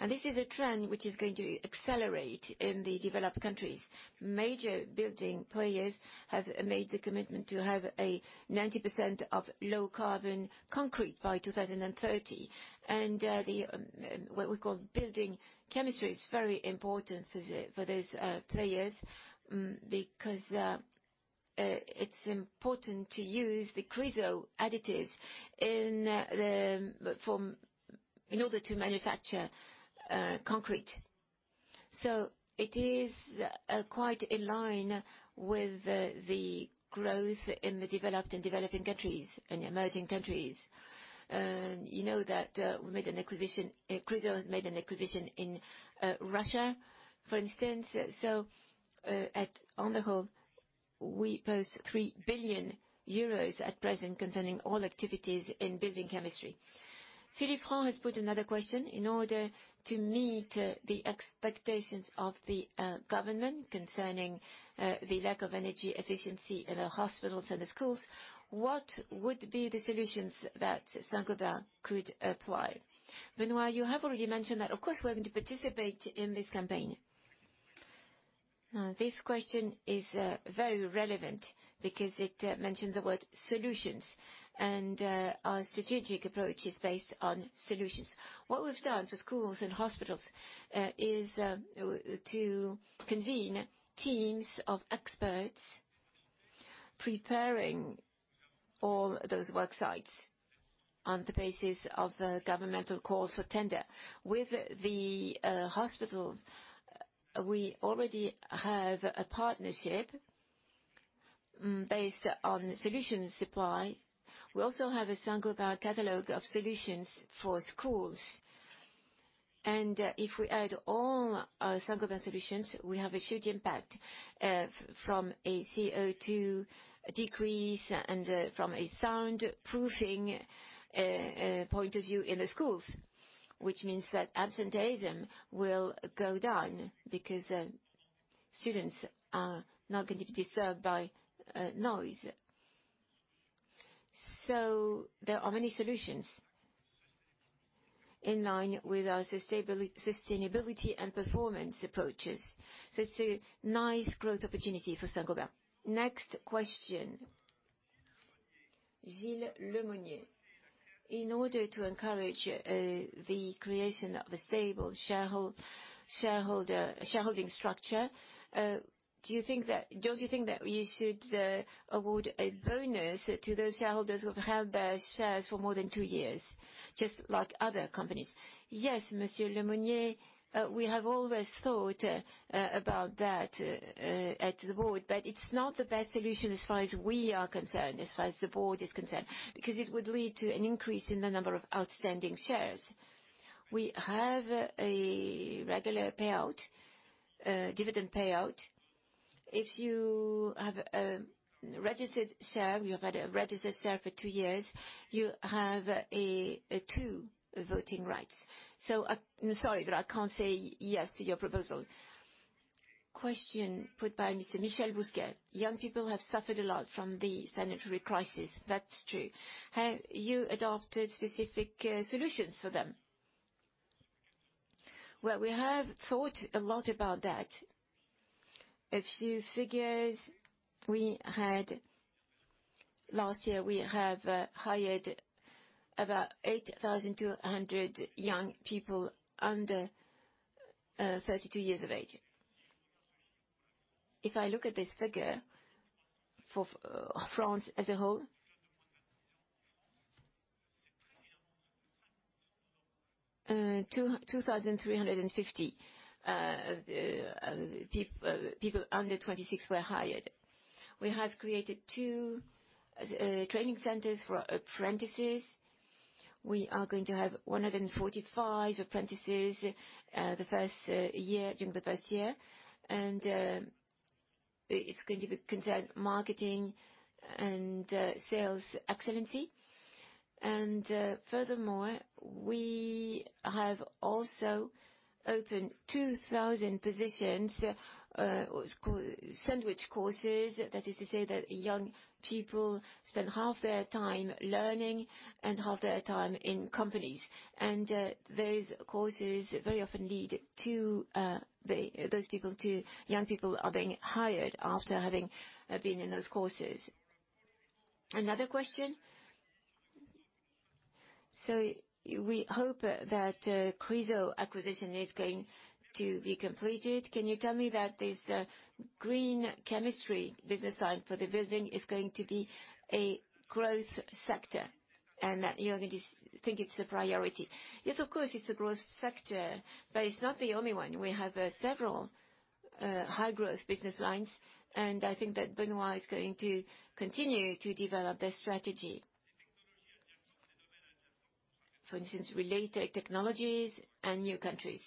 This is a trend which is going to accelerate in the developed countries. Major building players have made the commitment to have 90% of low-carbon concrete by 2030. What we call building chemistry is very important for those players because it's important to use the Chryso additives in order to manufacture concrete. It is quite in line with the growth in the developed and developing countries and emerging countries. You know that Chryso has made an acquisition in Russia, for instance. On the whole, we post 3 billion euros at present concerning all activities in building chemistry. Philippe Franc has put another question. In order to meet the expectations of the government concerning the lack of energy efficiency in the hospitals and the schools, what would be the solutions that Saint-Gobain could apply? Benoit, you have already mentioned that, of course, we're going to participate in this campaign. This question is very relevant because it mentions the word solutions, and our strategic approach is based on solutions. What we've done for schools and hospitals is to convene teams of experts preparing all those worksites on the basis of governmental calls for tender. With the hospitals, we already have a partnership based on solutions supply. We also have a Saint-Gobain catalog of solutions for schools. If we add all our Saint-Gobain solutions, we have a huge impact from a CO2 decrease and from a soundproofing point of view in the schools, which means that absenteeism will go down because students are not going to be disturbed by noise. There are many solutions in line with our sustainability and performance approaches. It is a nice growth opportunity for Saint-Gobain. Next question, Gilles Lemonnier. In order to encourage the creation of a stable shareholding structure, do you think that do not you think that we should award a bonus to those shareholders who have held their shares for more than two years, just like other companies? Yes, Mr. Lemonnier, we have always thought about that at the board, but it is not the best solution as far as we are concerned, as far as the board is concerned, because it would lead to an increase in the number of outstanding shares. We have a regular payout, dividend payout. If you have a registered share, you have had a registered share for two years, you have two voting rights. Sorry, but I cannot say yes to your proposal. Question put by Mr. Michel Bousquet. Young people have suffered a lot from the sanitary crisis. That is true. Have you adopted specific solutions for them? We have thought a lot about that. A few figures. Last year, we have hired about 8,200 young people under 32 years of age. If I look at this figure for France as a whole, 2,350 people under 26 were hired. We have created two training centers for apprentices. We are going to have 145 apprentices during the first year, and it is going to be concerned marketing and sales excellency. Furthermore, we have also opened 2,000 sandwich courses. That is to say that young people spend half their time learning and half their time in companies. Those courses very often lead those people to young people are being hired after having been in those courses. Another question. We hope that Chryso acquisition is going to be completed. Can you tell me that this green chemistry business line for the building is going to be a growth sector and that you are going to think it is a priority? Yes, of course, it is a growth sector, but it is not the only one. We have several high-growth business lines, and I think that Benoît is going to continue to develop this strategy, for instance, related technologies and new countries.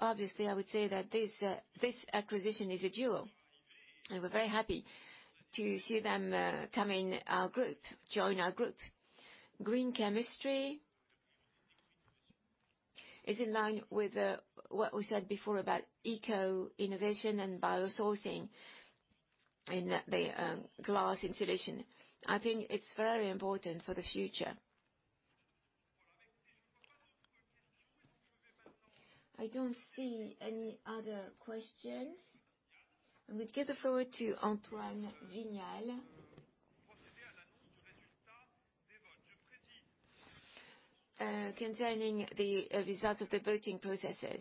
Obviously, I would say that this acquisition is a duo, and we're very happy to see them join our group. Green chemistry is in line with what we said before about eco-innovation and bio-sourcing in the glass insulation. I think it's very important for the future. I don't see any other questions. I'm going to give the floor to Antoine Vignal. Concerning the results of the voting processes,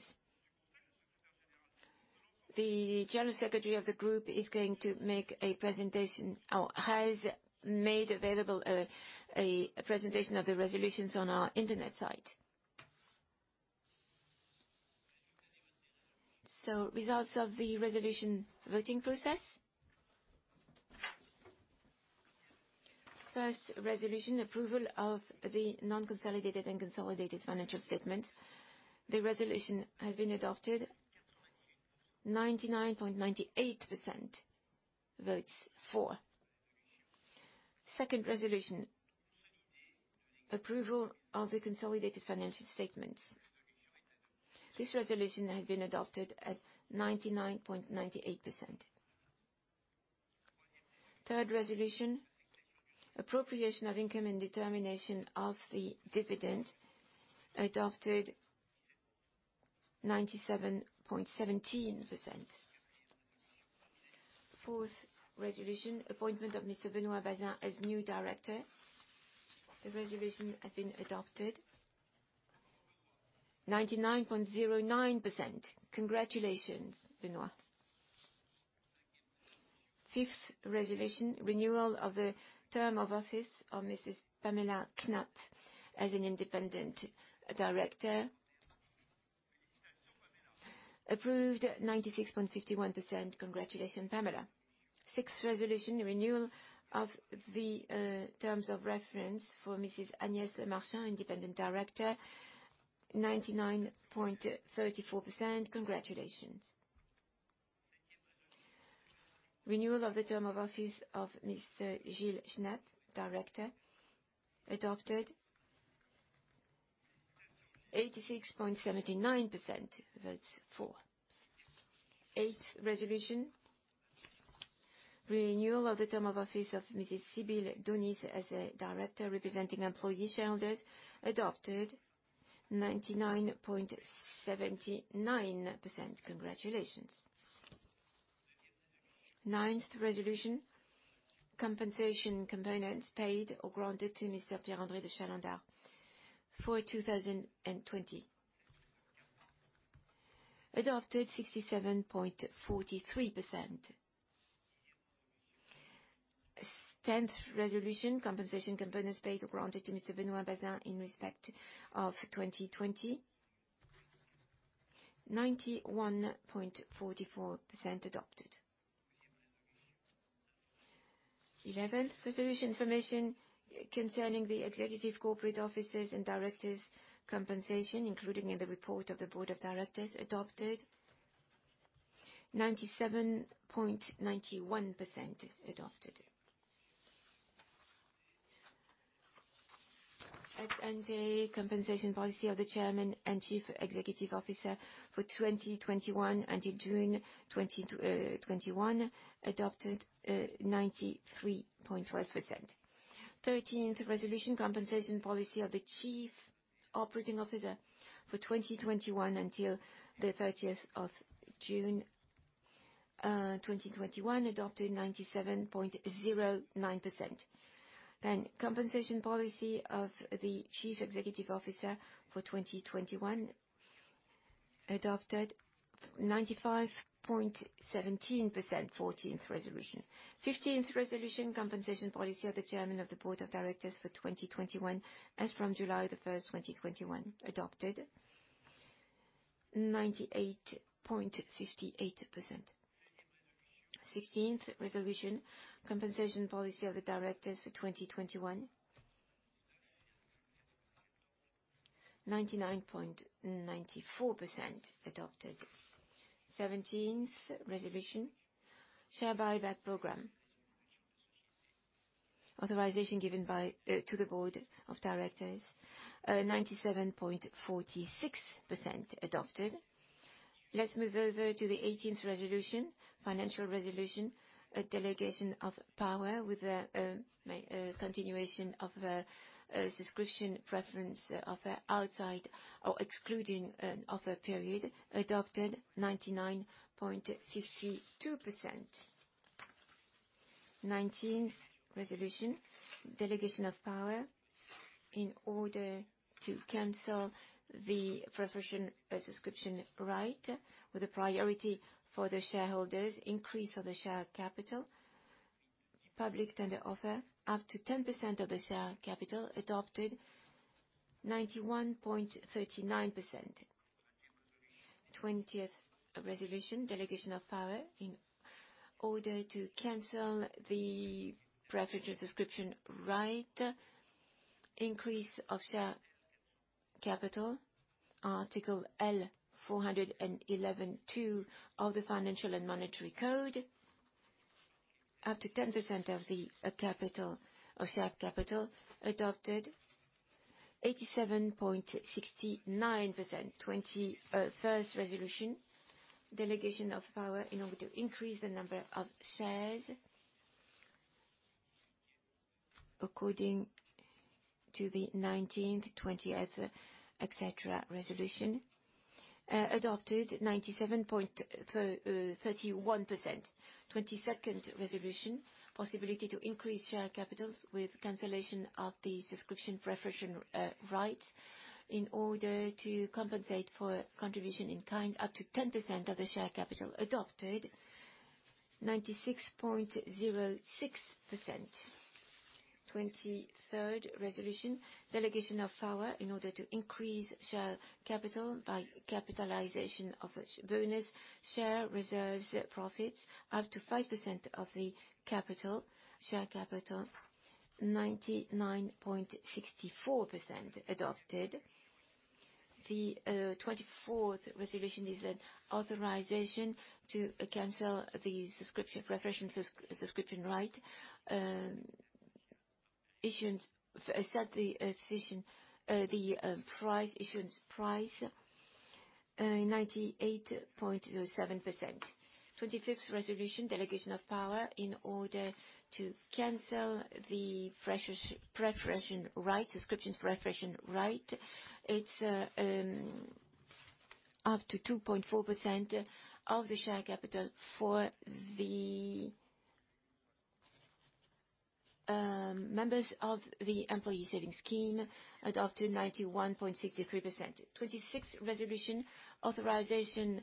the General Secretary of the group is going to make a presentation or has made available a presentation of the resolutions on our internet site. Results of the resolution voting process. First resolution, approval of the non-consolidated and consolidated financial statements. The resolution has been adopted. 99.98% votes for. Second resolution, approval of the consolidated financial statements. This resolution has been adopted at 99.98%. Third resolution, appropriation of income and determination of the dividend, adopted 97.17%. Fourth resolution, appointment of Mr. Benoît Bazin as new director. The resolution has been adopted. 99.09%. Congratulations, Benoit. Fifth resolution, renewal of the term of office of Mrs. Pamela Knapp as an independent director. Approved 96.51%. Congratulations, Pamela. Sixth resolution, renewal of the terms of reference for Mrs. Agnès Lemarchand, independent director. 99.34%. Congratulations. Renewal of the term of office of Mr. Gilles Schnepf, director. Adopted. 86.79% votes for. Eighth resolution, renewal of the term of office of Mrs. Sibylle Dionis as a director representing employee shareholders. Adopted. 99.79%. Congratulations. Ninth resolution, compensation components paid or granted to Mr. Pierre-André de Chalendar for 2020. Adopted. 67.43%. Tenth resolution, compensation components paid or granted to Mr. Benoît Bazin in respect of 2020. 91.44% adopted. Eleventh resolution, information concerning the executive corporate officers and directors' compensation, including in the report of the board of directors. Adopted. 97.91% adopted. Ex-ante compensation policy of the Chairman and Chief Executive Officer for 2021 until June 2021. Adopted. 93.12%. Thirteenth resolution, compensation policy of the Chief Operating Officer for 2021 until the 30th of June 2021. Adopted. 97.09%. Compensation policy of the Chief Executive Officer for 2021. Adopted. 95.17%. Fourteenth resolution. Fifteenth resolution, compensation policy of the Chairman of the Board of Directors for 2021 as from July 1, 2021. Adopted. 98.58%. Sixteenth resolution, compensation policy of the directors for 2021. 99.94% adopted. Seventeenth resolution, share buyback program. Authorization given to the board of directors. 97.46% adopted. Let's move over to the eighteenth resolution, financial resolution, delegation of power with a continuation of the subscription preference of an outside or excluding an offer period. Adopted. 99.52%. Nineteenth resolution, delegation of power in order to cancel the preferential subscription right with a priority for the shareholders, increase of the share capital, public tender offer up to 10% of the share capital. Adopted. 91.39%. Twentieth resolution, delegation of power in order to cancel the preferential subscription right, increase of share capital, Article L411-2 of the Financial and Monetary Code, up to 10% of the share capital. Adopted. 87.69%. Twenty-first resolution, delegation of power in order to increase the number of shares according to the nineteenth, twentieth, etc. resolution. Adopted. 97.31%. Twenty-second resolution, possibility to increase share capital with cancellation of the subscription preferential rights in order to compensate for contribution in kind up to 10% of the share capital. Adopted. 96.06%. Twenty-third resolution, delegation of power in order to increase share capital by capitalization of bonus share reserves profits up to 5% of the share capital. Share capital. 99.64%. Adopted. The twenty-fourth resolution is an authorization to cancel the preferential subscription right. The price issuance price. 98.07%. Twenty-fifth resolution, delegation of power in order to cancel the preferential right, subscription preferential right. It's up to 2.4% of the share capital for the members of the employee savings scheme. Adopted. 91.63%. Twenty-sixth resolution, authorization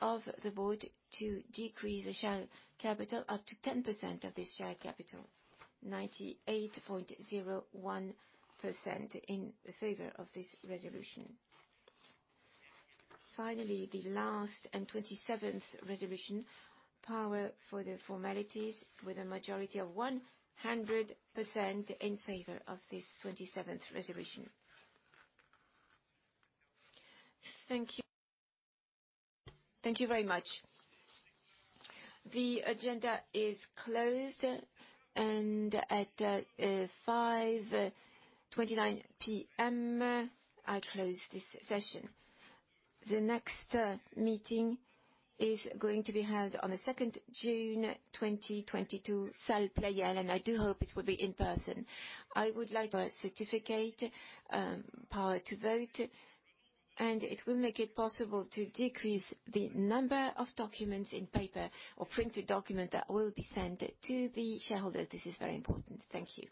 of the board to decrease the share capital up to 10% of this share capital. 98.01% in favor of this resolution. Finally, the last and twenty-seventh resolution, power for the formalities with a majority of 100% in favor of this twenty-seventh resolution. Thank you. Thank you very much. The agenda is closed, and at 5:29 P.M., I close this session. The next meeting is going to be held on the second June 2022, Salle Pleyel, and I do hope it will be in person. I would like a certificate, power to vote, and it will make it possible to decrease the number of documents in paper or printed documents that will be sent to the shareholders. This is very important. Thank you.